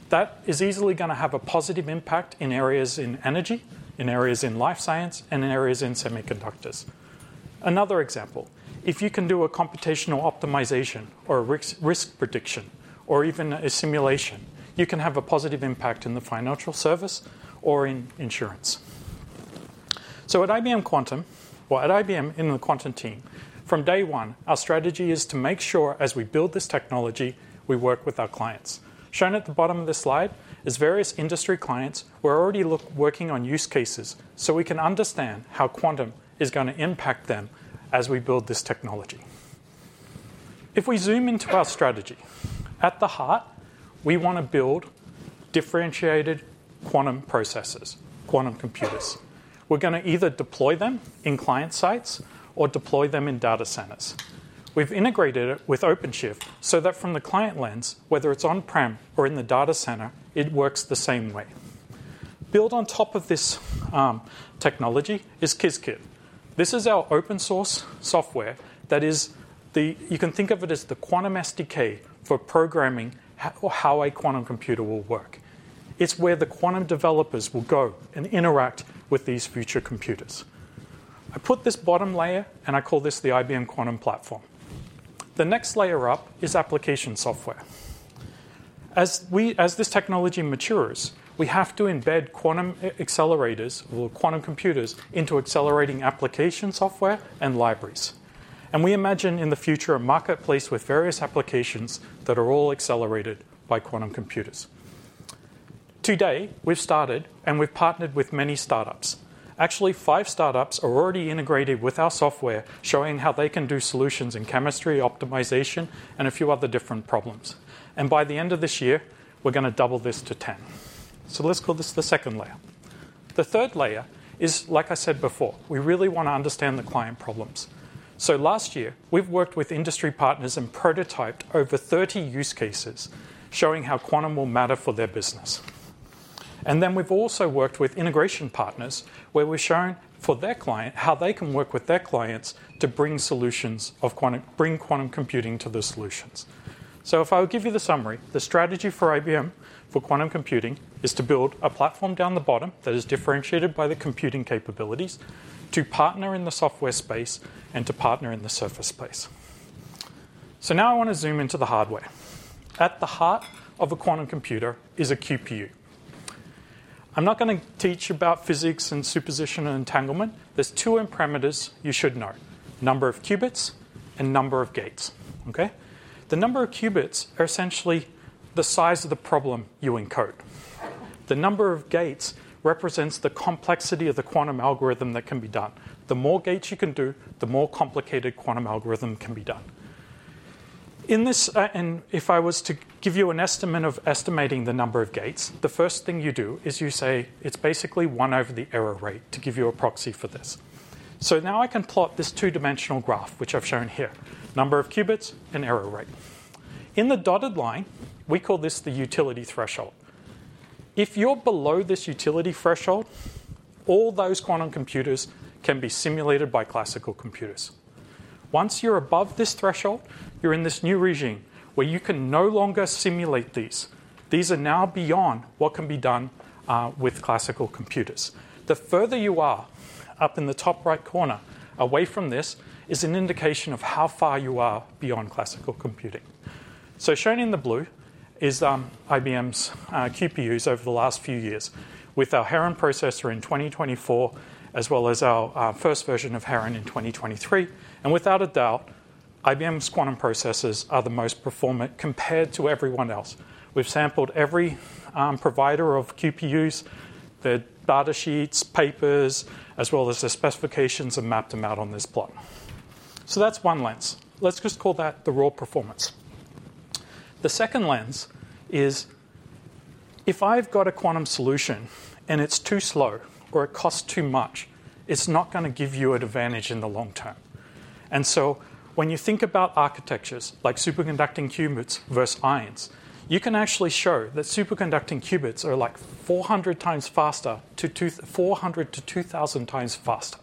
that is easily going to have a positive impact in areas in energy, in areas in life science, and in areas in semiconductors. Another example, if you can do a computational optimization or a risk prediction or even a simulation, you can have a positive impact in the financial service or in insurance. So at IBM Quantum, well, at IBM in the Quantum team, from day one, our strategy is to make sure as we build this technology, we work with our clients. Shown at the bottom of the slide is various industry clients who are already working on use cases. So we can understand how quantum is going to impact them as we build this technology. If we zoom into our strategy, at the heart, we want to build differentiated quantum processors, quantum computers. We're going to either deploy them in client sites or deploy them in data centers. We've integrated it with OpenShift so that from the client lens, whether it's on-prem or in the data center, it works the same way. Built on top of this technology is Qiskit. This is our open-source software that is the, you can think of it as the quantum SDK for programming how a quantum computer will work. It's where the quantum developers will go and interact with these future computers. I put this bottom layer, and I call this the IBM Quantum Platform. The next layer up is application software. As this technology matures, we have to embed quantum accelerators, or quantum computers, into accelerating application software and libraries. And we imagine in the future a marketplace with various applications that are all accelerated by quantum computers. Today, we've started, and we've partnered with many startups. Actually, five startups are already integrated with our software, showing how they can do solutions in chemistry, optimization, and a few other different problems. And by the end of this year, we're going to double this to 10. So let's call this the second layer. The third layer is, like I said before, we really want to understand the client problems. So last year, we've worked with industry partners and prototyped over 30 use cases, showing how quantum will matter for their business. And then we've also worked with integration partners, where we've shown for their client how they can work with their clients to bring solutions of quantum, bring quantum computing to the solutions. So if I will give you the summary, the strategy for IBM for quantum computing is to build a platform down the bottom that is differentiated by the computing capabilities, to partner in the software space, and to partner in the services space. So now I want to zoom into the hardware. At the heart of a quantum computer is a QPU. I'm not going to teach about physics and superposition and entanglement. There's two parameters you should know: number of qubits and number of gates. The number of qubits are essentially the size of the problem you encode. The number of gates represents the complexity of the quantum algorithm that can be done. The more gates you can do, the more complicated quantum algorithm can be done. If I was to give you an estimate of estimating the number of gates, the first thing you do is you say it's basically 1 over the error rate to give you a proxy for this. Now I can plot this two-dimensional graph, which I've shown here: number of qubits and error rate. In the dotted line, we call this the utility threshold. If you're below this utility threshold, all those quantum computers can be simulated by classical computers. Once you're above this threshold, you're in this new regime where you can no longer simulate these. These are now beyond what can be done with classical computers. The further you are up in the top right corner away from this is an indication of how far you are beyond classical computing. So shown in the blue is IBM's QPUs over the last few years, with our Heron processor in 2024, as well as our first version of Heron in 2023. And without a doubt, IBM's quantum processors are the most performant compared to everyone else. We've sampled every provider of QPUs, their data sheets, papers, as well as the specifications, and mapped them out on this plot. So that's one lens. Let's just call that the raw performance. The second lens is if I've got a quantum solution and it's too slow or it costs too much, it's not going to give you an advantage in the long term. And so when you think about architectures like superconducting qubits versus ions, you can actually show that superconducting qubits are like 400 times faster, 400 to 2,000 times faster.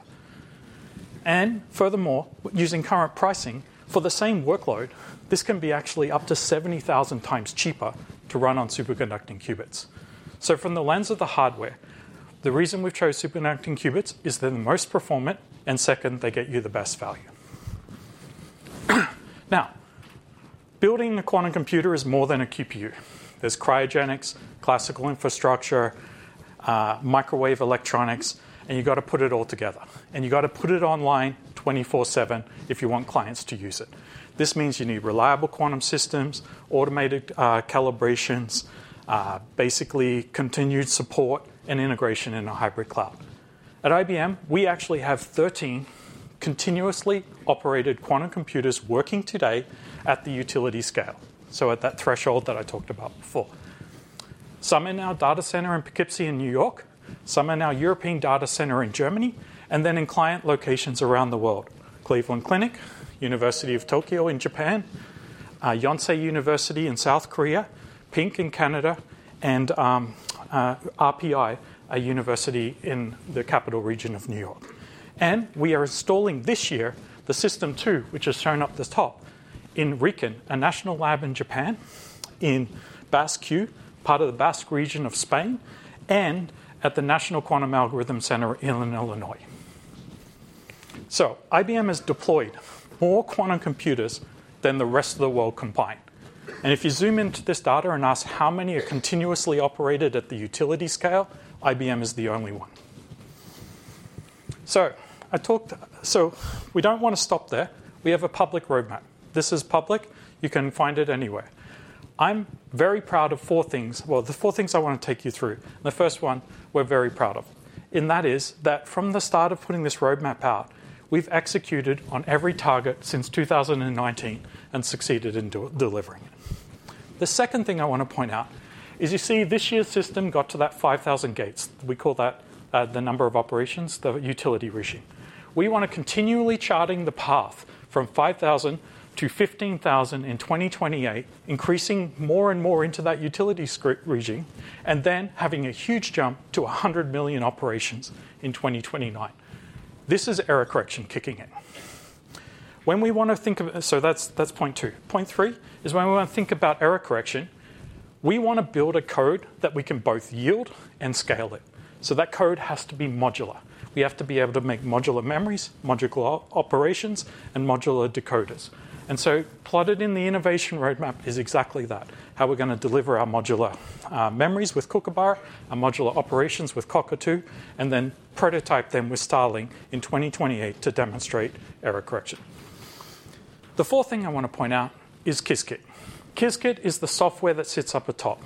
Furthermore, using current pricing for the same workload, this can be actually up to 70,000 times cheaper to run on superconducting qubits. From the lens of the hardware, the reason we've chosen superconducting qubits is they're the most performant, and second, they get you the best value. Now, building a quantum computer is more than a QPU. There's cryogenics, classical infrastructure, microwave electronics, and you've got to put it all together. You've got to put it online 24/7 if you want clients to use it. This means you need reliable quantum systems, automated calibrations, basically continued support and integration in a hybrid cloud. At IBM, we actually have 13 continuously operated quantum computers working today at the utility scale, so at that threshold that I talked about before. Some in our data center in Poughkeepsie in New York, some in our European data center in Germany, and then in client locations around the world: Cleveland Clinic, University of Tokyo in Japan, Yonsei University in South Korea, PINQ2 in Canada, and RPI, a university in the capital region of New York. And we are installing this year the System Two, which is shown up at the top, in RIKEN, a national lab in Japan, in Basque Quantum, part of the Basque region of Spain, and at the National Quantum Algorithm Center in Illinois. So IBM has deployed more quantum computers than the rest of the world combined. And if you zoom into this data and ask how many are continuously operated at the utility scale, IBM is the only one. So we don't want to stop there. We have a public roadmap. This is public. You can find it anywhere. I'm very proud of four things, well, the four things I want to take you through. The first one we're very proud of, and that is that from the start of putting this roadmap out, we've executed on every target since 2019 and succeeded in delivering it. The second thing I want to point out is you see this year's system got to that 5,000 gates. We call that the number of operations, the utility regime. We want to continually charting the path from 5,000 to 15,000 in 2028, increasing more and more into that utility regime, and then having a huge jump to 100 million operations in 2029. This is error correction kicking in. When we want to think of, so that's point two. Point three is when we want to think about error correction, we want to build a code that we can both yield and scale it. So that code has to be modular. We have to be able to make modular memories, modular operations, and modular decoders. And so plotted in the innovation roadmap is exactly that, how we're going to deliver our modular memories with Kookaburra, our modular operations with Cockatoo, and then prototype them with Starling in 2028 to demonstrate error correction. The fourth thing I want to point out is Qiskit. Qiskit is the software that sits up atop.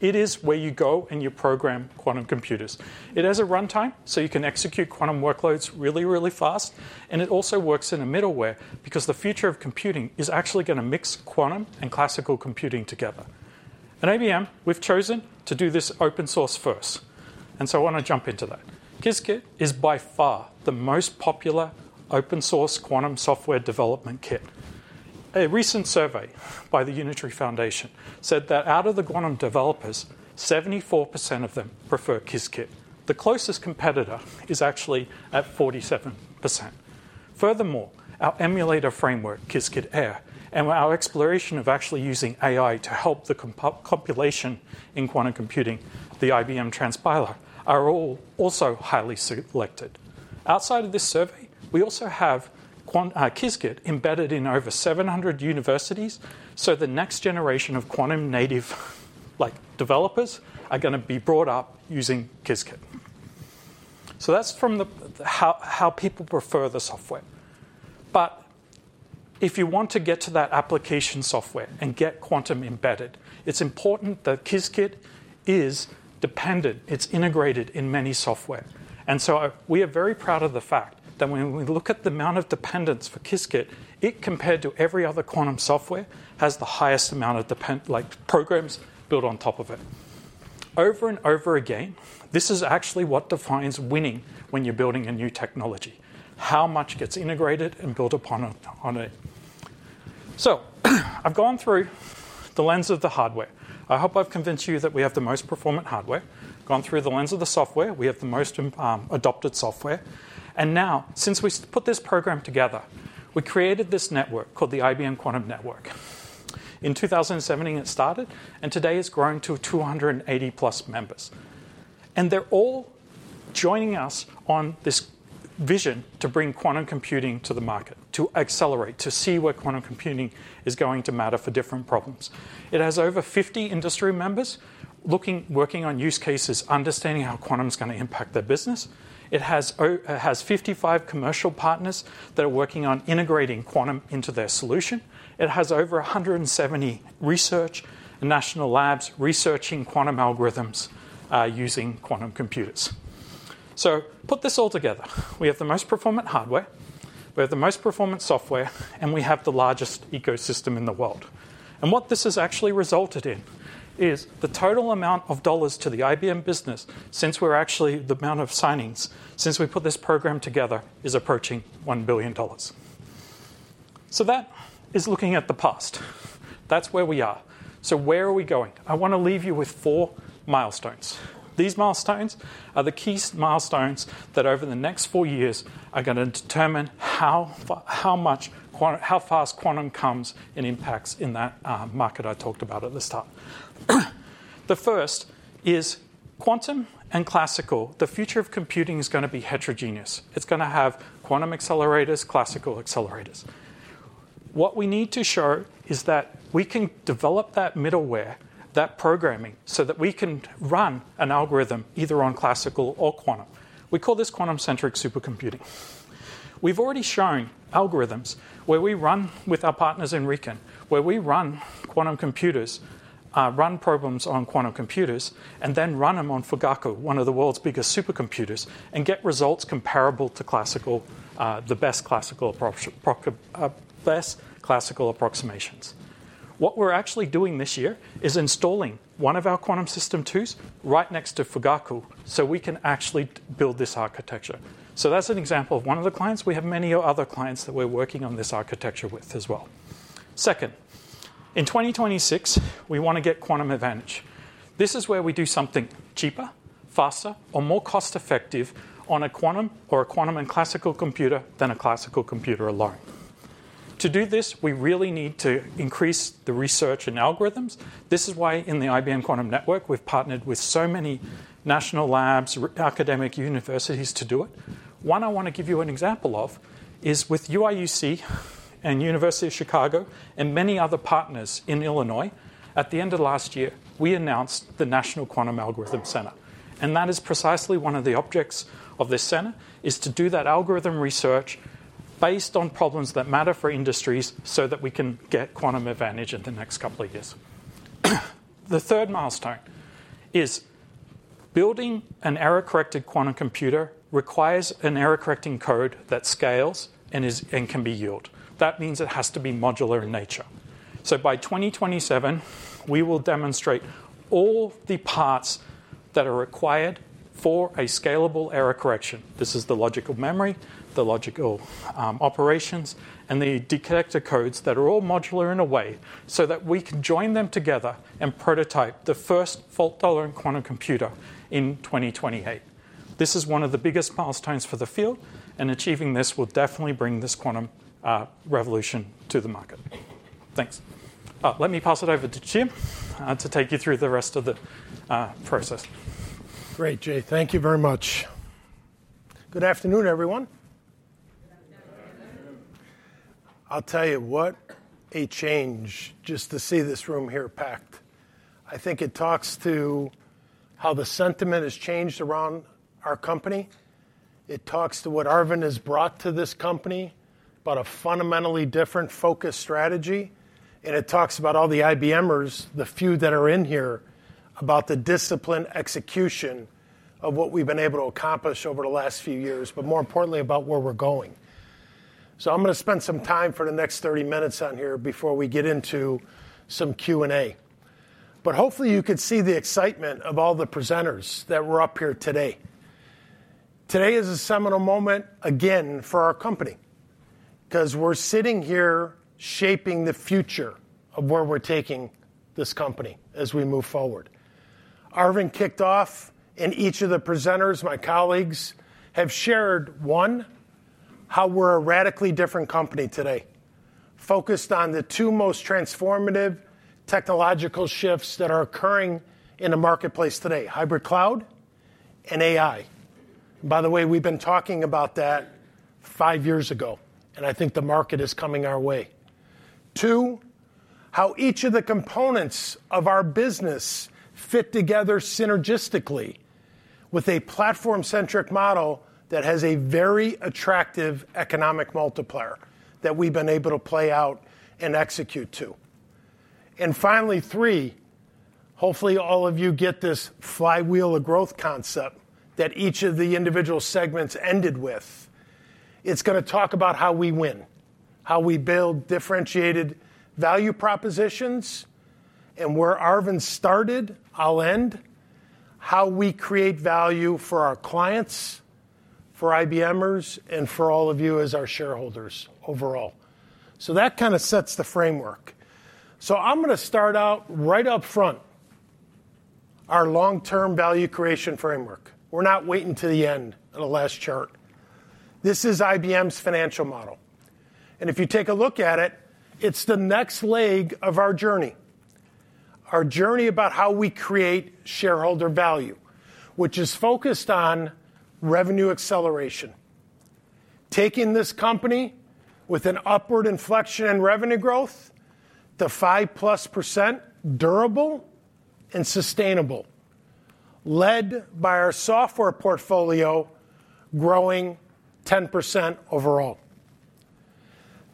It is where you go and you program quantum computers. It has a runtime, so you can execute quantum workloads really, really fast. And it also works in a middleware because the future of computing is actually going to mix quantum and classical computing together. At IBM, we've chosen to do this open source first, and so I want to jump into that. Qiskit is by far the most popular open source quantum software development kit. A recent survey by the Unitary Foundation said that out of the quantum developers, 74% of them prefer Qiskit. The closest competitor is actually at 47%. Furthermore, our emulator framework, Qiskit Aer, and our exploration of actually using AI to help the compilation in quantum computing, the IBM Transpiler, are also highly selected. Outside of this survey, we also have Qiskit embedded in over 700 universities, so the next generation of quantum native developers are going to be brought up using Qiskit, so that's from how people prefer the software, but if you want to get to that application software and get quantum embedded, it's important that Qiskit is dependable. It's integrated in many software. We are very proud of the fact that when we look at the amount of dependency for Qiskit, it, compared to every other quantum software, has the highest amount of programs built on top of it. Over and over again, this is actually what defines winning when you're building a new technology, how much gets integrated and built upon it. I've gone through the lens of the hardware. I hope I've convinced you that we have the most performant hardware. I've gone through the lens of the software; we have the most adopted software. Now, since we put this program together, we created this network called the IBM Quantum Network. In 2017, it started, and today it's grown to 280-plus members. And they're all joining us on this vision to bring quantum computing to the market, to accelerate, to see where quantum computing is going to matter for different problems. It has over 50 industry members working on use cases, understanding how quantum is going to impact their business. It has 55 commercial partners that are working on integrating quantum into their solution. It has over 170 research and national labs researching quantum algorithms using quantum computers. So put this all together. We have the most performant hardware. We have the most performant software, and we have the largest ecosystem in the world. And what this has actually resulted in is the total amount of dollars to the IBM business since we're actually the amount of signings since we put this program together is approaching $1 billion. So that is looking at the past. That's where we are. So where are we going? I want to leave you with four milestones. These milestones are the key milestones that over the next four years are going to determine how fast quantum comes and impacts in that market I talked about at the start. The first is quantum and classical. The future of computing is going to be heterogeneous. It's going to have quantum accelerators, classical accelerators. What we need to show is that we can develop that middleware, that programming, so that we can run an algorithm either on classical or quantum. We call this quantum-centric supercomputing. We've already shown algorithms where we run with our partners in RIKEN, where we run quantum computers, run programs on quantum computers, and then run them on Fugaku, one of the world's biggest supercomputers, and get results comparable to classical, the best classical approximations. What we're actually doing this year is installing one of our Quantum System Twos right next to Fugaku so we can actually build this architecture. So that's an example of one of the clients. We have many other clients that we're working on this architecture with as well. Second, in 2026, we want to get quantum advantage. This is where we do something cheaper, faster, or more cost-effective on a quantum or a quantum and classical computer than a classical computer alone. To do this, we really need to increase the research and algorithms. This is why in the IBM Quantum Network, we've partnered with so many national labs, academic universities to do it. One I want to give you an example of is with UIUC and University of Chicago and many other partners in Illinois. At the end of last year, we announced the National Quantum Algorithm Center. That is precisely one of the objects of this center, is to do that algorithm research based on problems that matter for industries so that we can get quantum advantage in the next couple of years. The third milestone is building an error-corrected quantum computer requires an error-correcting code that scales and can be built. That means it has to be modular in nature. By 2027, we will demonstrate all the parts that are required for a scalable error correction. This is the logical memory, the logical operations, and the detector codes that are all modular in a way so that we can join them together and prototype the first fault-tolerant quantum computer in 2028. This is one of the biggest milestones for the field, and achieving this will definitely bring this quantum revolution to the market. Thanks. Let me pass it over to Jim to take you through the rest of the process. Great, Jay. Thank you very much. Good afternoon, everyone. I'll tell you what, it's a change just to see this room here packed. I think it talks to how the sentiment has changed around our company. It talks to what Arvind has brought to this company about a fundamentally different focus strategy. And it talks about all the IBMers, the few that are in here, about the disciplined execution of what we've been able to accomplish over the last few years, but more importantly, about where we're going. So I'm going to spend some time for the next 30 minutes on here before we get into some Q&A. But hopefully, you could see the excitement of all the presenters that were up here today. Today is a seminal moment again for our company because we're sitting here shaping the future of where we're taking this company as we move forward. Arvind kicked off, and each of the presenters, my colleagues, have shared, one, how we're a radically different company today, focused on the two most transformative technological shifts that are occurring in the marketplace today, hybrid cloud and AI. By the way, we've been talking about that five years ago, and I think the market is coming our way. Two, how each of the components of our business fit together synergistically with a platform-centric model that has a very attractive economic multiplier that we've been able to play out and execute to, and finally, three, hopefully, all of you get this flywheel of growth concept that each of the individual segments ended with. It's going to talk about how we win, how we build differentiated value propositions, and where Arvind started, I'll end, how we create value for our clients, for IBMers, and for all of you as our shareholders overall. That kind of sets the framework, so I'm going to start out right up front, our long-term value creation framework. We're not waiting to the end of the last chart. This is IBM's financial model. If you take a look at it, it's the next leg of our journey, our journey about how we create shareholder value, which is focused on revenue acceleration, taking this company with an upward inflection in revenue growth to 5+%, durable and sustainable, led by our software portfolio growing 10% overall.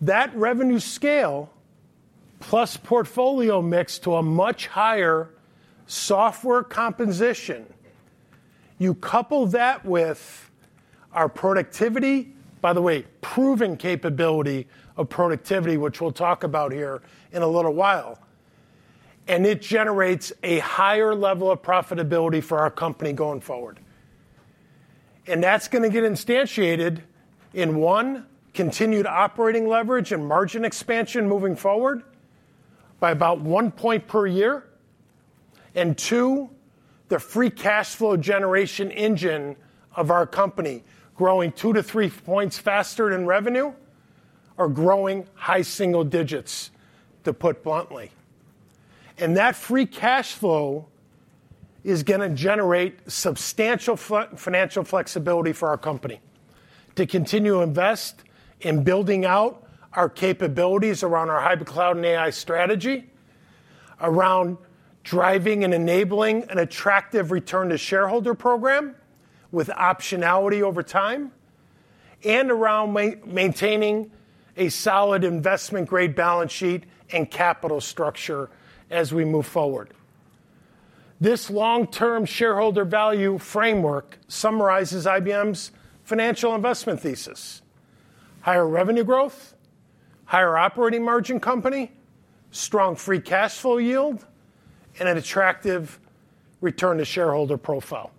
That revenue scale plus portfolio mix to a much higher software composition. You couple that with our productivity, by the way, proven capability of productivity, which we'll talk about here in a little while, and it generates a higher level of profitability for our company going forward, and that's going to get instantiated in, one, continued operating leverage and margin expansion moving forward by about one point per year, and two, the free cash flow generation engine of our company growing two to three points faster than revenue or growing high single digits, to put it bluntly. That free cash flow is going to generate substantial financial flexibility for our company to continue to invest in building out our capabilities around our hybrid cloud and AI strategy, around driving and enabling an attractive return to shareholder program with optionality over time, and around maintaining a solid investment-grade balance sheet and capital structure as we move forward. This long-term shareholder value framework summarizes IBM's financial investment thesis: higher revenue growth, higher operating margin company, strong free cash flow yield, and an attractive return to shareholder profile.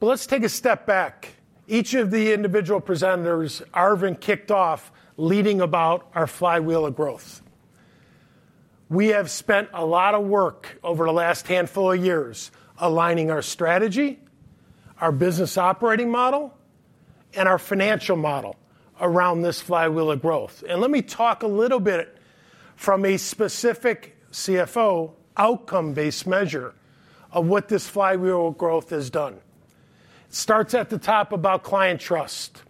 Let's take a step back. Each of the individual presenters, Arvind kicked off leading about our flywheel of growth. We have spent a lot of work over the last handful of years aligning our strategy, our business operating model, and our financial model around this flywheel of growth. Let me talk a little bit from a specific CFO outcome-based measure of what this flywheel of growth has done. It starts at the top about client trust.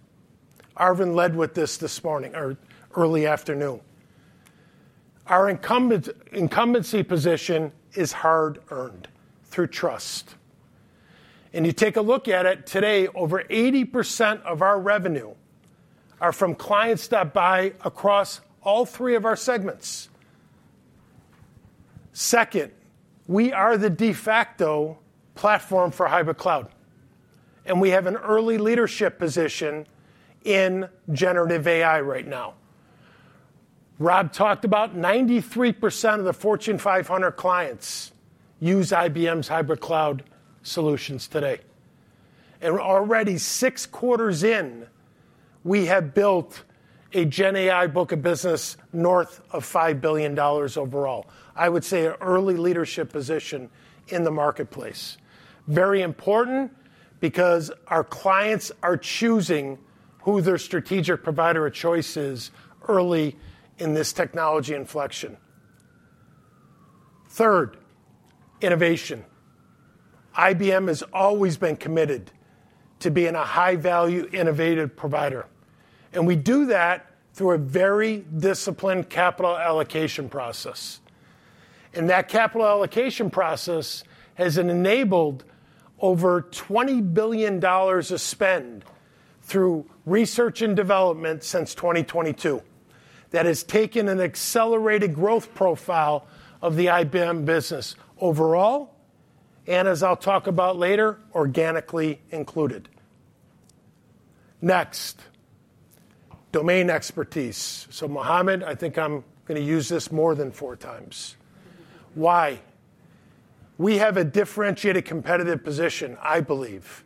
Arvind led with this this morning or early afternoon. Our incumbency position is hard-earned through trust. And you take a look at it today, over 80% of our revenue are from clients that buy across all three of our segments. Second, we are the de facto platform for hybrid cloud, and we have an early leadership position in generative AI right now. Rob talked about 93% of the Fortune 500 clients use IBM's hybrid cloud solutions today. And already six quarters in, we have built a GenAI book of business north of $5 billion overall. I would say an early leadership position in the marketplace. Very important because our clients are choosing who their strategic provider of choice is early in this technology inflection. Third, innovation. IBM has always been committed to being a high-value innovative provider. And we do that through a very disciplined capital allocation process. And that capital allocation process has enabled over $20 billion of spend through research and development since 2022 that has taken an accelerated growth profile of the IBM business overall and, as I'll talk about later, organically included. Next, domain expertise. So Mohamad, I think I'm going to use this more than four times. Why? We have a differentiated competitive position, I believe.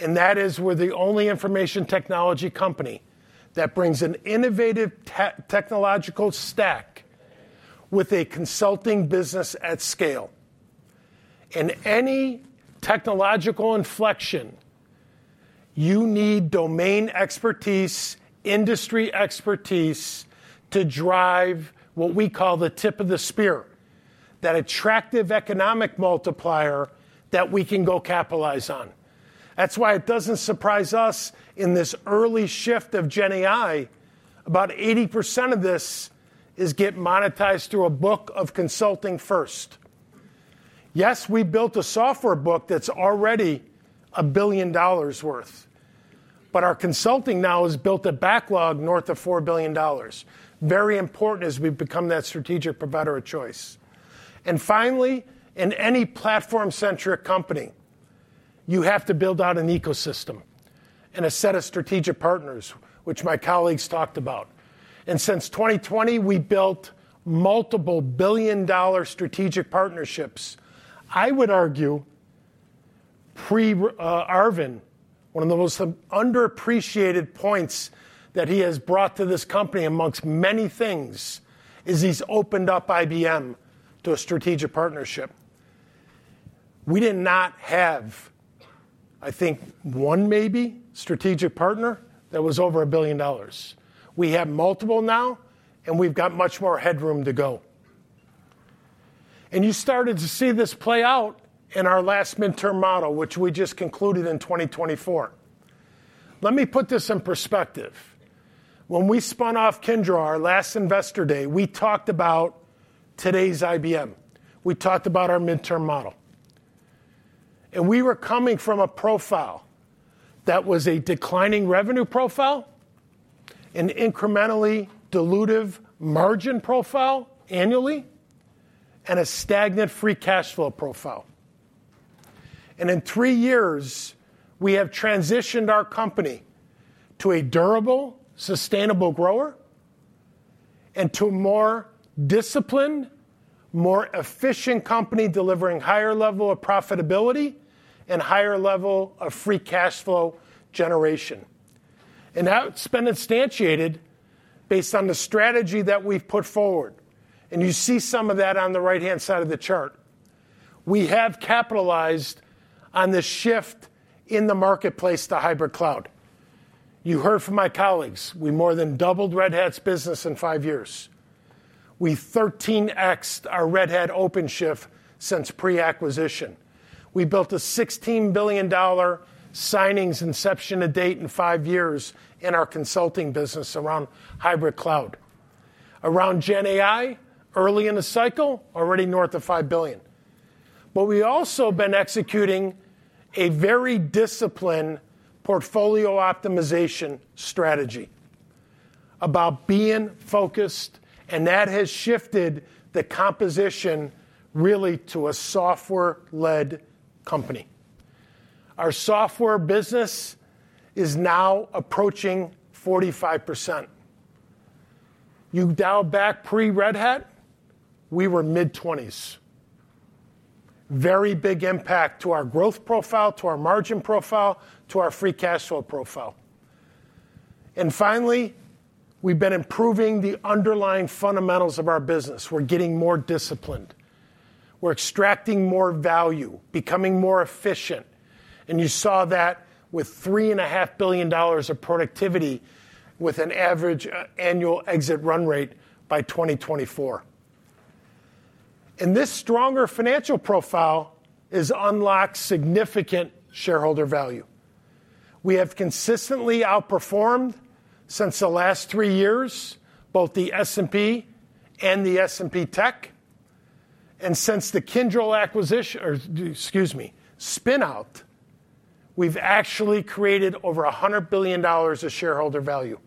And that is we're the only information technology company that brings an innovative technological stack with a consulting business at scale. In any technological inflection, you need domain expertise, industry expertise to drive what we call the tip of the spear, that attractive economic multiplier that we can go capitalize on. That's why it doesn't surprise us in this early shift of GenAI; about 80% of this is getting monetized through a book of consulting first. Yes, we built a software book that's already $1 billion worth, but our consulting now has built a backlog north of $4 billion. Very important as we've become that strategic provider of choice, and finally, in any platform-centric company, you have to build out an ecosystem and a set of strategic partners, which my colleagues talked about, and since 2020, we built multiple billion-dollar strategic partnerships. I would argue pre-Arvind, one of the most underappreciated points that he has brought to this company amongst many things is he's opened up IBM to a strategic partnership. We did not have, I think, one, maybe strategic partner that was over $1 billion. We have multiple now, and we've got much more headroom to go. And you started to see this play out in our last midterm model, which we just concluded in 2024. Let me put this in perspective. When we spun off Kyndryl, our last investor day, we talked about today's IBM. We talked about our midterm model. And we were coming from a profile that was a declining revenue profile, an incrementally dilutive margin profile annually, and a stagnant free cash flow profile. In three years, we have transitioned our company to a durable, sustainable grower and to a more disciplined, more efficient company delivering higher level of profitability and higher level of free cash flow generation. That's been instantiated based on the strategy that we've put forward. You see some of that on the right-hand side of the chart. We have capitalized on the shift in the marketplace to hybrid cloud. You heard from my colleagues. We more than doubled Red Hat's business in five years. We 13xed our Red Hat OpenShift since pre-acquisition. We built a $16 billion signings inception to date in five years in our consulting business around hybrid cloud. Around GenAI, early in the cycle, already north of $5 billion. But we've also been executing a very disciplined portfolio optimization strategy about being focused, and that has shifted the composition really to a software-led company. Our software business is now approaching 45%. You dial back pre-Red Hat, we were mid-20s. Very big impact to our growth profile, to our margin profile, to our free cash flow profile. And finally, we've been improving the underlying fundamentals of our business. We're getting more disciplined. We're extracting more value, becoming more efficient. And you saw that with $3.5 billion of productivity with an average annual exit run rate by 2024. And this stronger financial profile has unlocked significant shareholder value. We have consistently outperformed since the last three years, both the S&P and the S&P Tech. And since the Kyndryl acquisition, or excuse me, spinout, we've actually created over $100 billion of shareholder value.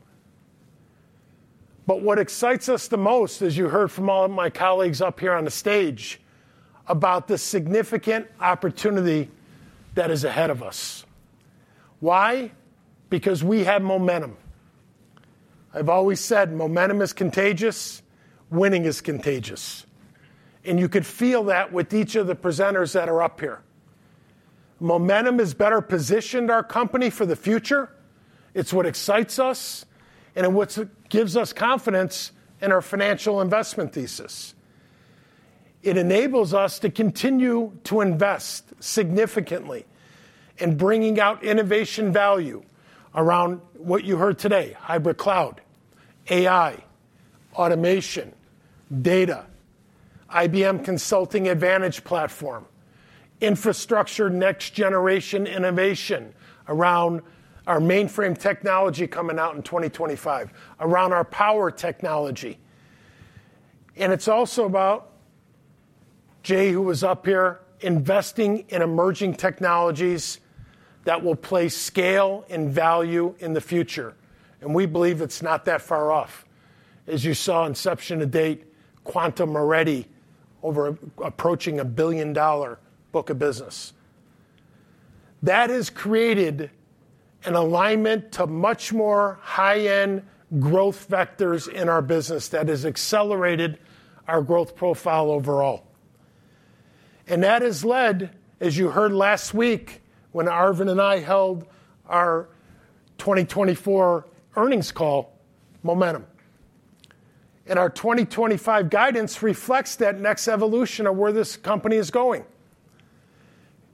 But what excites us the most, as you heard from all of my colleagues up here on the stage, about the significant opportunity that is ahead of us. Why? Because we have momentum. I've always said momentum is contagious. Winning is contagious. And you could feel that with each of the presenters that are up here. Momentum has better positioned our company for the future. It's what excites us and what gives us confidence in our financial investment thesis. It enables us to continue to invest significantly in bringing out innovation value around what you heard today, hybrid cloud, AI, automation, data, IBM Consulting Advantage platform, infrastructure next-generation innovation around our mainframe technology coming out in 2025, around our Power technology. And it's also about Jay, who was up here, investing in emerging technologies that will play scale and value in the future. And we believe it's not that far off. As you saw inception to date, Quantum already approaching a $1 billion book of business. That has created an alignment to much more high-end growth vectors in our business that has accelerated our growth profile overall, and that has led, as you heard last week when Arvind and I held our 2024 earnings call, momentum. Our 2025 guidance reflects that next evolution of where this company is going.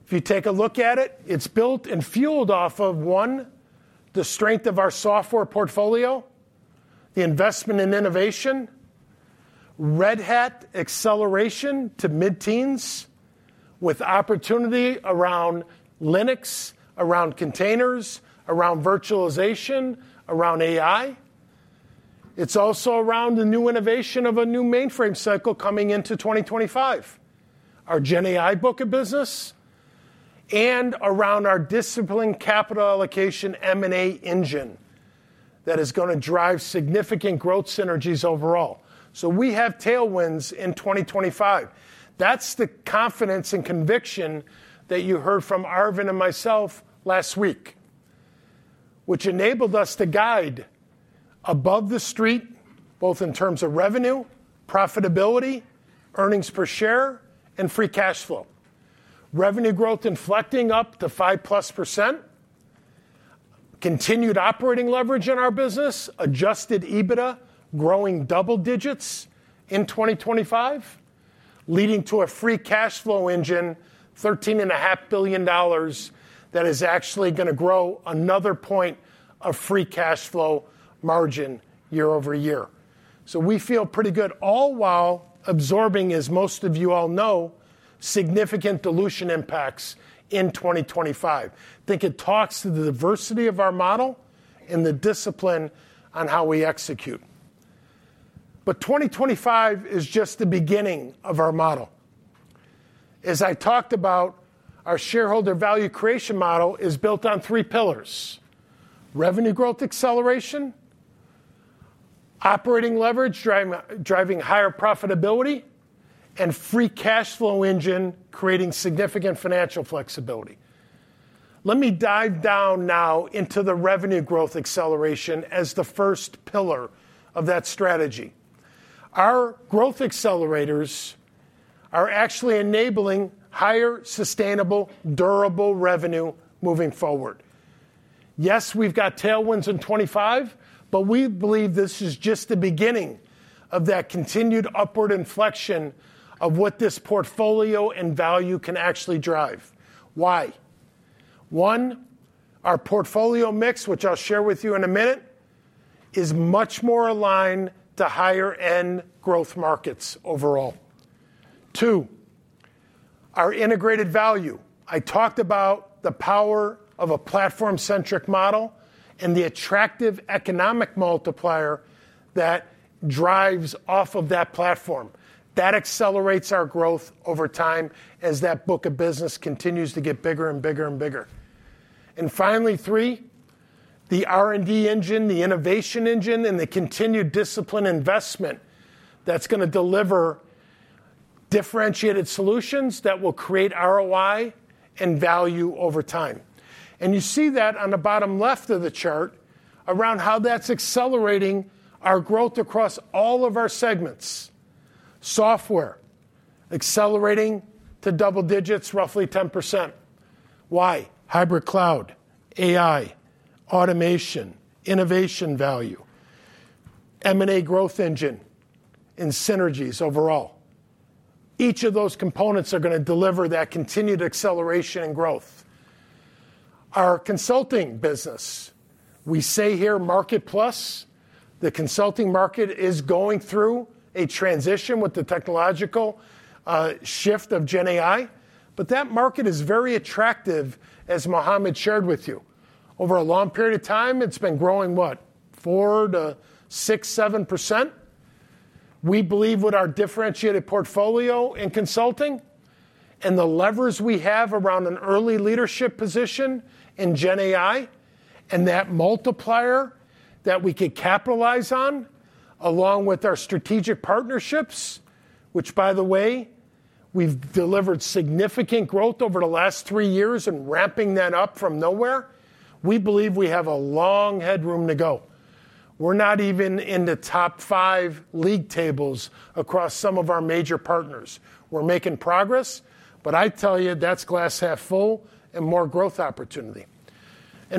If you take a look at it, it's built and fueled off of, one, the strength of our software portfolio, the investment in innovation, Red Hat acceleration to mid-teens with opportunity around Linux, around containers, around virtualization, around AI. It's also around the new innovation of a new mainframe cycle coming into 2025, our GenAI book of business, and around our disciplined capital allocation M&A engine that is going to drive significant growth synergies overall. We have tailwinds in 2025. That's the confidence and conviction that you heard from Arvind and myself last week, which enabled us to guide above the street, both in terms of revenue, profitability, earnings per share, and free cash flow. Revenue growth inflecting up to 5% plus, continued operating leverage in our business, adjusted EBITDA growing double digits in 2025, leading to a free cash flow engine, $13.5 billion that is actually going to grow another point of free cash flow margin year-over-year, so we feel pretty good, all while absorbing, as most of you all know, significant dilution impacts in 2025. I think it talks to the diversity of our model and the discipline on how we execute, but 2025 is just the beginning of our model. As I talked about, our shareholder value creation model is built on three pillars: revenue growth acceleration, operating leverage driving higher profitability, and free cash flow engine creating significant financial flexibility. Let me dive down now into the revenue growth acceleration as the first pillar of that strategy. Our growth accelerators are actually enabling higher, sustainable, durable revenue moving forward. Yes, we've got tailwinds in 2025, but we believe this is just the beginning of that continued upward inflection of what this portfolio and value can actually drive. Why? One, our portfolio mix, which I'll share with you in a minute, is much more aligned to higher-end growth markets overall. Two, our integrated value. I talked about the power of a platform-centric model and the attractive economic multiplier that drives off of that platform. That accelerates our growth over time as that book of business continues to get bigger and bigger and bigger. And finally, three, the R&D engine, the innovation engine, and the continued discipline investment that's going to deliver differentiated solutions that will create ROI and value over time. And you see that on the bottom left of the chart around how that's accelerating our growth across all of our segments. Software accelerating to double digits, roughly 10%. Why? Hybrid cloud, AI, automation, innovation value, M&A growth engine, and synergies overall. Each of those components are going to deliver that continued acceleration and growth. Our consulting business, we say here market plus, the consulting market is going through a transition with the technological shift of GenAI, but that market is very attractive, as Mohamad shared with you. Over a long period of time, it's been growing what? 4-7%. We believe with our differentiated portfolio in consulting and the levers we have around an early leadership position in GenAI and that multiplier that we could capitalize on, along with our strategic partnerships, which, by the way, we've delivered significant growth over the last three years and ramping that up from nowhere, we believe we have a long headroom to go. We're not even in the top five league tables across some of our major partners. We're making progress, but I tell you, that's glass half full and more growth opportunity.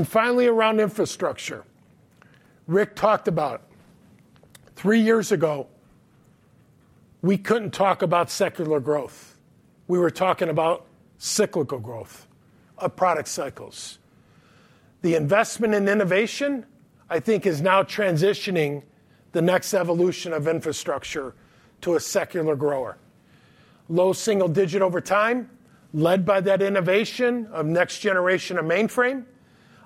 Finally, around infrastructure, Ric talked about three years ago, we couldn't talk about secular growth. We were talking about cyclical growth of product cycles. The investment in innovation, I think, is now transitioning the next evolution of infrastructure to a secular grower. Low single digit over time, led by that innovation of next generation of mainframe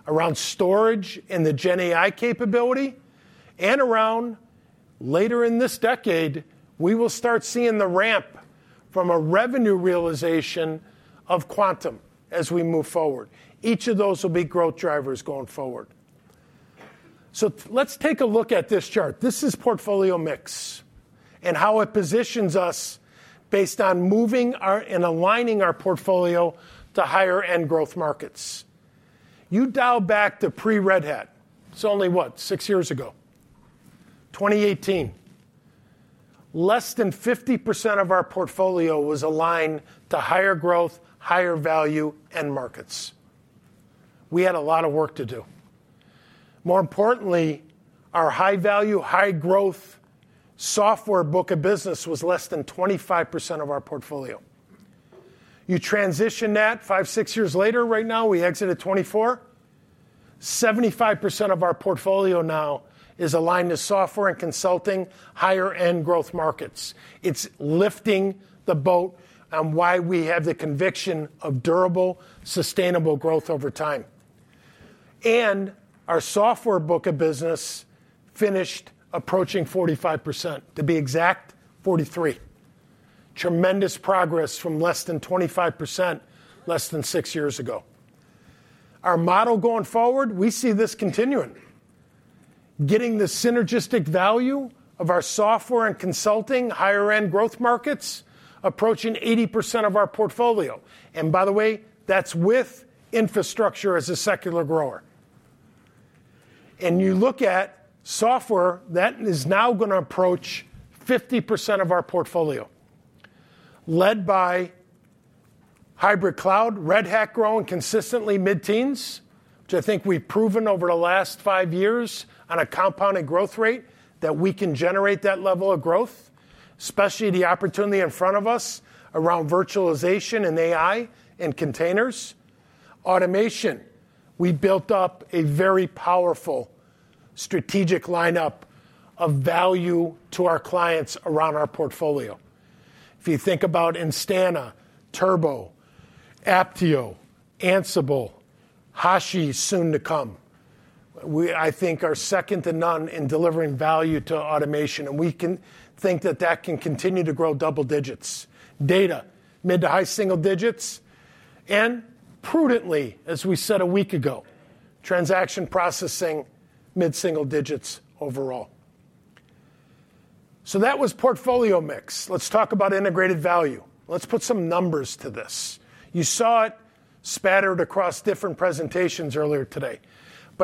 around storage and the GenAI capability, and around later in this decade, we will start seeing the ramp from a revenue realization of Quantum as we move forward. Each of those will be growth drivers going forward. So let's take a look at this chart. This is portfolio mix and how it positions us based on moving and aligning our portfolio to higher-end growth markets. You dial back to pre-Red Hat. It's only what? Six years ago, 2018. Less than 50% of our portfolio was aligned to higher growth, higher value, and markets. We had a lot of work to do. More importantly, our high-value, high-growth software book of business was less than 25% of our portfolio. You transition that five, six years later. Right now, we exit at 24. 75% of our portfolio now is aligned to software and consulting, higher-end growth markets. It's lifting the boat on why we have the conviction of durable, sustainable growth over time. And our software book of business finished approaching 45%, to be exact, 43%. Tremendous progress from less than 25% less than six years ago. Our model going forward, we see this continuing. Getting the synergistic value of our software and consulting, higher-end growth markets approaching 80% of our portfolio. And by the way, that's with infrastructure as a secular grower. And you look at software that is now going to approach 50% of our portfolio, led by hybrid cloud, Red Hat growing consistently mid-teens, which I think we've proven over the last five years on a compounded growth rate that we can generate that level of growth, especially the opportunity in front of us around virtualization and AI and containers. Automation. We built up a very powerful strategic lineup of value to our clients around our portfolio. If you think about Instana, Turbonomic, Apptio, Ansible, HashiCorp soon to come, I think we're second to none in delivering value to automation. We can think that that can continue to grow double digits. Data, mid- to high-single digits. Prudently, as we said a week ago, transaction processing, mid-single digits overall. That was portfolio mix. Let's talk about integrated value. Let's put some numbers to this. You saw it scattered across different presentations earlier today.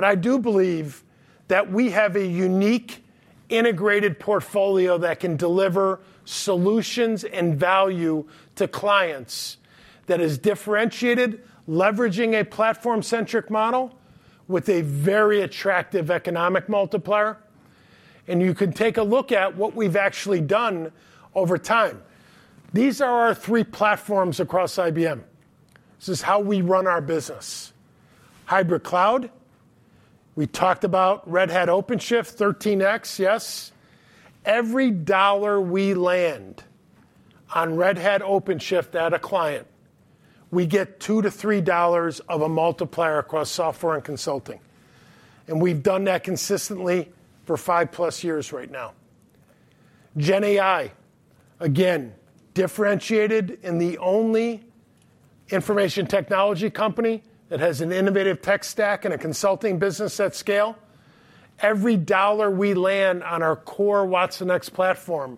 I do believe that we have a unique integrated portfolio that can deliver solutions and value to clients that is differentiated, leveraging a platform-centric model with a very attractive economic multiplier. You can take a look at what we've actually done over time. These are our three platforms across IBM. This is how we run our business. Hybrid cloud, we talked about Red Hat OpenShift, 13x, yes. Every dollar we land on Red Hat OpenShift at a client, we get two to three dollars of a multiplier across software and consulting, and we've done that consistently for five plus years right now. GenAI, again, differentiated in the only information technology company that has an innovative tech stack and a consulting business at scale. Every dollar we land on our core watsonx platform,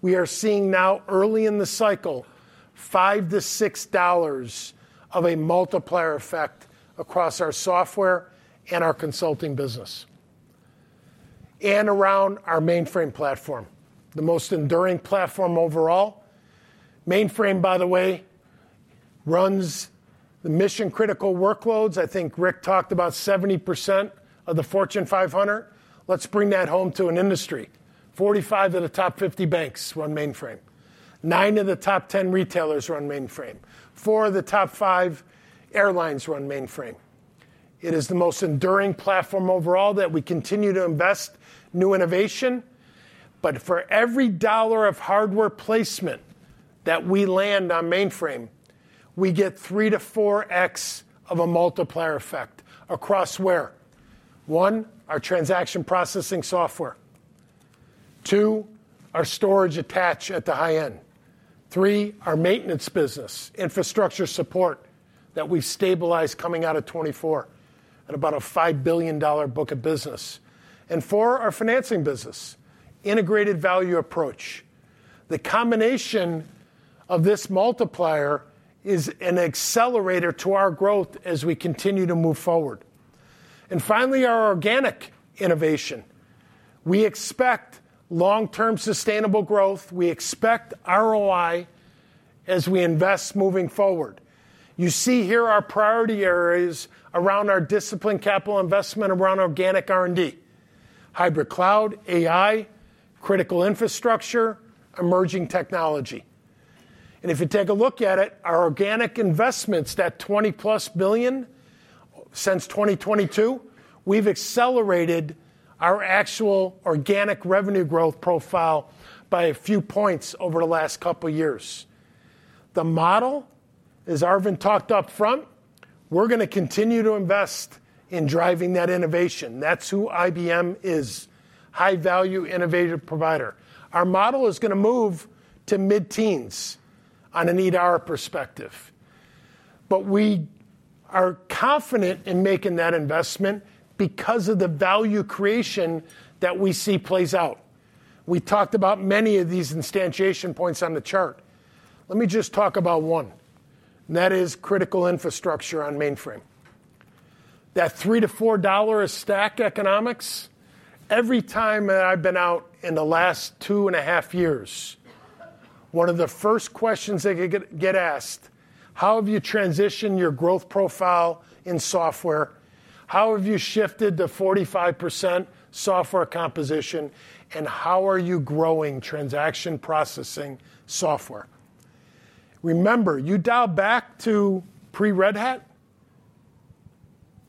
we are seeing now early in the cycle, five to six dollars of a multiplier effect across our software and our consulting business, and around our mainframe platform, the most enduring platform overall. Mainframe, by the way, runs the mission-critical workloads. I think Ric talked about 70% of the Fortune 500. Let's bring that home to an industry. 45 of the top 50 banks run mainframe. Nine of the top 10 retailers run mainframe. Four of the top five airlines run mainframe. It is the most enduring platform overall that we continue to invest new innovation. But for every dollar of hardware placement that we land on mainframe, we get three to four x of a multiplier effect across where? One, our transaction processing software. Two, our storage attached at the high end. Three, our maintenance business, infrastructure support that we've stabilized coming out of 2024 at about a $5 billion book of business. And four, our financing business, integrated value approach. The combination of this multiplier is an accelerator to our growth as we continue to move forward. And finally, our organic innovation. We expect long-term sustainable growth. We expect ROI as we invest moving forward. You see here our priority areas around our disciplined capital investment around organic R&D, hybrid cloud, AI, critical infrastructure, emerging technology. If you take a look at it, our organic investments, that $20+ billion since 2022, we've accelerated our actual organic revenue growth profile by a few points over the last couple of years. The model is Arvind talked up front. We're going to continue to invest in driving that innovation. That's who IBM is, high-value innovative provider. Our model is going to move to mid-teens on an eight-year perspective. But we are confident in making that investment because of the value creation that we see plays out. We talked about many of these instantiation points on the chart. Let me just talk about one, and that is critical infrastructure on mainframe. That $3-$4 stack economics. Every time that I've been out in the last two and a half years, one of the first questions they get asked is, how have you transitioned your growth profile in software? How have you shifted to 45% software composition? And how are you growing transaction processing software? Remember, you dial back to pre-Red Hat.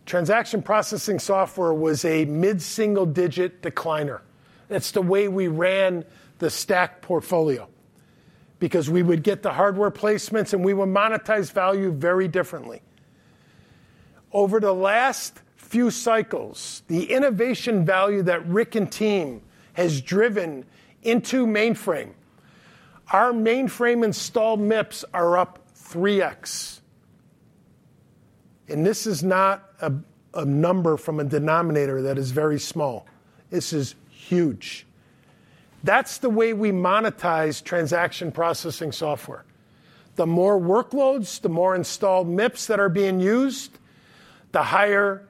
Transaction processing software was a mid-single digit decliner. That's the way we ran the stack portfolio because we would get the hardware placements and we would monetize value very differently. Over the last few cycles, the innovation value that Ric and team has driven into mainframe, our mainframe installed MIPS are up 3x. And this is not a number from a denominator that is very small. This is huge. That's the way we monetize transaction processing software. The more workloads, the more installed MIPS that are being used, the higher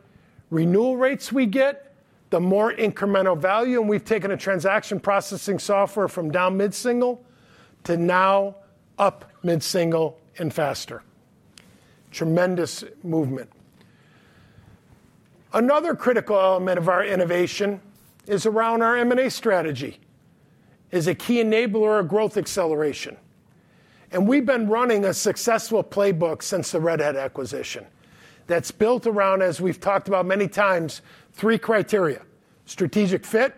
renewal rates we get, the more incremental value. We've taken a transaction processing software from down mid-single to now up mid-single and faster. Tremendous movement. Another critical element of our innovation is around our M&A strategy, a key enabler of growth acceleration. We've been running a successful playbook since the Red Hat acquisition that's built around, as we've talked about many times, three criteria: strategic fit,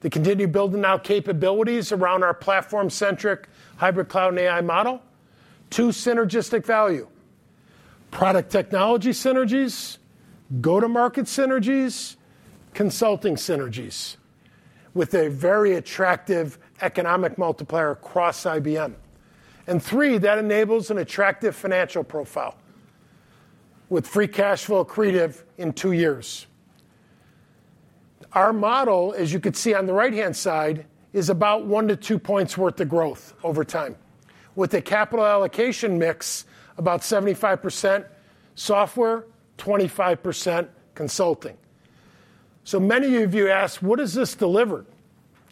the continued build and new capabilities around our platform-centric hybrid cloud and AI model, two synergistic value, product technology synergies, go-to-market synergies, consulting synergies with a very attractive economic multiplier across IBM. And three, that enables an attractive financial profile with free cash flow accretive in two years. Our model, as you can see on the right-hand side, is about one to two points worth of growth over time with a capital allocation mix about 75% software, 25% consulting. So many of you asked, what does this deliver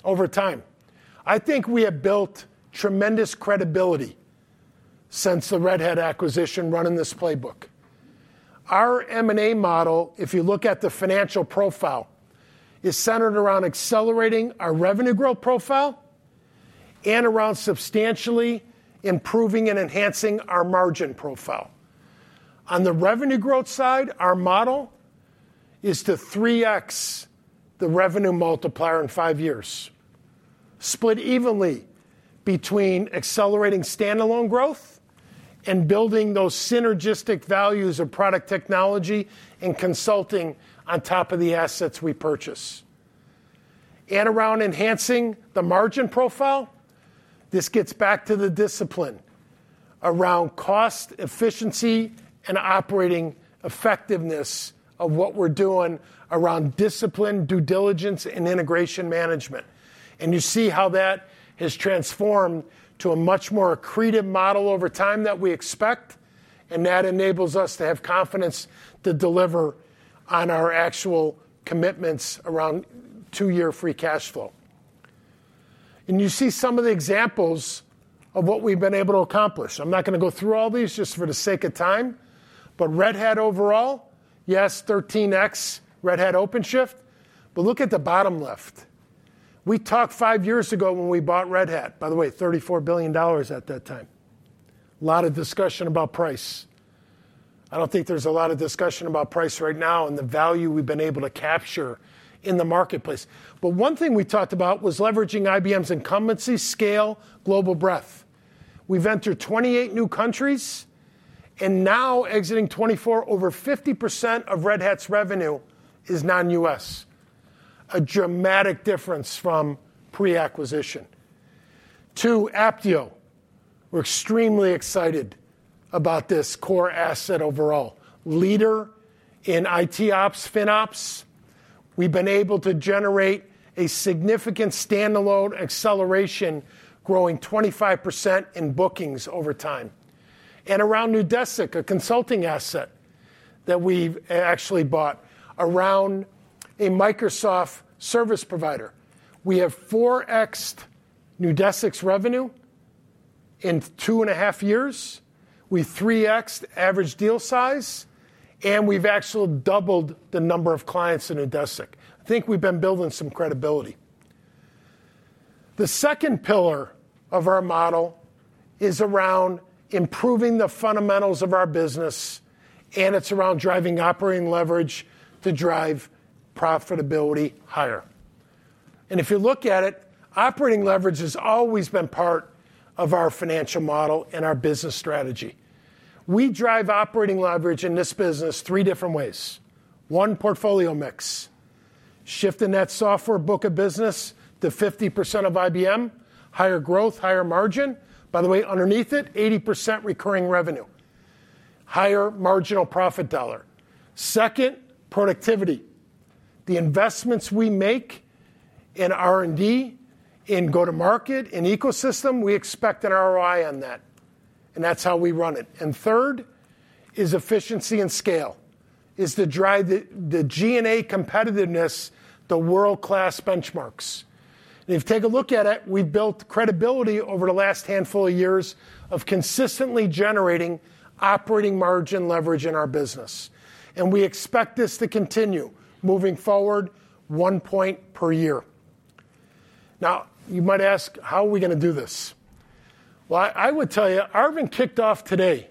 over time? I think we have built tremendous credibility since the Red Hat acquisition running this playbook. Our M&A model, if you look at the financial profile, is centered around accelerating our revenue growth profile and around substantially improving and enhancing our margin profile. On the revenue growth side, our model is to 3x the revenue multiplier in five years, split evenly between accelerating standalone growth and building those synergistic values of product technology and consulting on top of the assets we purchase. And around enhancing the margin profile, this gets back to the discipline around cost, efficiency, and operating effectiveness of what we're doing around discipline, due diligence, and integration management. And you see how that has transformed to a much more accretive model over time that we expect. And that enables us to have confidence to deliver on our actual commitments around two-year free cash flow. And you see some of the examples of what we've been able to accomplish. I'm not going to go through all these just for the sake of time. But Red Hat overall, yes, 13x, Red Hat OpenShift. But look at the bottom left. We talked five years ago when we bought Red Hat, by the way, $34 billion at that time. A lot of discussion about price. I don't think there's a lot of discussion about price right now and the value we've been able to capture in the marketplace. But one thing we talked about was leveraging IBM's incumbency scale, global breadth. We've entered 28 new countries and now exiting 24. Over 50% of Red Hat's revenue is non-US. A dramatic difference from pre-acquisition. To Apptio, we're extremely excited about this core asset overall. Leader in ITOps, FinOps. We've been able to generate a significant standalone acceleration, growing 25% in bookings over time. And around Neudesic, a consulting asset that we've actually bought around a Microsoft service provider. We have four x'd Neudesic's revenue in two and a half years. We've three x'd average deal size. And we've actually doubled the number of clients in Neudesic. I think we've been building some credibility. The second pillar of our model is around improving the fundamentals of our business. It's around driving operating leverage to drive profitability higher. If you look at it, operating leverage has always been part of our financial model and our business strategy. We drive operating leverage in this business three different ways. One, portfolio mix, shifting that software book of business to 50% of IBM, higher growth, higher margin. By the way, underneath it, 80% recurring revenue, higher marginal profit dollar. Second, productivity. The investments we make in R&D, in go-to-market, in ecosystem, we expect an ROI on that. That's how we run it. Third is efficiency and scale to drive the G&A competitiveness, the world-class benchmarks. If you take a look at it, we've built credibility over the last handful of years of consistently generating operating margin leverage in our business. We expect this to continue moving forward one point per year. Now, you might ask, how are we going to do this? Well, I would tell you, Arvind kicked off today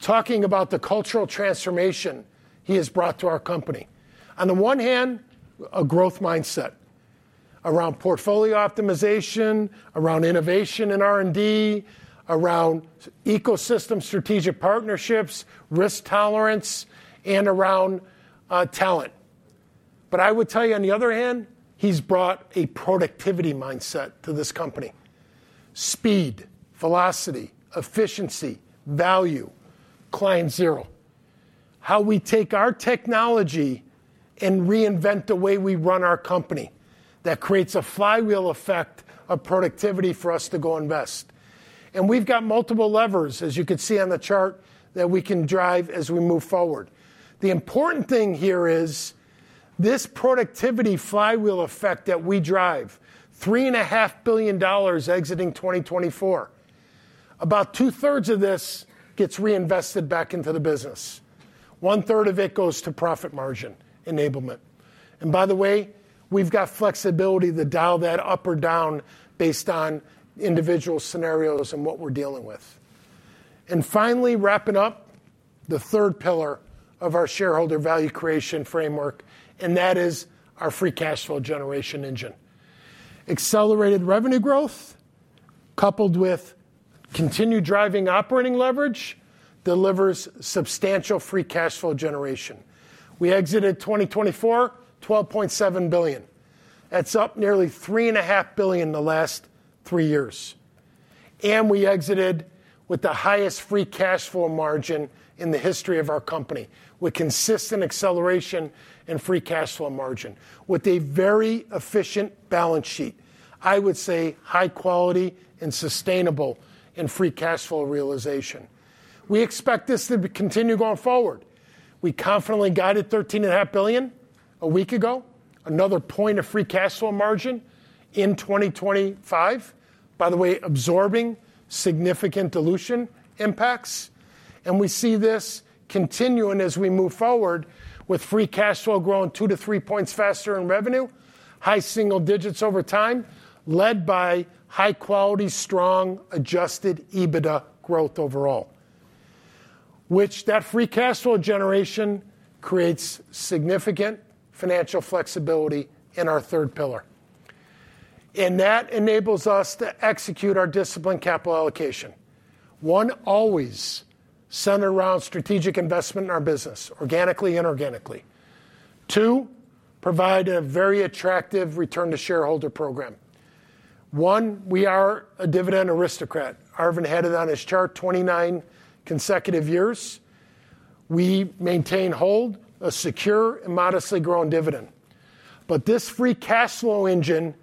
talking about the cultural transformation he has brought to our company. On the one hand, a growth mindset around portfolio optimization, around innovation and R&D, around ecosystem strategic partnerships, risk tolerance, and around talent. But I would tell you, on the other hand, he's brought a productivity mindset to this company. Speed, velocity, efficiency, value, client zero. How we take our technology and reinvent the way we run our company that creates a flywheel effect of productivity for us to go invest. And we've got multiple levers, as you can see on the chart, that we can drive as we move forward. The important thing here is this productivity flywheel effect that we drive, $3.5 billion exiting 2024. About two-thirds of this gets reinvested back into the business. One-third of it goes to profit margin enablement. And by the way, we've got flexibility to dial that up or down based on individual scenarios and what we're dealing with. And finally, wrapping up the third pillar of our shareholder value creation framework, and that is our free cash flow generation engine. Accelerated revenue growth coupled with continued driving operating leverage delivers substantial free cash flow generation. We exited 2024, $12.7 billion. That's up nearly $3.5 billion in the last three years. And we exited with the highest free cash flow margin in the history of our company with consistent acceleration in free cash flow margin with a very efficient balance sheet. I would say high quality and sustainable in free cash flow realization. We expect this to continue going forward. We confidently guided $13.5 billion a week ago, another point of free cash flow margin in 2025. By the way, absorbing significant dilution impacts. We see this continuing as we move forward with free cash flow growing two-to-three points faster in revenue, high single digits over time, led by high quality, strong, adjusted EBITDA growth overall, which that free cash flow generation creates significant financial flexibility in our third pillar. That enables us to execute our disciplined capital allocation. One, always centered around strategic investment in our business, organically, inorganically. Two, provide a very attractive return to shareholder program. One, we are a dividend aristocrat. Arvind had it on his chart, 29 consecutive years. We maintain, hold a secure and modestly grown dividend. But this free cash flow engine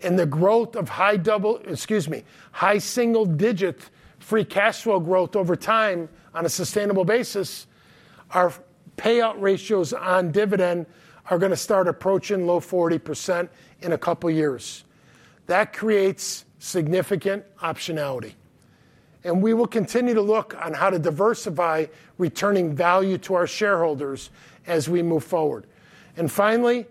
and the growth of high double, excuse me, high single digit free cash flow growth over time on a sustainable basis, our payout ratios on dividend are going to start approaching low 40% in a couple of years. That creates significant optionality. And we will continue to look on how to diversify returning value to our shareholders as we move forward. And finally,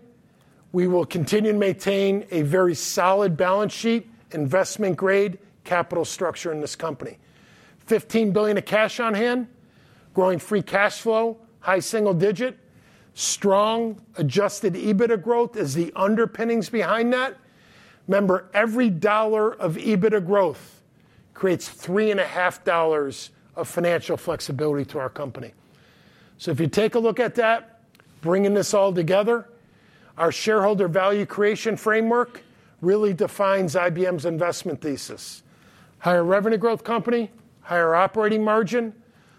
we will continue to maintain a very solid balance sheet, investment grade, capital structure in this company. $15 billion of cash on hand, growing free cash flow, high single digit, strong adjusted EBITDA growth as the underpinnings behind that. Remember, every dollar of EBITDA growth creates $3.5 of financial flexibility to our company. So if you take a look at that, bringing this all together, our shareholder value creation framework really defines IBM's investment thesis. Higher revenue growth company, higher operating margin,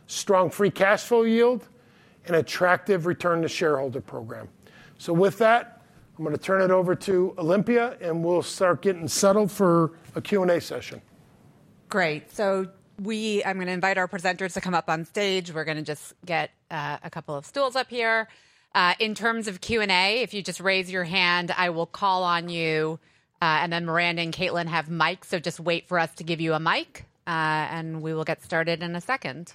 strong free cash flow yield, and attractive return to shareholder program. So with that, I'm going to turn it over to Olympia, and we'll start getting settled for a Q&A session. Great. So I'm going to invite our presenters to come up on stage. We're going to just get a couple of stools up here. In terms of Q&A, if you just raise your hand, I will call on you. And then Miranda and Caitlin have mics, so just wait for us to give you a mic. And we will get started in a second.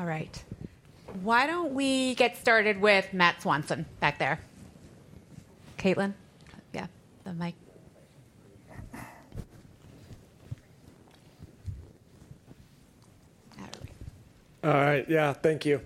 Uh-oh. Hands are up already. Okay. All right. Why don't we get started with Matt Swanson back there? Caitlin, yeah, the mic. All right. Yeah, thank you.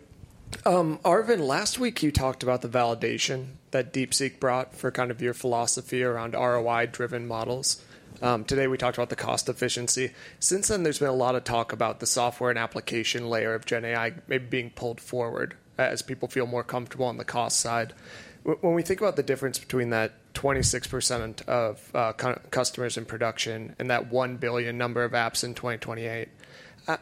Arvind, last week you talked about the validation that DeepSeek brought for kind of your philosophy around ROI-driven models. Today we talked about the cost efficiency. Since then, there's been a lot of talk about the software and application layer of GenAI maybe being pulled forward as people feel more comfortable on the cost side. When we think about the difference between that 26% of customers in production and that 1 billion number of apps in 2028,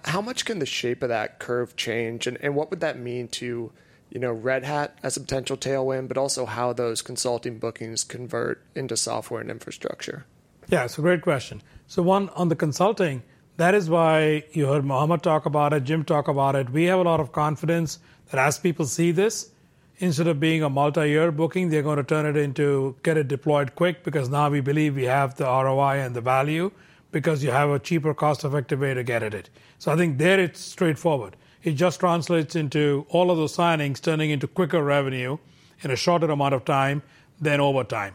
how much can the shape of that curve change? And what would that mean to Red Hat as a potential tailwind, but also how those consulting bookings convert into software and infrastructure? Yeah, it's a great question. So one, on the consulting, that is why you heard Mohamad talk about it, Jim talk about it. We have a lot of confidence that as people see this, instead of being a multi-year booking, they're going to turn it into, get it deployed quick because now we believe we have the ROI and the value because you have a cheaper, cost-effective way to get at it. So I think there it's straightforward. It just translates into all of those signings turning into quicker revenue in a shorter amount of time than over time.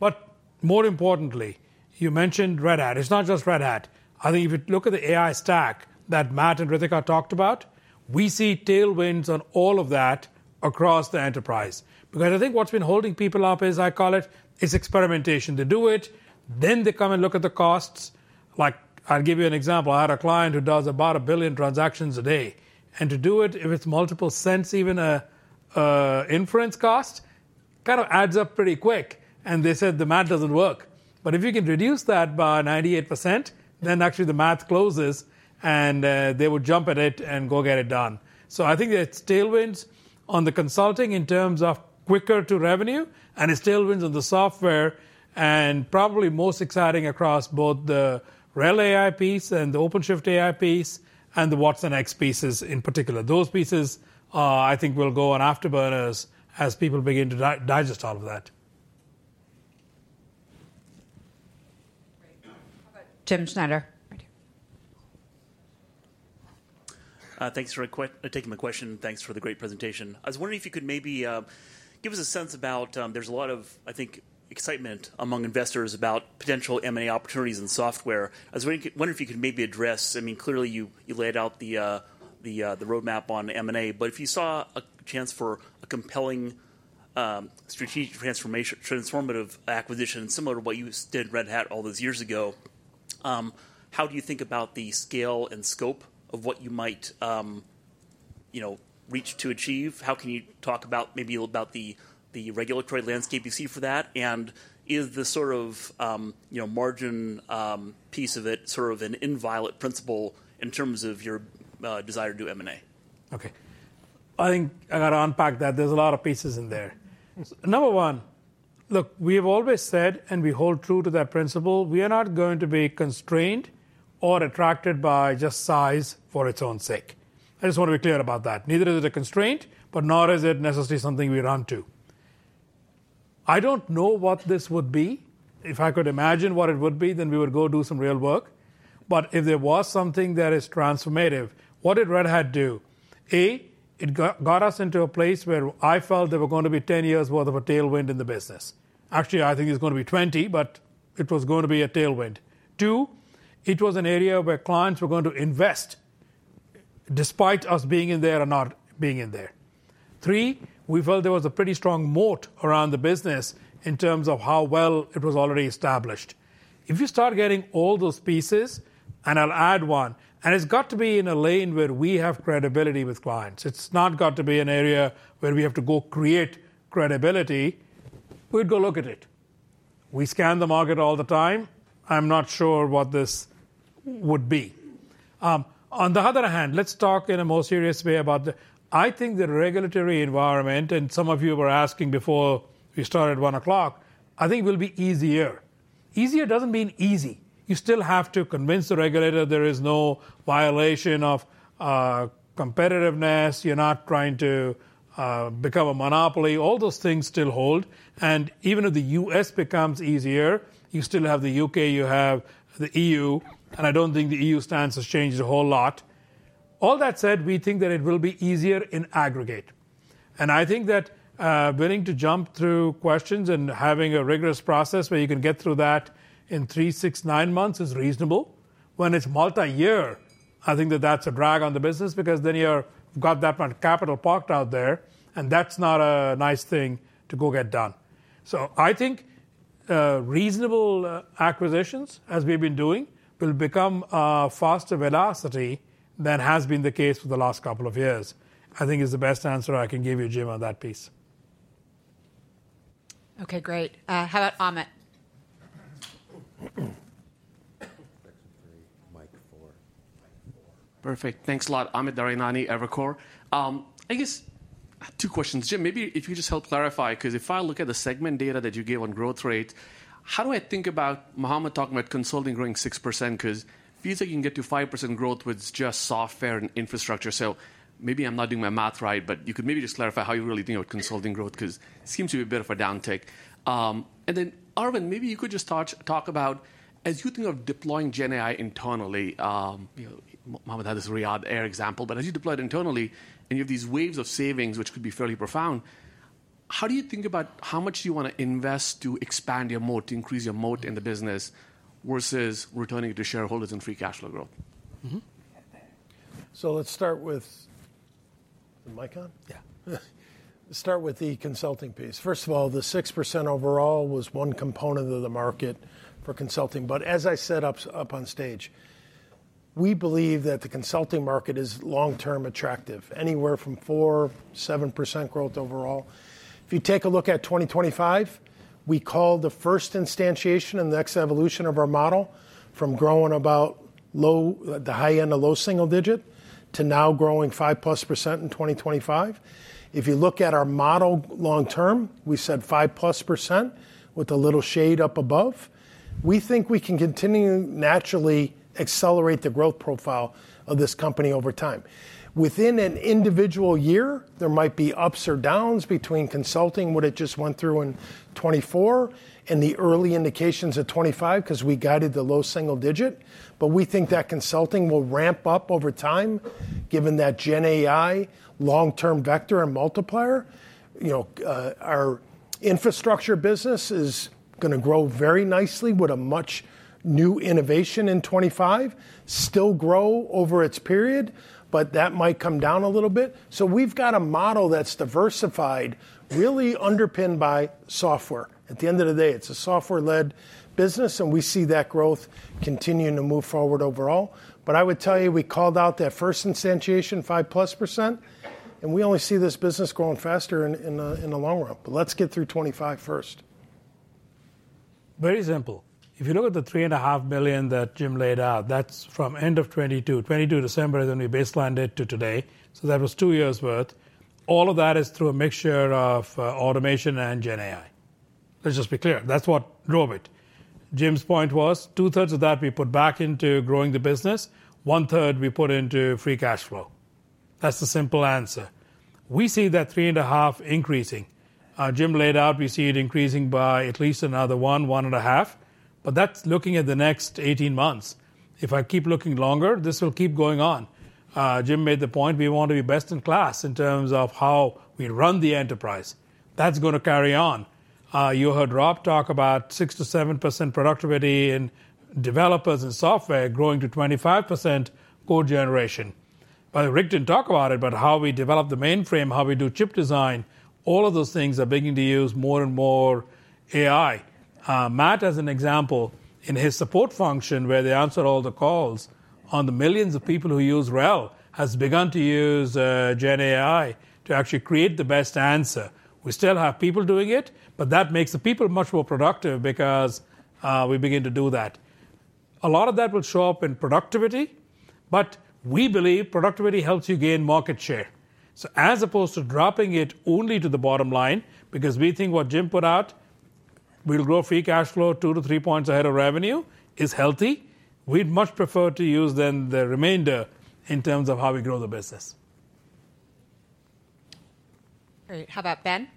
But more importantly, you mentioned Red Hat. It's not just Red Hat. I think if you look at the AI stack that Matt and Ritika talked about, we see tailwinds on all of that across the enterprise. Because I think what's been holding people up is, I call it, it's experimentation. They do it, then they come and look at the costs. Like I'll give you an example. I had a client who does about a billion transactions a day, and to do it, if it's multiple cents, even an inference cost, kind of adds up pretty quick, and they said the math doesn't work, but if you can reduce that by 98%, then actually the math closes and they would jump at it and go get it done, so I think there's tailwinds on the consulting in terms of quicker to revenue and there's tailwinds on the software and probably most exciting across both the RHEL AI piece and the OpenShift AI piece and the watsonx pieces in particular. Those pieces, I think, will go on afterburners as people begin to digest all of that. Jim Schneider. Thanks for taking my question. Thanks for the great presentation. I was wondering if you could maybe give us a sense about there's a lot of, I think, excitement among investors about potential M&A opportunities in software. I was wondering if you could maybe address, I mean, clearly you laid out the roadmap on M&A, but if you saw a chance for a compelling strategic transformative acquisition similar to what you did Red Hat all those years ago, how do you think about the scale and scope of what you might reach to achieve? How can you talk about maybe about the regulatory landscape you see for that? And is the sort of margin piece of it sort of an inviolate principle in terms of your desire to do M&A? Okay. I think I got to unpack that. There's a lot of pieces in there. Number one, look, we have always said and we hold true to that principle, we are not going to be constrained or attracted by just size for its own sake. I just want to be clear about that. Neither is it a constraint, but nor is it necessarily something we run to. I don't know what this would be. If I could imagine what it would be, then we would go do some real work. But if there was something that is transformative, what did Red Hat do? A, it got us into a place where I felt there were going to be 10 years' worth of a tailwind in the business. Actually, I think it's going to be 20, but it was going to be a tailwind. Two, it was an area where clients were going to invest despite us being in there or not being in there. Three, we felt there was a pretty strong moat around the business in terms of how well it was already established. If you start getting all those pieces, and I'll add one, and it's got to be in a lane where we have credibility with clients. It's not got to be an area where we have to go create credibility. We'd go look at it. We scan the market all the time. I'm not sure what this would be. On the other hand, let's talk in a more serious way about the, I think the regulatory environment, and some of you were asking before we started 1:00 P.M., I think will be easier. Easier doesn't mean easy. You still have to convince the regulator there is no violation of competitiveness. You're not trying to become a monopoly. All those things still hold. And even if the U.S. becomes easier, you still have the U.K., you have the E.U., and I don't think the E.U. stance has changed a whole lot. All that said, we think that it will be easier in aggregate. And I think that willing to jump through questions and having a rigorous process where you can get through that in three, six, nine months is reasonable. When it's multi-year, I think that that's a drag on the business because then you've got that much capital parked out there, and that's not a nice thing to go get done. So I think reasonable acquisitions, as we've been doing, will become a faster velocity than has been the case for the last couple of years. I think is the best answer I can give you, Jim, on that piece. Okay, great. How about Amit? Perfect. Thanks a lot. Amit Daryanani, Evercore. I guess two questions. Jim, maybe if you could just help clarify, because if I look at the segment data that you gave on growth rate, how do I think about Mohamad talking about consulting growing 6%? Because if you think you can get to 5% growth with just software and infrastructure, so maybe I'm not doing my math right, but you could maybe just clarify how you really think about consulting growth, because it seems to be a bit of a downtick. Then Arvind, maybe you could just talk about, as you think of deploying GenAI internally, Mohamad had this Riyadh Air example, but as you deploy it internally and you have these waves of savings, which could be fairly profound, how do you think about how much do you want to invest to expand your moat, to increase your moat in the business versus returning it to shareholders and free cash flow growth? So let's start with the mic on? Yeah. Let's start with the consulting piece. First of all, the 6% overall was one component of the market for consulting. But as I said up on stage, we believe that the consulting market is long-term attractive, anywhere from 4%-7% growth overall. If you take a look at 2025, we call the first instantiation and the next evolution of our model from growing about low, the high end of low single digit to now growing 5% plus in 2025. If you look at our model long-term, we said 5% plus with a little shade up above. We think we can continue to naturally accelerate the growth profile of this company over time. Within an individual year, there might be ups or downs between consulting, what it just went through in 2024, and the early indications of 2025, because we guided the low single digit. But we think that consulting will ramp up over time, given that GenAI, long-term vector and multiplier, our infrastructure business is going to grow very nicely with much new innovation in 2025, still grow over its period, but that might come down a little bit. So we've got a model that's diversified, really underpinned by software. At the end of the day, it's a software-led business, and we see that growth continuing to move forward overall. But I would tell you, we called out that first instantiation, 5% plus percent, and we only see this business growing faster in the long run. But let's get through 2025 first. Very simple. If you look at the $3.5 billion that Jim laid out, that's from end of 2022, 2022 December, then we baselined it to today. So that was two years' worth. All of that is through a mixture of automation and GenAI. Let's just be clear. That's what drove it. Jim's point was two-thirds of that we put back into growing the business, one-third we put into free cash flow. That's the simple answer. We see that 3.5 increasing. Jim laid out, we see it increasing by at least another one, one and a half. But that's looking at the next 18 months. If I keep looking longer, this will keep going on. Jim made the point we want to be best in class in terms of how we run the enterprise. That's going to carry on. You heard Rob talk about 6%-7% productivity in developers and software growing to 25% code generation. By the way, Ric didn't talk about it, but how we develop the mainframe, how we do chip design, all of those things are beginning to use more and more AI. Matt, as an example, in his support function, where they answer all the calls on the millions of people who use RHEL, has begun to use GenAI to actually create the best answer. We still have people doing it, but that makes the people much more productive because we begin to do that. A lot of that will show up in productivity, but we believe productivity helps you gain market share. So as opposed to dropping it only to the bottom line, because we think what Jim put out, we'll grow free cash flow two to three points ahead of revenue, is healthy. We'd much prefer to use then the remainder in terms of how we grow the business. All right. How about Ben?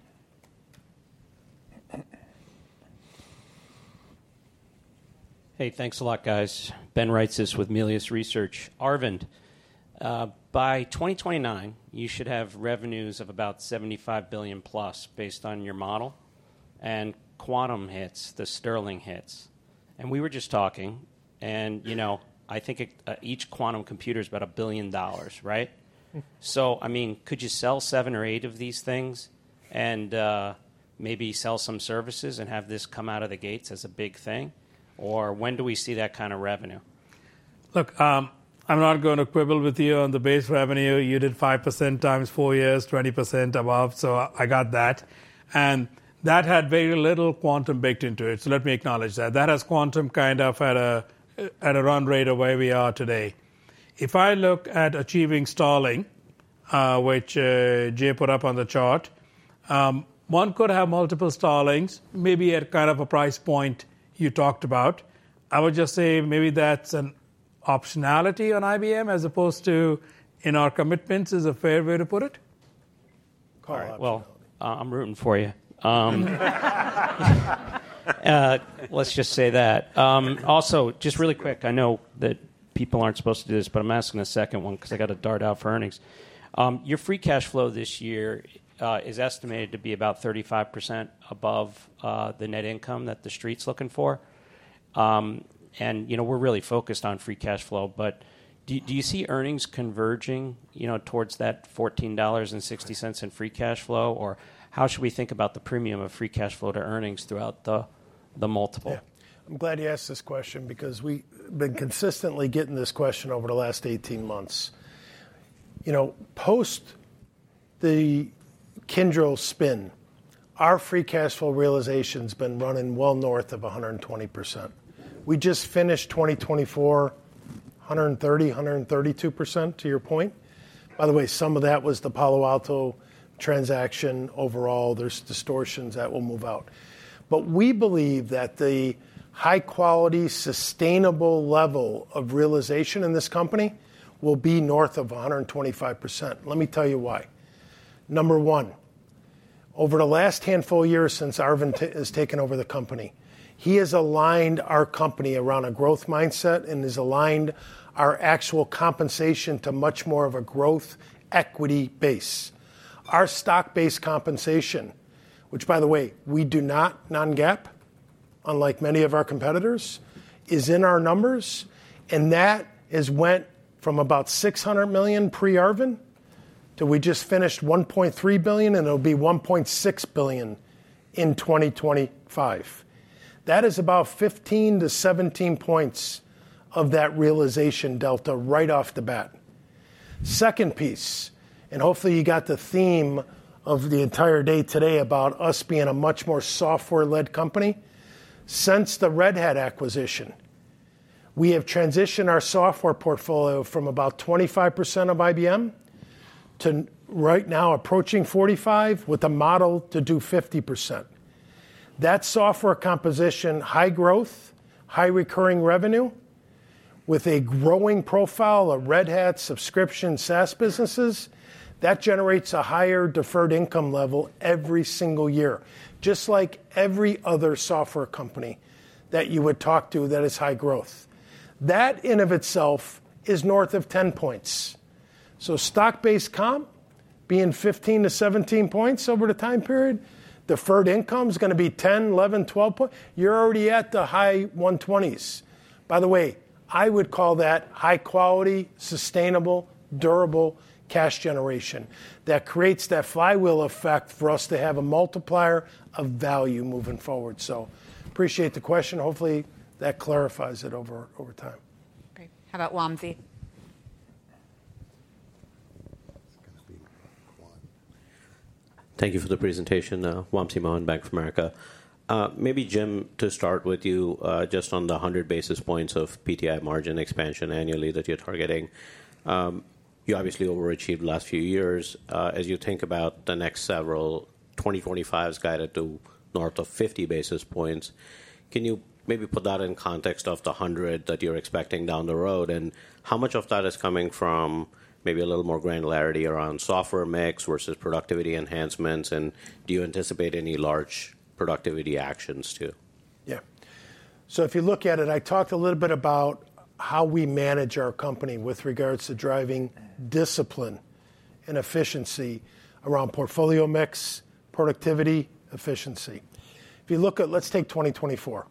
Hey, thanks a lot, guys. Benjamin Reitzes with Melius Research. Arvind, by 2029, you should have revenues of about $75 billion plus based on your model and quantum hits, the Starling hits. And we were just talking, and I think each quantum computer is about a billion dollars, right? So I mean, could you sell seven or eight of these things and maybe sell some services and have this come out of the gates as a big thing? Or when do we see that kind of revenue? Look, I'm not going to quibble with you on the base revenue. You did five% times four years, 20% above. So I got that. And that had very little quantum baked into it. So let me acknowledge that. That has quantum kind of at a run rate of where we are today. If I look at achieving Starling, which Jay put up on the chart, one could have multiple Starlings, maybe at kind of a price point you talked about. I would just say maybe that's an optionality on IBM as opposed to in our commitments is a fair way to put it. I'm rooting for you. Let's just say that. Also, just really quick, I know that people aren't supposed to do this, but I'm asking a second one because I got to dart out for earnings. Your free cash flow this year is estimated to be about 35% above the net income that the street's looking for. And we're really focused on free cash flow, but do you see earnings converging towards that $14.60 in free cash flow? Or how should we think about the premium of free cash flow to earnings throughout the multiple? I'm glad you asked this question because we've been consistently getting this question over the last 18 months. Post the Kyndryl spin, our free cash flow realization has been running well north of 120%. We just finished 2024, 130, 132% to your point. By the way, some of that was the Palo Alto transaction. Overall, there's distortions that will move out. But we believe that the high-quality, sustainable level of realization in this company will be north of 125%. Let me tell you why. Number one, over the last handful of years since Arvind has taken over the company, he has aligned our company around a growth mindset and has aligned our actual compensation to much more of a growth equity base. Our stock-based compensation, which by the way, we do not non-GAAP, unlike many of our competitors, is in our numbers. And that has gone from about $600 million pre-Arvind to we just finished $1.3 billion, and it'll be $1.6 billion in 2025. That is about 15-17 points of that realization delta right off the bat. Second piece, and hopefully you got the theme of the entire day today about us being a much more software-led company. Since the Red Hat acquisition, we have transitioned our software portfolio from about 25% of IBM to right now approaching 45% with a model to do 50%. That software composition, high growth, high recurring revenue with a growing profile of Red Hat subscription SaaS businesses, that generates a higher deferred income level every single year, just like every other software company that you would talk to that is high growth. That in and of itself is north of 10 points. So, stock-based comp being 15-17 points over the time period, deferred income is going to be 10, 11, 12 points. You're already at the high 120s. By the way, I would call that high-quality, sustainable, durable cash generation that creates that flywheel effect for us to have a multiplier of value moving forward. So, appreciate the question. Hopefully that clarifies it over time. Great. How about Wamsi? Thank you for the presentation. Wamsi Mohan, Bank of America. Maybe Jim, to start with you, just on the 100 basis points of PTI margin expansion annually that you're targeting, you obviously overachieved last few years. As you think about the next several, 2025 is guided to north of 50 basis points. Can you maybe put that in context of the 100 that you're expecting down the road? And how much of that is coming from maybe a little more granularity around software mix versus productivity enhancements? And do you anticipate any large productivity actions too? Yeah. So if you look at it, I talked a little bit about how we manage our company with regards to driving discipline and efficiency around portfolio mix, productivity, efficiency. If you look at, let's take 2024,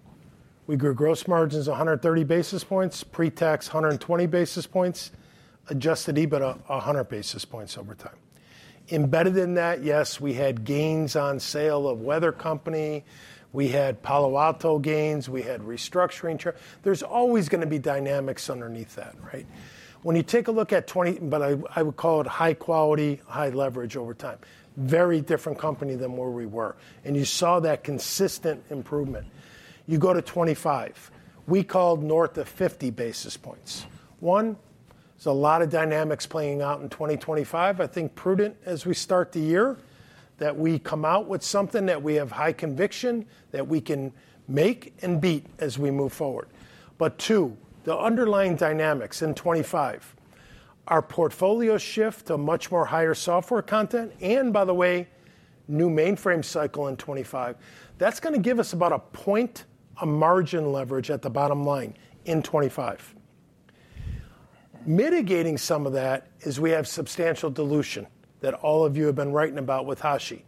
we grew gross margins 130 basis points, pre-tax 120 basis points, adjusted EBITDA 100 basis points over time. Embedded in that, yes, we had gains on sale of Weather Company. We had Palo Alto gains. We had restructuring. There's always going to be dynamics underneath that, right? When you take a look at 2020, but I would call it high quality, high leverage over time, very different company than where we were. And you saw that consistent improvement. You go to 2025, we called north of 50 basis points. One, there's a lot of dynamics playing out in 2025. I think prudent as we start the year that we come out with something that we have high conviction that we can make and beat as we move forward. But two, the underlying dynamics in 2025, our portfolio shift to much more higher software content. And by the way, new mainframe cycle in 2025. That's going to give us about a point of margin leverage at the bottom line in 2025. Mitigating some of that is we have substantial dilution that all of you have been writing about with Hashi.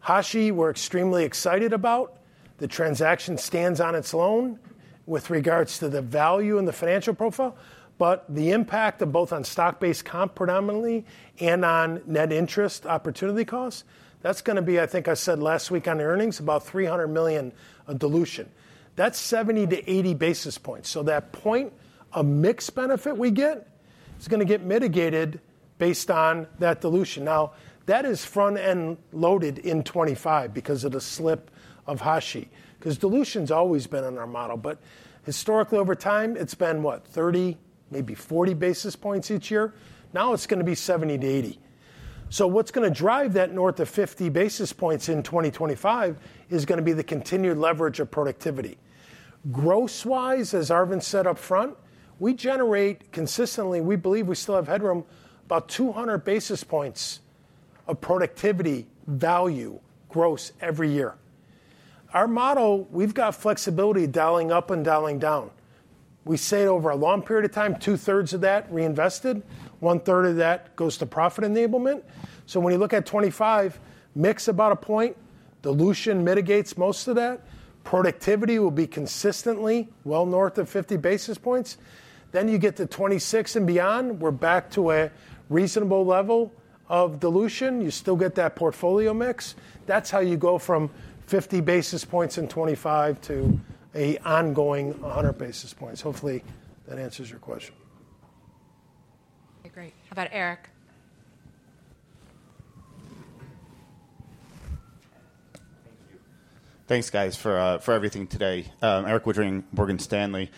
Hashi, we're extremely excited about. The transaction stands on its own with regards to the value and the financial profile, but the impact of both on stock-based comp predominantly and on net interest opportunity cost, that's going to be, I think I said last week on earnings, about $300 million of dilution. That's 70-80 basis points. So that point of mixed benefit we get is going to get mitigated based on that dilution. Now, that is front-end loaded in 25 because of the slip of Hashi, because dilution has always been in our model. But historically over time, it's been what, 30, maybe 40 basis points each year. Now it's going to be 70-80. So what's going to drive that north of 50 basis points in 2025 is going to be the continued leverage of productivity. Gross-wise, as Arvind said up front, we generate consistently, we believe we still have headroom, about 200 basis points of productivity value gross every year. Our model, we've got flexibility dialing up and dialing down. We say over a long period of time, two-thirds of that reinvested, one-third of that goes to profit enablement. When you look at 2025, mix about a point, dilution mitigates most of that. Productivity will be consistently well north of 50 basis points. Then you get to 2026 and beyond, we're back to a reasonable level of dilution. You still get that portfolio mix. That's how you go from 50 basis points in 2025 to an ongoing 100 basis points. Hopefully that answers your question. Great. How about Erik? Thanks, guys, for everything today. Erik Woodring, Morgan Stanley.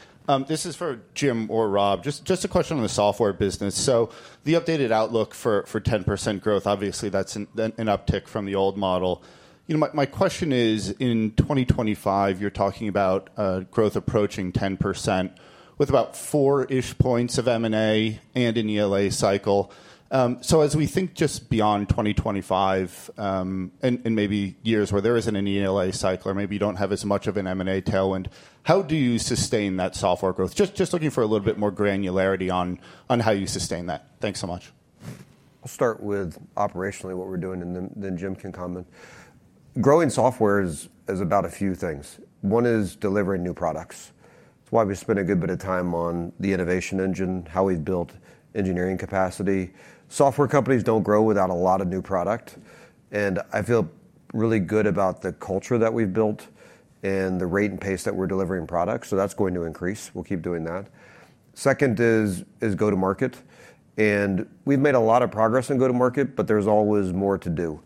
This is for Jim or Rob. Just a question on the software business. So the updated outlook for 10% growth, obviously that's an uptick from the old model. My question is, in 2025, you're talking about growth approaching 10% with about four-ish points of M&A and an ELA cycle. So as we think just beyond 2025 and maybe years where there isn't an ELA cycle or maybe you don't have as much of an M&A tailwind, how do you sustain that software growth? Just looking for a little bit more granularity on how you sustain that. Thanks so much. I'll start with operationally what we're doing, and then Jim can comment. Growing software is about a few things. One is delivering new products. It's why we spend a good bit of time on the innovation engine, how we've built engineering capacity. Software companies don't grow without a lot of new product, and I feel really good about the culture that we've built and the rate and pace that we're delivering products, so that's going to increase. We'll keep doing that. Second is go to market, and we've made a lot of progress in go to market, but there's always more to do.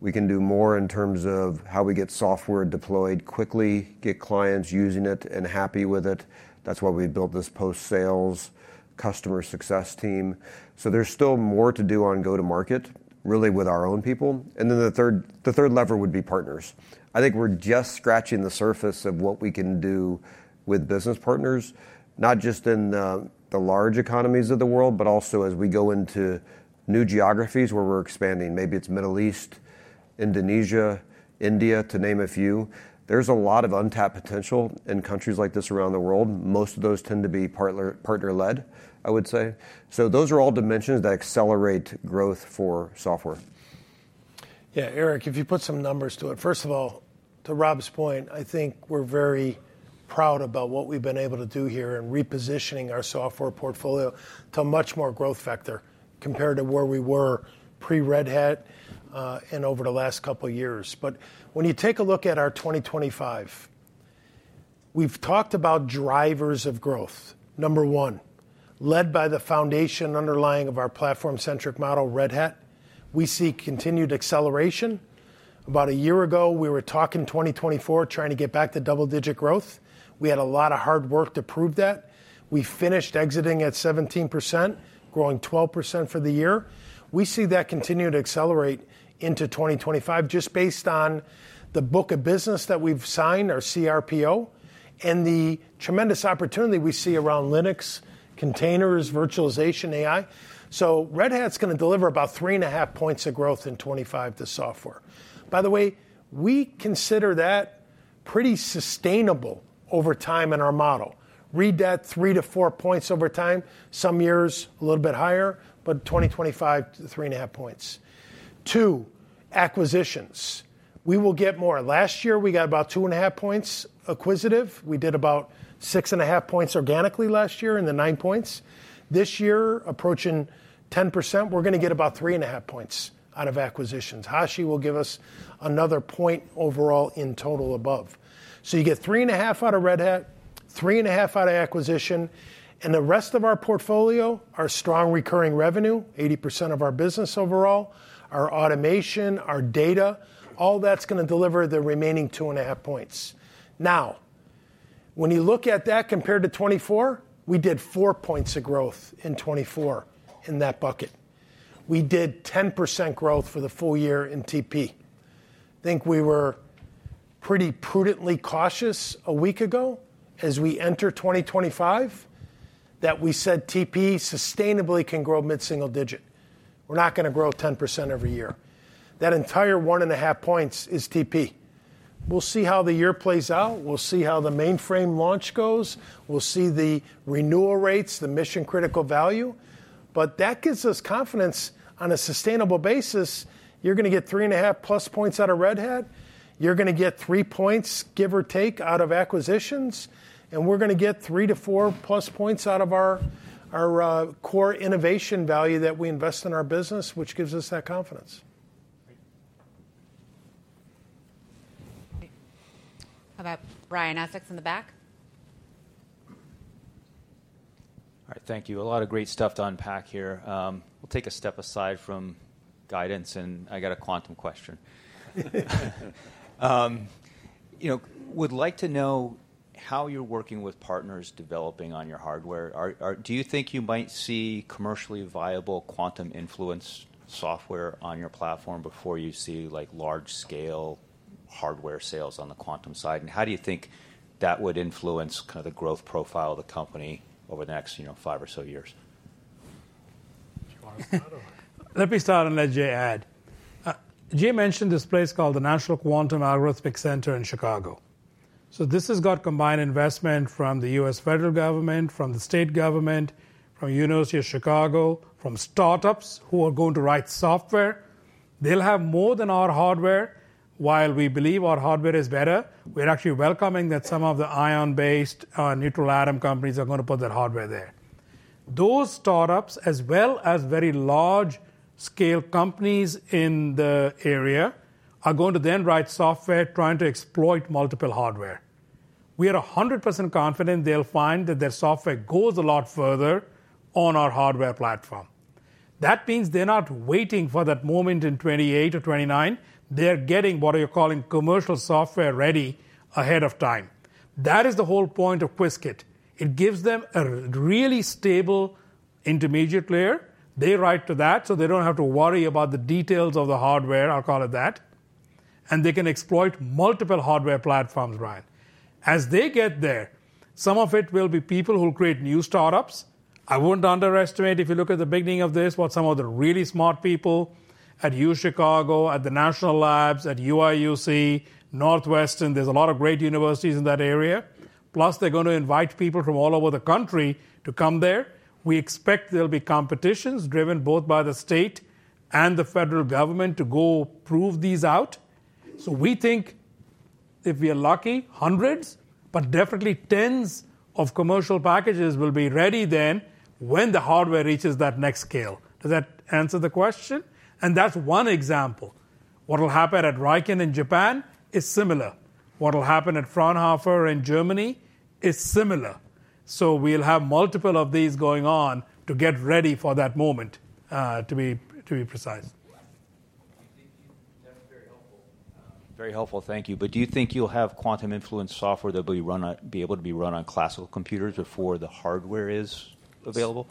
We can do more in terms of how we get software deployed quickly, get clients using it and happy with it. That's why we built this post-sales customer success team, so there's still more to do on go to market, really with our own people. Then the third lever would be partners. I think we're just scratching the surface of what we can do with business partners, not just in the large economies of the world, but also as we go into new geographies where we're expanding, maybe it's Middle East, Indonesia, India, to name a few. There's a lot of untapped potential in countries like this around the world. Most of those tend to be partner-led, I would say. So those are all dimensions that accelerate growth for software. Yeah, Eric, if you put some numbers to it. First of all, to Rob's point, I think we're very proud about what we've been able to do here in repositioning our software portfolio to a much more growth factor compared to where we were pre-Red Hat and over the last couple of years. But when you take a look at our 2025, we've talked about drivers of growth. Number one, led by the foundation underlying of our platform-centric model, Red Hat, we see continued acceleration. About a year ago, we were talking 2024, trying to get back to double-digit growth. We had a lot of hard work to prove that. We finished exiting at 17%, growing 12% for the year. We see that continue to accelerate into 2025, just based on the book of business that we've signed, our CRPO, and the tremendous opportunity we see around Linux, containers, virtualization, AI. Red Hat's going to deliver about three and a half points of growth in 2025 to software. By the way, we consider that pretty sustainable over time in our model. Read that three to four points over time, some years a little bit higher, but 2025, three and a half points. Two, acquisitions. We will get more. Last year, we got about two and a half points acquisitive. We did about six and a half points organically last year in the nine points. This year, approaching 10%, we're going to get about three and a half points out of acquisitions. Hashi will give us another point overall in total above. You get three and a half out of Red Hat, three and a half out of acquisition. And the rest of our portfolio, our strong recurring revenue, 80% of our business overall, our automation, our data, all that's going to deliver the remaining two and a half points. Now, when you look at that compared to 2024, we did four points of growth in 2024 in that bucket. We did 10% growth for the full year in TP. I think we were pretty prudently cautious a week ago as we enter 2025 that we said TP sustainably can grow mid-single digit. We're not going to grow 10% every year. That entire one and a half points is TP. We'll see how the year plays out. We'll see how the mainframe launch goes. We'll see the renewal rates, the mission-critical value. But that gives us confidence on a sustainable basis. You're going to get three and a half plus points out of Red Hat. You're going to get three points, give or take, out of acquisitions. And we're going to get three to four plus points out of our core innovation value that we invest in our business, which gives us that confidence. How about Brian Essex in the back? All right, thank you. A lot of great stuff to unpack here. We'll take a step aside from guidance, and I got a quantum question. Would like to know how you're working with partners developing on your hardware. Do you think you might see commercially viable quantum computing software on your platform before you see large-scale hardware sales on the quantum side? And how do you think that would influence kind of the growth profile of the company over the next five or so years? Let me start on that, Jay said. Jay mentioned this place called the National Quantum Algorithm Center in Chicago. So this has got combined investment from the U.S. federal government, from the state government, from the University of Chicago, from startups who are going to write software. They'll have more than our hardware. While we believe our hardware is better, we're actually welcoming that some of the ion-based neutral atom companies are going to put that hardware there. Those startups, as well as very large-scale companies in the area, are going to then write software trying to exploit multiple hardware. We are 100% confident they'll find that their software goes a lot further on our hardware platform. That means they're not waiting for that moment in 2028 or 2029. They're getting what are you calling commercial software ready ahead of time. That is the whole point of Qiskit. It gives them a really stable intermediate layer. They write to that, so they don't have to worry about the details of the hardware, I'll call it that. And they can exploit multiple hardware platforms, Brian. As they get there, some of it will be people who create new startups. I wouldn't underestimate if you look at the beginning of this, what some of the really smart people at UChicago, at the National Labs, at UIUC, Northwestern, there's a lot of great universities in that area. Plus, they're going to invite people from all over the country to come there. We expect there'll be competitions driven both by the state and the federal government to go prove these out. So we think if we are lucky, hundreds, but definitely tens of commercial packages will be ready then when the hardware reaches that next scale. Does that answer the question? That's one example. What will happen at RIKEN in Japan is similar. What will happen at Fraunhofer in Germany is similar. So we'll have multiple of these going on to get ready for that moment, to be precise. Thank you. That was very helpful. Very helpful, thank you. But do you think you'll have quantum simulation software that will be able to be run on classical computers before the hardware is available?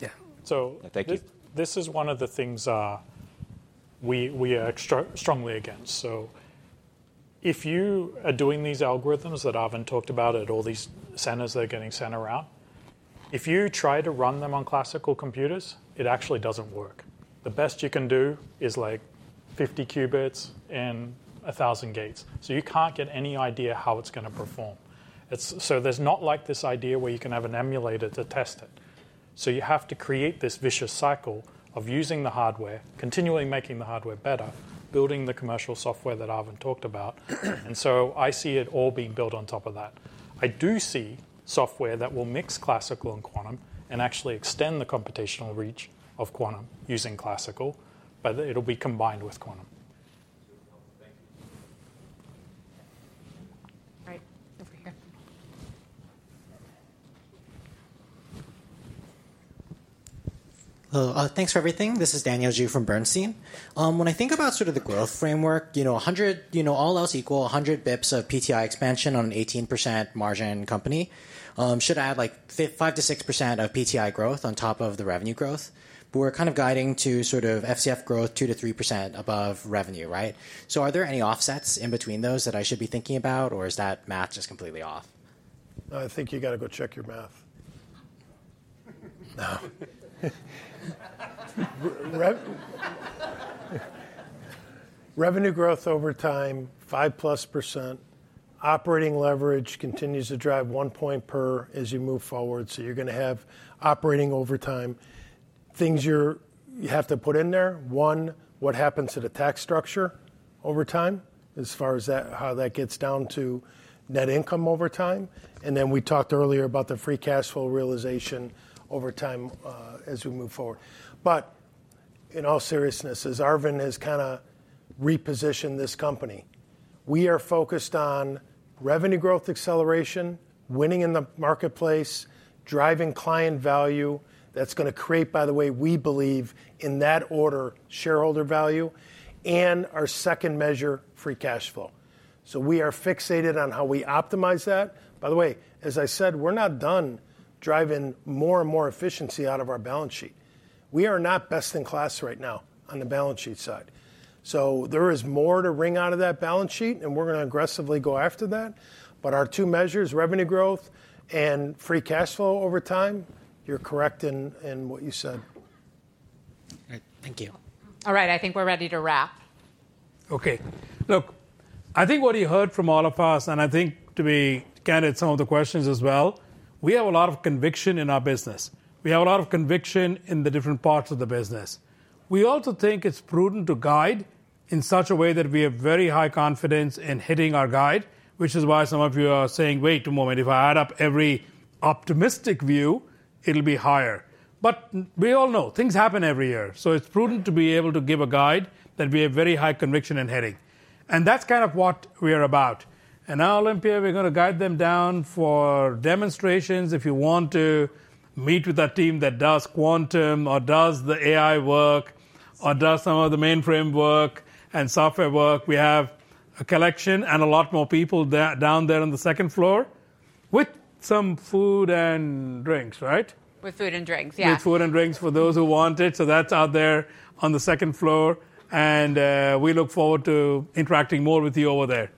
Yeah. So this is one of the things we are strongly against. So if you are doing these algorithms that Arvind talked about at all these centers they're getting sent around, if you try to run them on classical computers, it actually doesn't work. The best you can do is like 50 qubits and 1,000 gates. So you can't get any idea how it's going to perform. So there's not like this idea where you can have an emulator to test it. So you have to create this vicious cycle of using the hardware, continually making the hardware better, building the commercial software that Arvind talked about. And so I see it all being built on top of that. I do see software that will mix classical and quantum and actually extend the computational reach of quantum using classical, but it'll be combined with quantum. Thank you. All right, over here. Thanks for everything. This is Daniel Zhu from Bernstein. When I think about sort of the growth framework, all else equal, 100 basis points of PTI expansion on an 18% margin company, should add like 5%-6% of PTI growth on top of the revenue growth. But we're kind of guiding to sort of FCF growth 2%-3% above revenue, right? So are there any offsets in between those that I should be thinking about, or is that math just completely off? I think you got to go check your math. Revenue growth over time, 5% plus operating leverage continues to drive one point per as you move forward. You're going to have operating over time. Things you have to put in there. One, what happens to the tax structure over time as far as how that gets down to net income over time. We talked earlier about the free cash flow realization over time as we move forward. In all seriousness, as Arvind has kind of repositioned this company, we are focused on revenue growth acceleration, winning in the marketplace, driving client value. That's going to create, by the way, we believe in that order, shareholder value. Our second measure, free cash flow. We are fixated on how we optimize that. By the way, as I said, we're not done driving more and more efficiency out of our balance sheet. We are not best in class right now on the balance sheet side. So there is more to ring out of that balance sheet, and we're going to aggressively go after that. But our two measures, revenue growth and free cash flow over time, you're correct in what you said. Thank you. All right, I think we're ready to wrap. Okay. Look, I think what you heard from all of us, and I think to be candid, some of the questions as well, we have a lot of conviction in our business. We have a lot of conviction in the different parts of the business. We also think it's prudent to guide in such a way that we have very high confidence in hitting our guide, which is why some of you are saying, wait a moment, if I add up every optimistic view, it'll be higher. But we all know things happen every year. So it's prudent to be able to give a guide that we have very high conviction in hitting. And that's kind of what we are about. Now Olympia, we're going to guide them down for demonstrations if you want to meet with a team that does quantum or does the AI work or does some of the mainframe work and software work. We have a collection and a lot more people down there on the second floor with some food and drinks, right? With food and drinks, yeah. With food and drinks for those who want it. So that's out there on the second floor. And we look forward to interacting more with you over there.